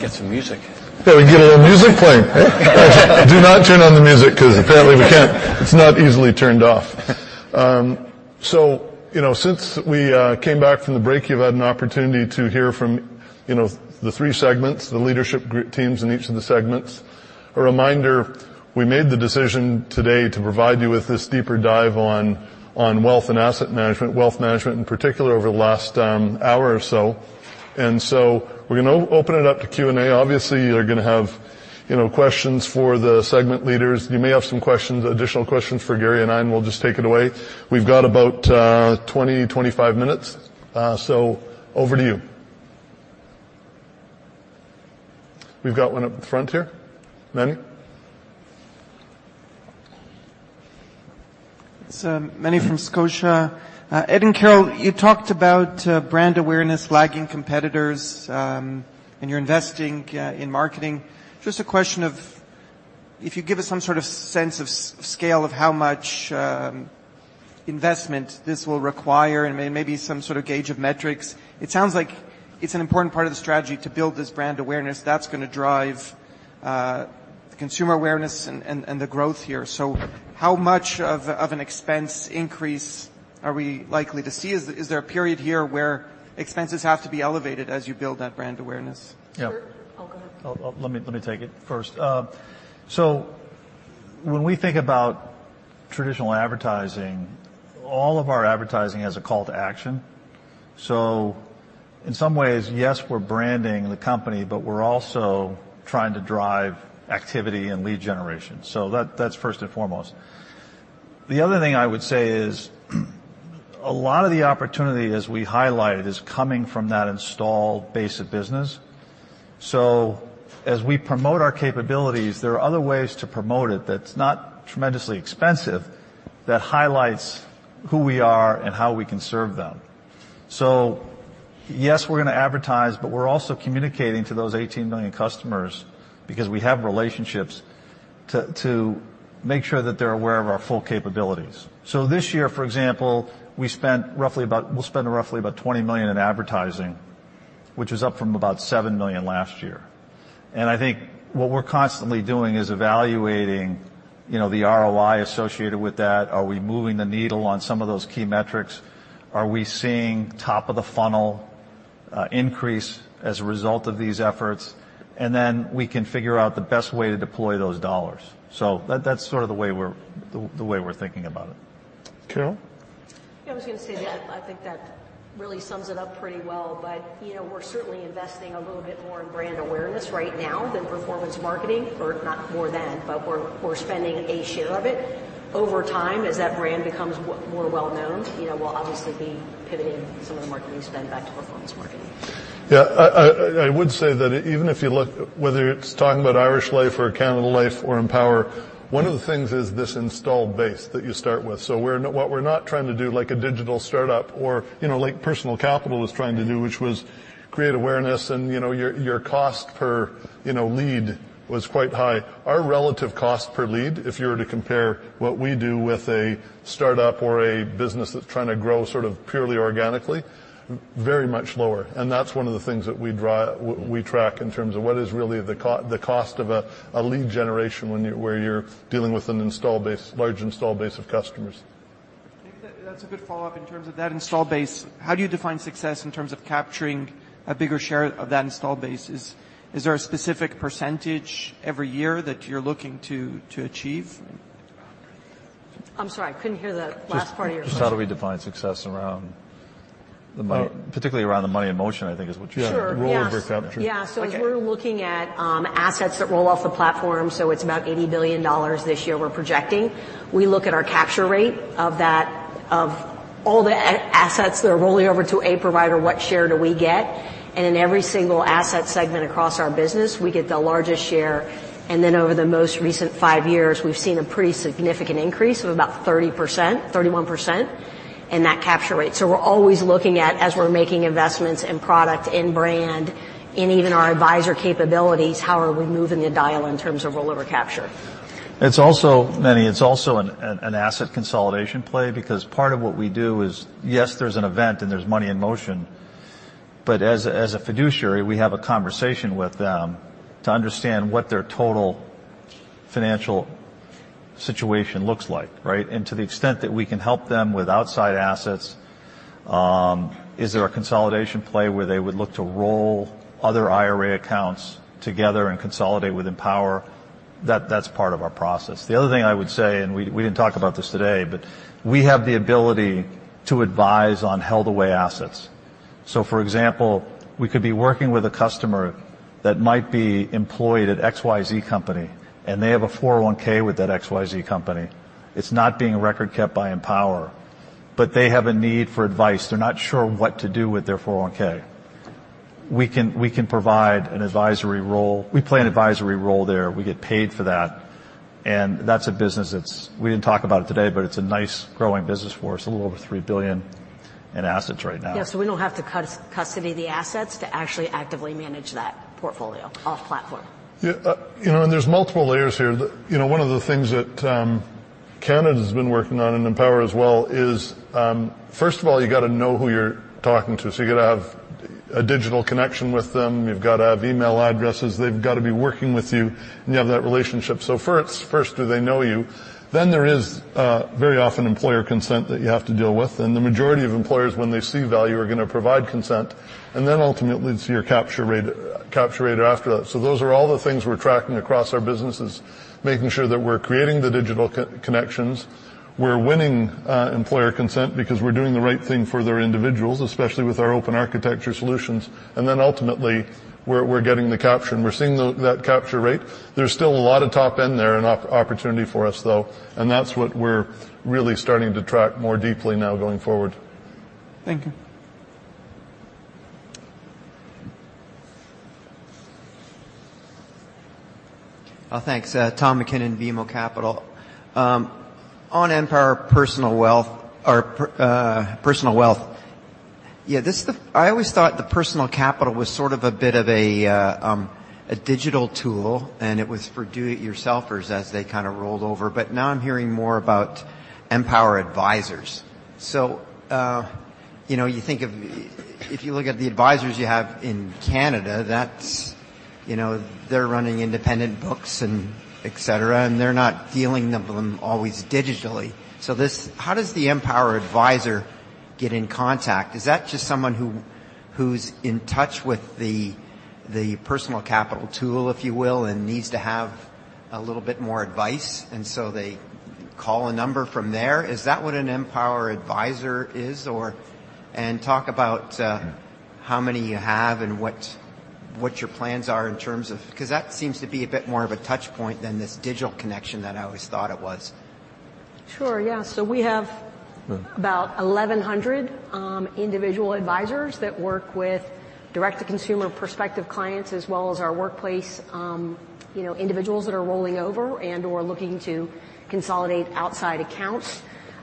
Get some music. Yeah, we get a little music playing. Do not turn on the music 'cause apparently we can't. It's not easily turned off. You know, since we came back from the break, you've had an opportunity to hear from, you know, the three segments, the leadership group teams in each of the segments. A reminder, we made the decision today to provide you with this deeper dive on wealth and asset management, wealth management in particular, over the last hour or so. We're gonna open it up to Q&A. Obviously, you're gonna have, you know, questions for the segment leaders. You may have some questions, additional questions for Garry and I. We'll just take it away. We've got about 20-25 minutes. Over to you. We've got one up in front here. Meny? It's Meny from Scotiabank. Ed and Carol, you talked about brand awareness, lagging competitors, and you're investing in marketing. Just a question of if you give us some sort of sense of scale of how much investment this will require and maybe some sort of gauge of metrics. It sounds like it's an important part of the strategy to build this brand awareness that's gonna drive the consumer awareness and the growth here. How much of an expense increase are we likely to see? Is there a period here where expenses have to be elevated as you build that brand awareness? Yeah. I'll go ahead. Let me take it first. When we think about traditional advertising, all of our advertising has a call to action. In some ways, yes, we're branding the company, but we're also trying to drive activity and lead generation. That's first and foremost. The other thing I would say is, a lot of the opportunity, as we highlighted, is coming from that installed base of business. As we promote our capabilities, there are other ways to promote it that's not tremendously expensive, that highlights who we are and how we can serve them. Yes, we're gonna advertise, but we're also communicating to those 18 million customers because we have relationships, to make sure that they're aware of our full capabilities. This year, for example, we spent roughly about... We'll spend roughly about 20 million in advertising. which is up from about $7 million last year. I think what we're constantly doing is evaluating, you know, the ROI associated with that. Are we moving the needle on some of those key metrics? Are we seeing top of the funnel increase as a result of these efforts? Then we can figure out the best way to deploy those dollars. That's sort of the way we're thinking about it. Carol? Yeah, I was gonna say that I think that really sums it up pretty well. You know, we're certainly investing a little bit more in brand awareness right now than performance marketing or not more than, but we're spending a share of it. Over time, as that brand becomes more well known, you know, we'll obviously be pivoting some of the marketing spend back to performance marketing. Yeah, I would say that even if you look, whether it's talking about Irish Life or Canada Life or Empower, one of the things is this installed base that you start with. We're not what we're not trying to do, like a digital startup or, you know, like Personal Capital was trying to do, which was create awareness and, you know, your cost per, you know, lead was quite high. Our relative cost per lead, if you were to compare what we do with a startup or a business that's trying to grow sort of purely organically, very much lower. That's one of the things that we track in terms of what is really the cost of a lead generation when you're dealing with an installed base, large installed base of customers. I think that's a good follow-up. In terms of that install base, how do you define success in terms of capturing a bigger share of that install base? Is there a specific percentage every year that you're looking to achieve? I'm sorry, I couldn't hear the last part of your question. Just how do we define success around the money? Uh- particularly around the money in motion, I think is what you- Sure. Yeah, rollover capture. Yes. Okay. If we're looking at assets that roll off the platform, it's about $80 billion this year we're projecting. We look at our capture rate of all the assets that are rolling over to a provider, what share do we get? In every single asset segment across our business, we get the largest share. Over the most recent five years, we've seen a pretty significant increase of about 30%, 31% in that capture rate. We're always looking at, as we're making investments in product, in brand, in even our advisor capabilities, how are we moving the dial in terms of rollover capture? It's also, Meny, it's also an asset consolidation play because part of what we do is, yes, there's an event, and there's money in motion. As a fiduciary, we have a conversation with them to understand what their total financial situation looks like, right? To the extent that we can help them with outside assets, is there a consolidation play where they would look to roll other IRA accounts together and consolidate with Empower? That's part of our process. The other thing I would say, and we didn't talk about this today, but we have the ability to advise on held away assets. For example, we could be working with a customer that might be employed at XYZ company, and they have a 401 with that XYZ company. It's not being record-kept by Empower, but they have a need for advice. They're not sure what to do with their 401. We can provide an advisory role. We play an advisory role there. We get paid for that. That's a business that's... We didn't talk about it today. It's a nice, growing business for us, a little over $3 billion in assets right now. Yeah, we don't have to custody the assets to actually actively manage that portfolio off-platform. Yeah, you know, there's multiple layers here. The, you know, one of the things that Canada's been working on and Empower as well is, first of all, you gotta know who you're talking to. You gotta have a digital connection with them. You've gotta have email addresses. They've gotta be working with you, and you have that relationship. First, do they know you? There is very often employer consent that you have to deal with, and the majority of employers, when they see value, are gonna provide consent. Ultimately, it's your capture rate after that. Those are all the things we're tracking across our businesses, making sure that we're creating the digital connections. We're winning employer consent because we're doing the right thing for their individuals, especially with our open architecture solutions. Ultimately, we're getting the capture, and we're seeing that capture rate. There's still a lot of top end there and opportunity for us, though, and that's what we're really starting to track more deeply now going forward. Thank you. Thanks. Tom MacKinnon, BMO Capital. On Empower Personal Wealth or Personal Wealth, yeah, this is the... I always thought the Personal Capital was sort of a bit of a digital tool, and it was for do-it-yourselfers as they kind of rolled over. Now I'm hearing more about Empower advisors. You know, you think of... If you look at the advisors you have in Canada, that's, you know, they're running independent books and et cetera, and they're not dealing with them always digitally. How does the Empower advisor get in contact? Is that just someone who's in touch with the Personal Capital tool, if you will, and needs to have a little bit more advice, and so they call a number from there? Is that what an Empower advisor is, or... Talk about how many you have and what your plans are 'cause that seems to be a bit more of a touch point than this digital connection that I always thought it was. Sure, yeah. Mm... about 1,100 individual advisors that work with direct-to-consumer prospective clients, as well as our workplace, you know, individuals that are rolling over and/or looking to consolidate outside accounts.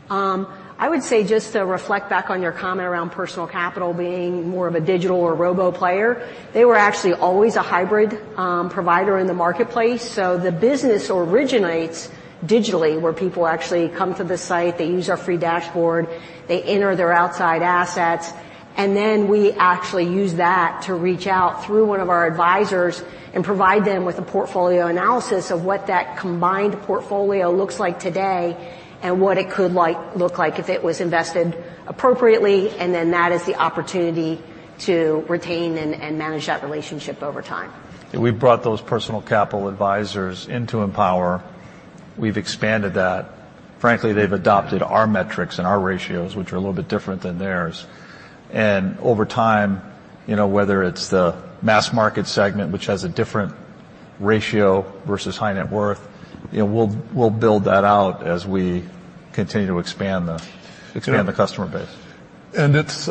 I would say, just to reflect back on your comment around Personal Capital being more of a digital or robo player, they were actually always a hybrid provider in the marketplace. The business originates digitally, where people actually come to the site, they use our free dashboard, they enter their outside assets, and then we actually use that to reach out through one of our advisors and provide them with a portfolio analysis of what that combined portfolio looks like today and what it could look like if it was invested appropriately. That is the opportunity to retain and manage that relationship over time. Yeah, we've brought those Personal Capital advisors into Empower. ... we've expanded that. Frankly, they've adopted our metrics and our ratios, which are a little bit different than theirs. Over time, you know, whether it's the mass market segment, which has a different ratio versus high net worth, you know, we'll build that out as we continue to expand the customer base. It's,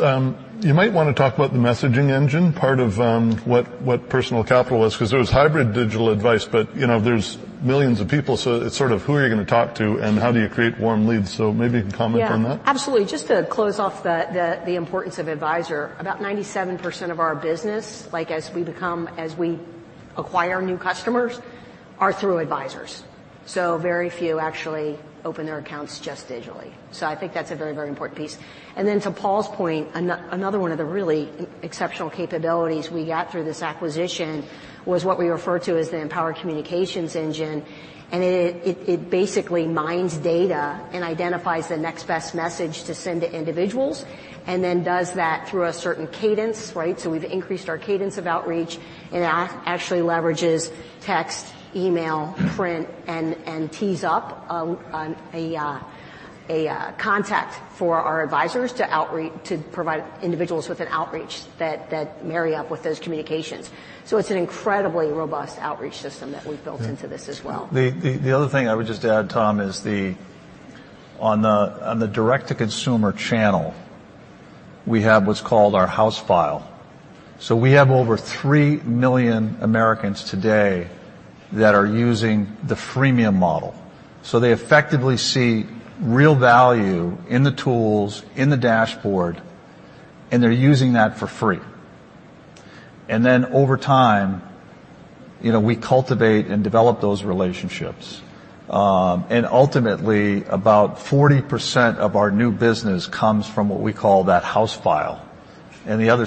you might wanna talk about the messaging engine, part of, what Personal Capital is, because there was hybrid digital advice, but, you know, there's millions of people. It's sort of who are you gonna talk to and how do you create warm leads? Maybe you can comment on that. Absolutely. Just to close off the importance of advisor, about 97% of our business, like as we acquire new customers, are through advisors. Very few actually open their accounts just digitally. I think that's a very, very important piece. To Paul's point, another one of the really exceptional capabilities we got through this acquisition was what we refer to as the Empower Communications Engine, and it basically mines data and identifies the next best message to send to individuals, and then does that through a certain cadence, right? We've increased our cadence of outreach, and it actually leverages text, email, print, and tees up on a contact for our advisors to provide individuals with an outreach that marry up with those communications. It's an incredibly robust outreach system that we've built into this as well. The other thing I would just add, Tom, on the direct-to-consumer channel, we have what's called our house file. We have over 3 million Americans today that are using the freemium model. They effectively see real value in the tools, in the dashboard, and they're using that for free. Over time, you know, we cultivate and develop those relationships. Ultimately, about 40% of our new business comes from what we call that house file, and the other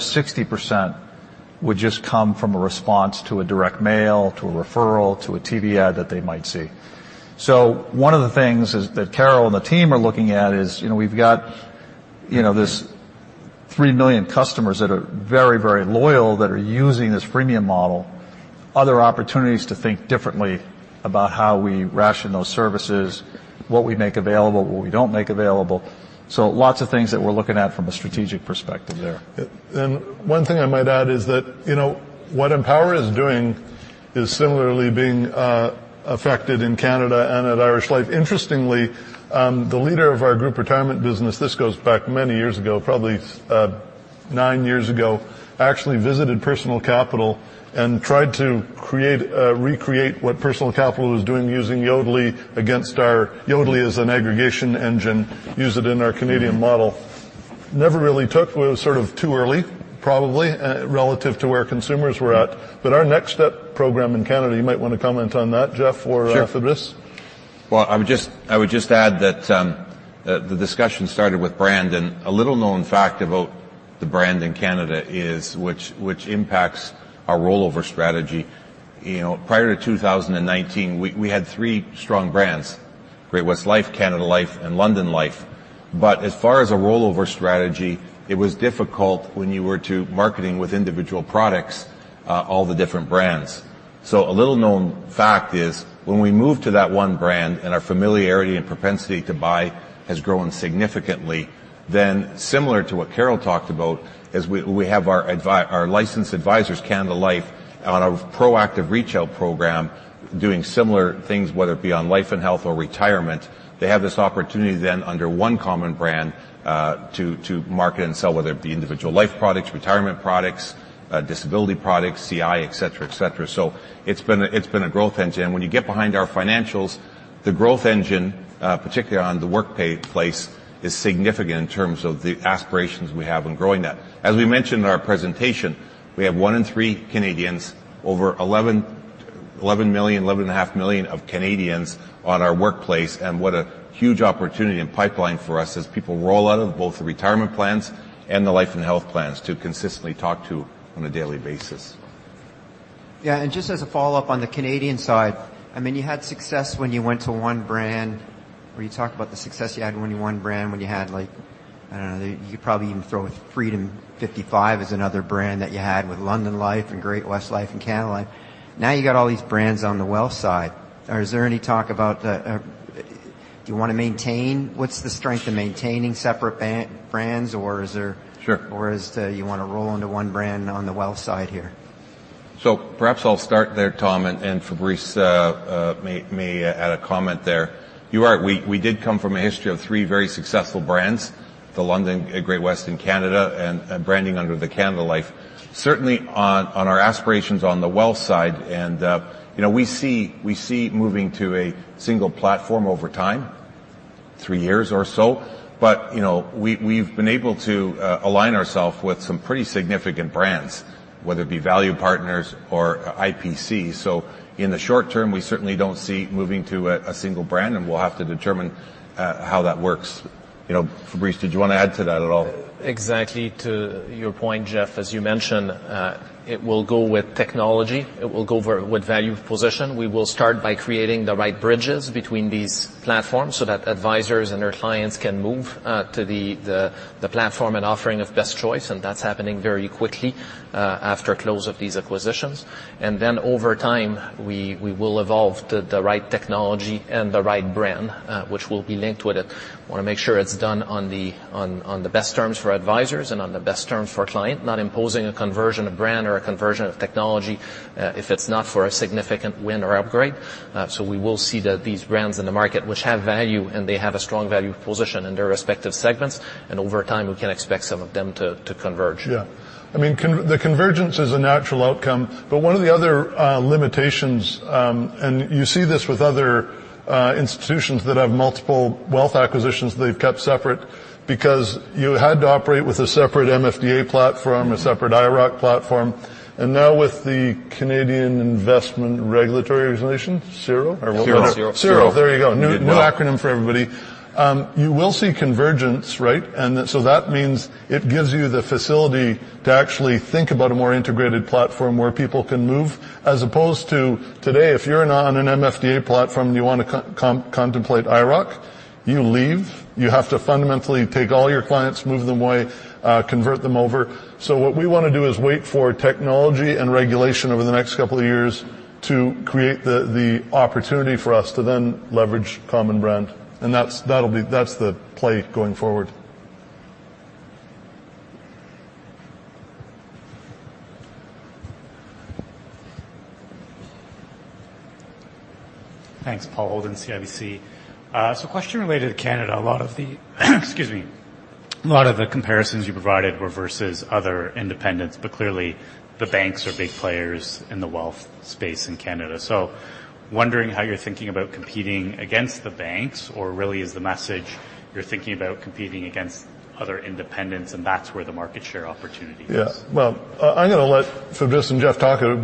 60% would just come from a response to a direct mail, to a referral, to a TV ad that they might see. One of the things is, that Carol and the team are looking at is, you know, we've got, you know, this 3 million customers that are very, very loyal, that are using this freemium model, other opportunities to think differently about how we ration those services, what we make available, what we don't make available. Lots of things that we're looking at from a strategic perspective there. One thing I might add is that, you know, what Empower is doing is similarly being affected in Canada and at Irish Life. Interestingly, the leader of our group retirement business, this goes back many years ago, probably, nine years ago, actually visited Personal Capital and tried to recreate what Personal Capital was doing using Yodlee. Yodlee is an aggregation engine, use it in our Canadian model. Never really took. It was sort of too early, probably, relative to where consumers were at. Our Next Step program in Canada, you might want to comment on that, Jeff or Fabrice. Sure. Well, I would just add that the discussion started with brand. A little-known fact about the brand in Canada is which impacts our rollover strategy. You know, prior to 2019, we had three strong brands: Great-West Life, Canada Life, and London Life. As far as a rollover strategy, it was difficult when you were to marketing with individual products, all the different brands. A little-known fact is, when we moved to that one brand and our familiarity and propensity to buy has grown significantly, similar to what Carol talked about, as we have our licensed advisors, Canada Life, on our proactive retail program, doing similar things, whether it be on life and health or retirement. They have this opportunity then under one common brand, to market and sell, whether it be individual life products, retirement products, disability products, CI, et cetera, et cetera. It's been a growth engine. When you get behind our financials, the growth engine, particularly on the workplace, is significant in terms of the aspirations we have in growing that. As we mentioned in our presentation, we have 1 in 3 Canadians, over 11.5 million of Canadians on our workplace, and what a huge opportunity and pipeline for us as people roll out of both the retirement plans and the life and health plans to consistently talk to on a daily basis. Yeah, just as a follow-up on the Canadian side, I mean, you had success when you went to one brand, where you talked about the success you had when you were one brand, when you had like, I don't know, you could probably even throw Freedom 55 as another brand that you had with London Life and Great-West Life and Canada Life. Now, you got all these brands on the wealth side. Is there any talk about? Do you wanna maintain? What's the strength of maintaining separate brands, or is there? Sure. Is, you wanna roll into one brand on the wealth side here? Perhaps I'll start there, Tom and Fabrice, may add a comment there. You are right, we did come from a history of 3 very successful brands: the London, Great-West in Canada, and branding under the Canada Life. Certainly, on our aspirations on the wealth side, and you know, we see moving to a single platform over time, 3 years or so. You know, we've been able to align ourself with some pretty significant brands, whether it be Value Partners or IPC. In the short term, we certainly don't see moving to a single brand, and we'll have to determine how that works. You know, Fabrice, did you want to add to that at all? Exactly to your point, Jeff, as you mentioned, it will go with technology, it will go with value position. We will start by creating the right bridges between these platforms so that advisors and their clients can move, to the platform and offering of best choice, and that's happening very quickly, after close of these acquisitions. Over time, we will evolve to the right technology and the right brand, which will be linked with it. Wanna make sure it's done on the best terms for advisors and on the best terms for client, not imposing a conversion of brand or a conversion of technology, if it's not for a significant win or upgrade. We will see that these brands in the market, which have value, and they have a strong value position in their respective segments, and over time, we can expect some of them to converge. Yeah. I mean, the convergence is a natural outcome. One of the other limitations, you see this with other institutions that have multiple wealth acquisitions they've kept separate, because you had to operate with a separate MFDA platform, a separate IIROC platform, now with the Canadian Investment Regulatory Organization, CIRO? CIRO. CIRO, there you go. You did well. New, new acronym for everybody. You will see convergence, right? That means it gives you the facility to actually think about a more integrated platform where people can move, as opposed to today, if you're not on an MFDA platform, and you wanna contemplate IIROC, you leave. You have to fundamentally take all your clients, move them away, convert them over. What we wanna do is wait for technology and regulation over the next couple of years to create the opportunity for us to then leverage common brand. That's, that's the play going forward. Thanks, Paul Holden, CIBC. Question related to Canada. A lot of the comparisons you provided were versus other independents, but clearly, the banks are big players in the wealth space in Canada. Wondering how you're thinking about competing against the banks, or really is the message you're thinking about competing against other independents, and that's where the market share opportunity is? Well, I'm gonna let Fabrice and Jeff talk, you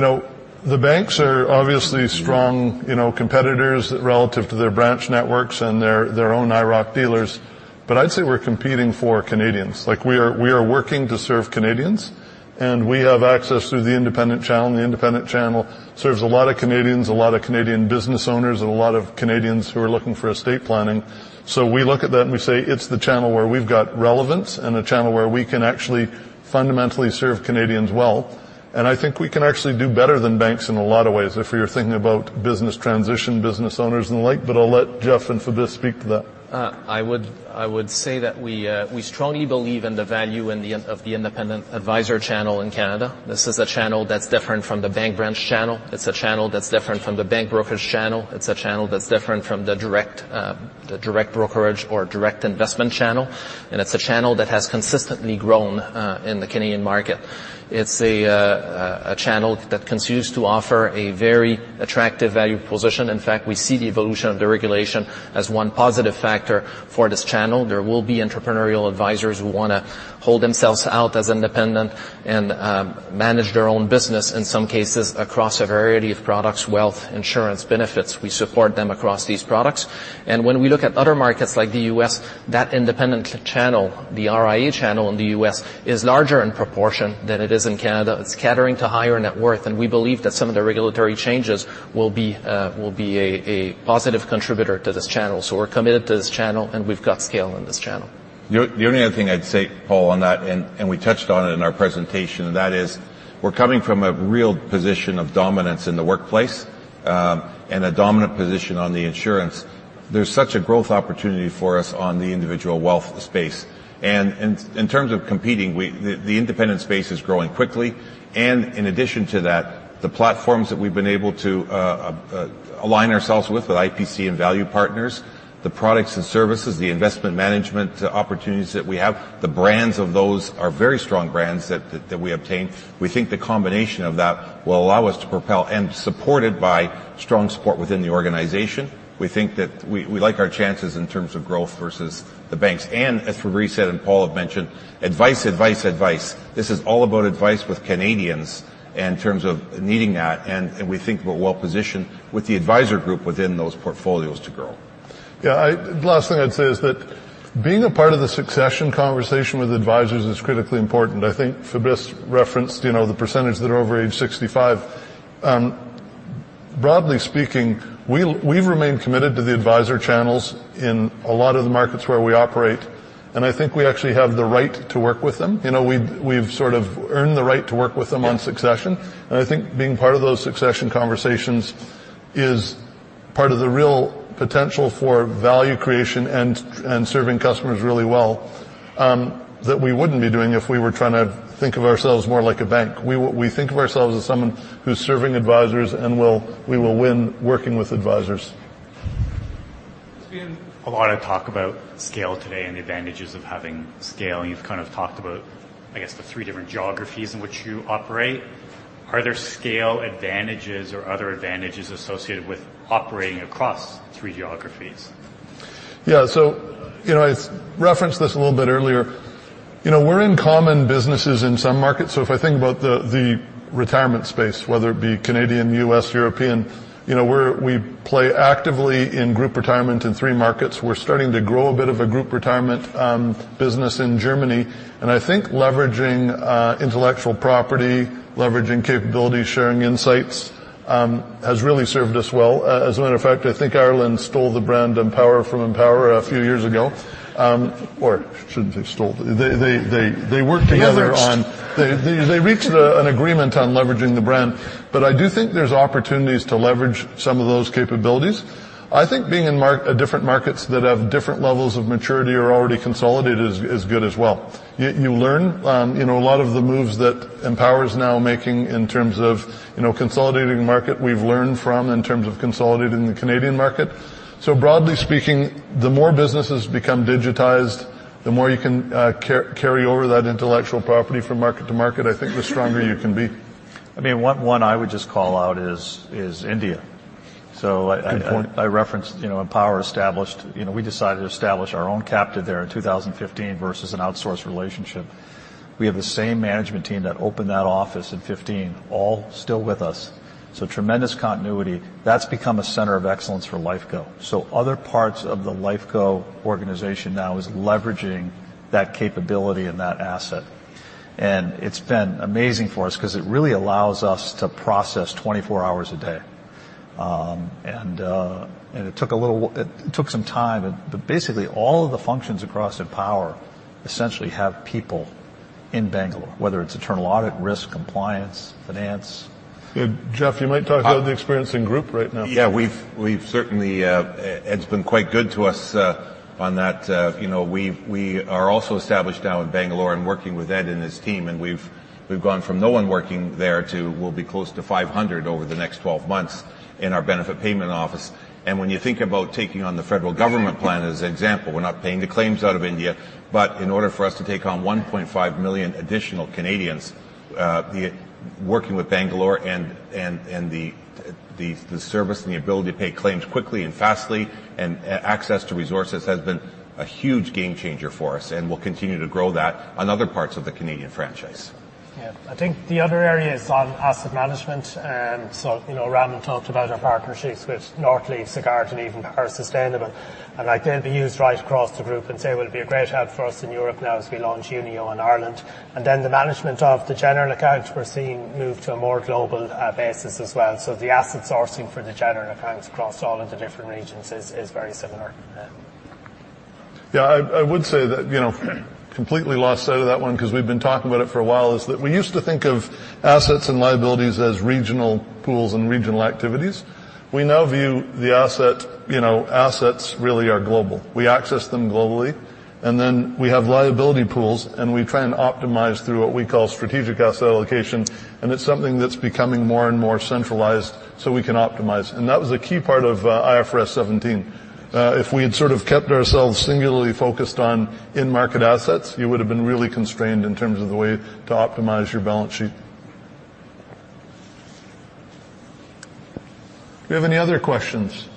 know, the banks are obviously strong, you know, competitors relative to their branch networks and their own IIROC dealers. I'd say we're competing for Canadians. Like, we are working to serve Canadians, and we have access through the independent channel. The independent channel serves a lot of Canadians, a lot of Canadian business owners, and a lot of Canadians who are looking for estate planning. We look at that, and we say it's the channel where we've got relevance and the channel where we can actually fundamentally serve Canadians well. I think we can actually do better than banks in a lot of ways if we are thinking about business transition, business owners, and the like, I'll let Jeff and Fabrice speak to that. I would say that we strongly believe in the value of the independent advisor channel in Canada. This is a channel that's different from the bank branch channel. It's a channel that's different from the bank brokerage channel. It's a channel that's different from the direct brokerage or direct investment channel. It's a channel that has consistently grown in the Canadian market. It's a channel that continues to offer a very attractive value position. In fact, we see the evolution of the regulation as one positive factor for this channel. There will be entrepreneurial advisors who wanna hold themselves out as independent and manage their own business, in some cases, across a variety of products, wealth, insurance, benefits. We support them across these products. When we look at other markets like the U.S., that independent channel, the RIA channel in the U.S., is larger in proportion than it is in Canada. It's catering to higher net worth, and we believe that some of the regulatory changes will be a positive contributor to this channel. We're committed to this channel, and we've got scale in this channel. The only other thing I'd say, Paul, on that, and we touched on it in our presentation, and that is, we're coming from a real position of dominance in the workplace, and a dominant position on the insurance. There's such a growth opportunity for us on the individual wealth space. In terms of competing, we, the independent space is growing quickly, and in addition to that, the platforms that we've been able to align ourselves with IPC and Value Partners, the products and services, the investment management opportunities that we have, the brands of those are very strong brands that we obtain. We think the combination of that will allow us to propel and supported by strong support within the organization. We think that we like our chances in terms of growth versus the banks. As Fabrice said, and Paul have mentioned, advice, advice. This is all about advice with Canadians in terms of needing that, and we think we're well positioned with the advisor group within those portfolios to grow. Yeah, the last thing I'd say is that being a part of the succession conversation with advisors is critically important. I think Fabrice referenced, you know, the percentage that are over age 65. Broadly speaking, we've remained committed to the advisor channels in a lot of the markets where we operate, and I think we actually have the right to work with them. You know, we've sort of earned the right to work with them. Yeah - on succession, and I think being part of those succession conversations is part of the real potential for value creation and serving customers really well, that we wouldn't be doing if we were trying to think of ourselves more like a bank. We think of ourselves as someone who's serving advisors and we will win working with advisors. There's been a lot of talk about scale today and the advantages of having scale, and you've kind of talked about, I guess, the three different geographies in which you operate. Are there scale advantages or other advantages associated with operating across three geographies? Yeah. You know, I referenced this a little bit earlier. You know, we're in common businesses in some markets, so if I think about the retirement space, whether it be Canadian, U.S., European, you know, we play actively in group retirement in 3 markets. We're starting to grow a bit of a group retirement business in Germany, and I think leveraging intellectual property, leveraging capabilities, sharing insights, has really served us well. As a matter of fact, I think Ireland stole the brand Empower from Empower a few years ago. Or shouldn't have stole. They worked together. We merged. They reached an agreement on leveraging the brand. I do think there's opportunities to leverage some of those capabilities. I think being in different markets that have different levels of maturity or already consolidated is good as well. You learn. You know, a lot of the moves that Empower is now making in terms of, you know, consolidating the market we've learned from in terms of consolidating the Canadian market. Broadly speaking, the more businesses become digitized. The more you can carry over that intellectual property from market to market, I think the stronger you can be. I mean, one I would just call out is India. Good point. I referenced, you know, Empower established. You know, we decided to establish our own captive there in 2015 versus an outsourced relationship. We have the same management team that opened that office in 2015, all still with us. Tremendous continuity. That's become a center of excellence for Lifeco. Other parts of the Lifeco organization now is leveraging that capability and that asset. It's been amazing for us 'cause it really allows us to process 24 hours a day. It took some time, but basically, all of the functions across Empower essentially have people in Bangalore, whether it's internal audit, risk, compliance, finance. Yeah. Jeff, you might talk about the experience in group right now. Yeah, we've certainly Ed's been quite good to us on that. You know, we are also established now in Bangalore and working with Ed and his team, and we've gone from no one working there to we'll be close to 500 over the next 12 months in our benefit payment office. When you think about taking on the federal government plan as an example, we're not paying the claims out of India, but in order for us to take on 1.5 million additional Canadians, the working with Bangalore and the service and the ability to pay claims quickly and fastly access to resources has been a huge game changer for us, and we'll continue to grow that on other parts of the Canadian franchise. Yeah. I think the other area is on asset management. You know, Raman talked about our partnerships with Northleaf, Sagard, and even Power Sustainable. They'll be used right across the group, and so it will be a great help for us in Europe now as we launch Unio in Ireland. The management of the general accounts, we're seeing move to a more global, basis as well. The asset sourcing for the general accounts across all of the different regions is very similar. Yeah. Yeah, I would say that, you know, completely lost sight of that one 'cause we've been talking about it for a while, is that we used to think of assets and liabilities as regional pools and regional activities. We now view assets really are global. We access them globally, and then we have liability pools, and we try and optimize through what we call strategic asset allocation, and it's something that's becoming more and more centralized so we can optimize. That was a key part of IFRS 17. If we had sort of kept ourselves singularly focused on in-market assets, you would have been really constrained in terms of the way to optimize your balance sheet. Do you have any other questions?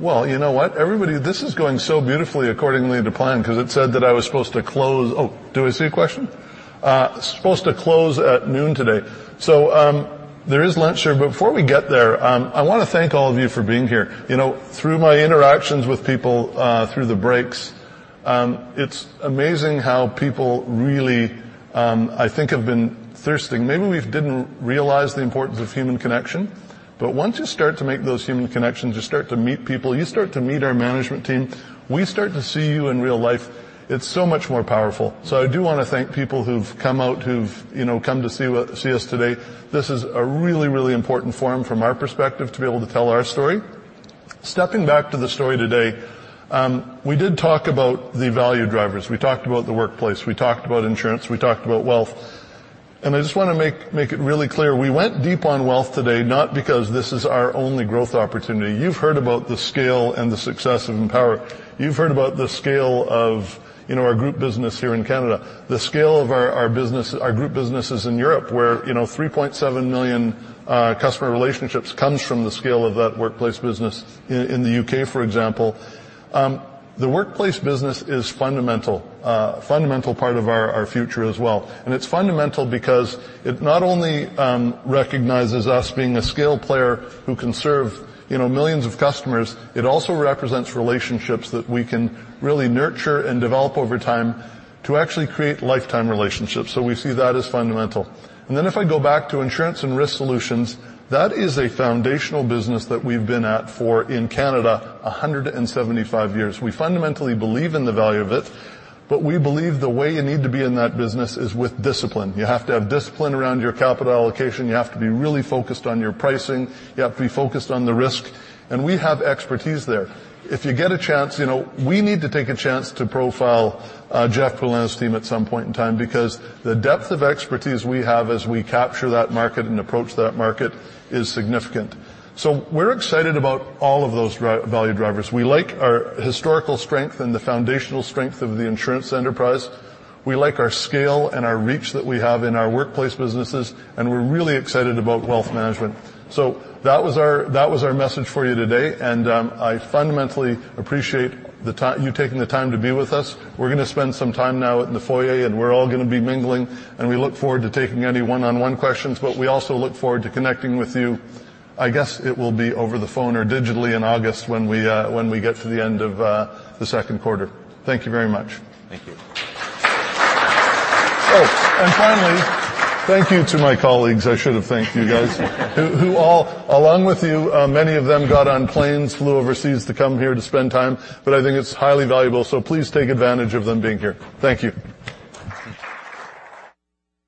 Well, you know what? Everybody, this is going so beautifully accordingly to plan 'cause it said that I was supposed to close. Oh, do I see a question? Supposed to close at 12:00 P.M. today. There is lunch here, before we get there, I wanna thank all of you for being here. You know, through my interactions with people, through the breaks, it's amazing how people really, I think, have been thirsting. Maybe we didn't realize the importance of human connection, once you start to make those human connections, you start to meet people, you start to meet our management team, we start to see you in real life, it's so much more powerful. I do wanna thank people who've come out, who've, you know, come to see us today. This is a really, really important forum from our perspective, to be able to tell our story. Stepping back to the story today, we did talk about the value drivers. We talked about the workplace, we talked about insurance, we talked about wealth. I just wanna make it really clear, we went deep on wealth today, not because this is our only growth opportunity. You've heard about the scale and the success of Empower. You've heard about the scale of, you know, our group business here in Canada, the scale of our business, our group businesses in Europe, where, you know, 3.7 million customer relationships comes from the scale of that workplace business in the UK, for example. The workplace business is fundamental part of our future as well. It's fundamental because it not only, recognizes us being a scale player who can serve, you know, millions of customers, it also represents relationships that we can really nurture and develop over time to actually create lifetime relationships. We see that as fundamental. If I go back to insurance and risk solutions, that is a foundational business that we've been at for, in Canada, 175 years. We fundamentally believe in the value of it, but we believe the way you need to be in that business is with discipline. You have to have discipline around your capital allocation. You have to be really focused on your pricing. You have to be focused on the risk, and we have expertise there. If you get a chance, you know, we need to take a chance to profile Jeff and his team at some point in time, because the depth of expertise we have as we capture that market and approach that market is significant. We're excited about all of those value drivers. We like our historical strength and the foundational strength of the insurance enterprise. We like our scale and our reach that we have in our workplace businesses, and we're really excited about wealth management. That was our message for you today, and I fundamentally appreciate the time you taking the time to be with us. We're gonna spend some time now in the foyer, and we're all gonna be mingling, and we look forward to taking any one-on-one questions, but we also look forward to connecting with you. I guess it will be over the phone or digitally in August when we, when we get to the end of the second quarter. Thank you very much. Thank you. Finally, thank you to my colleagues. I should have thanked you guys, who all, along with you, many of them got on planes, flew overseas to come here to spend time. I think it's highly valuable. Please take advantage of them being here. Thank you.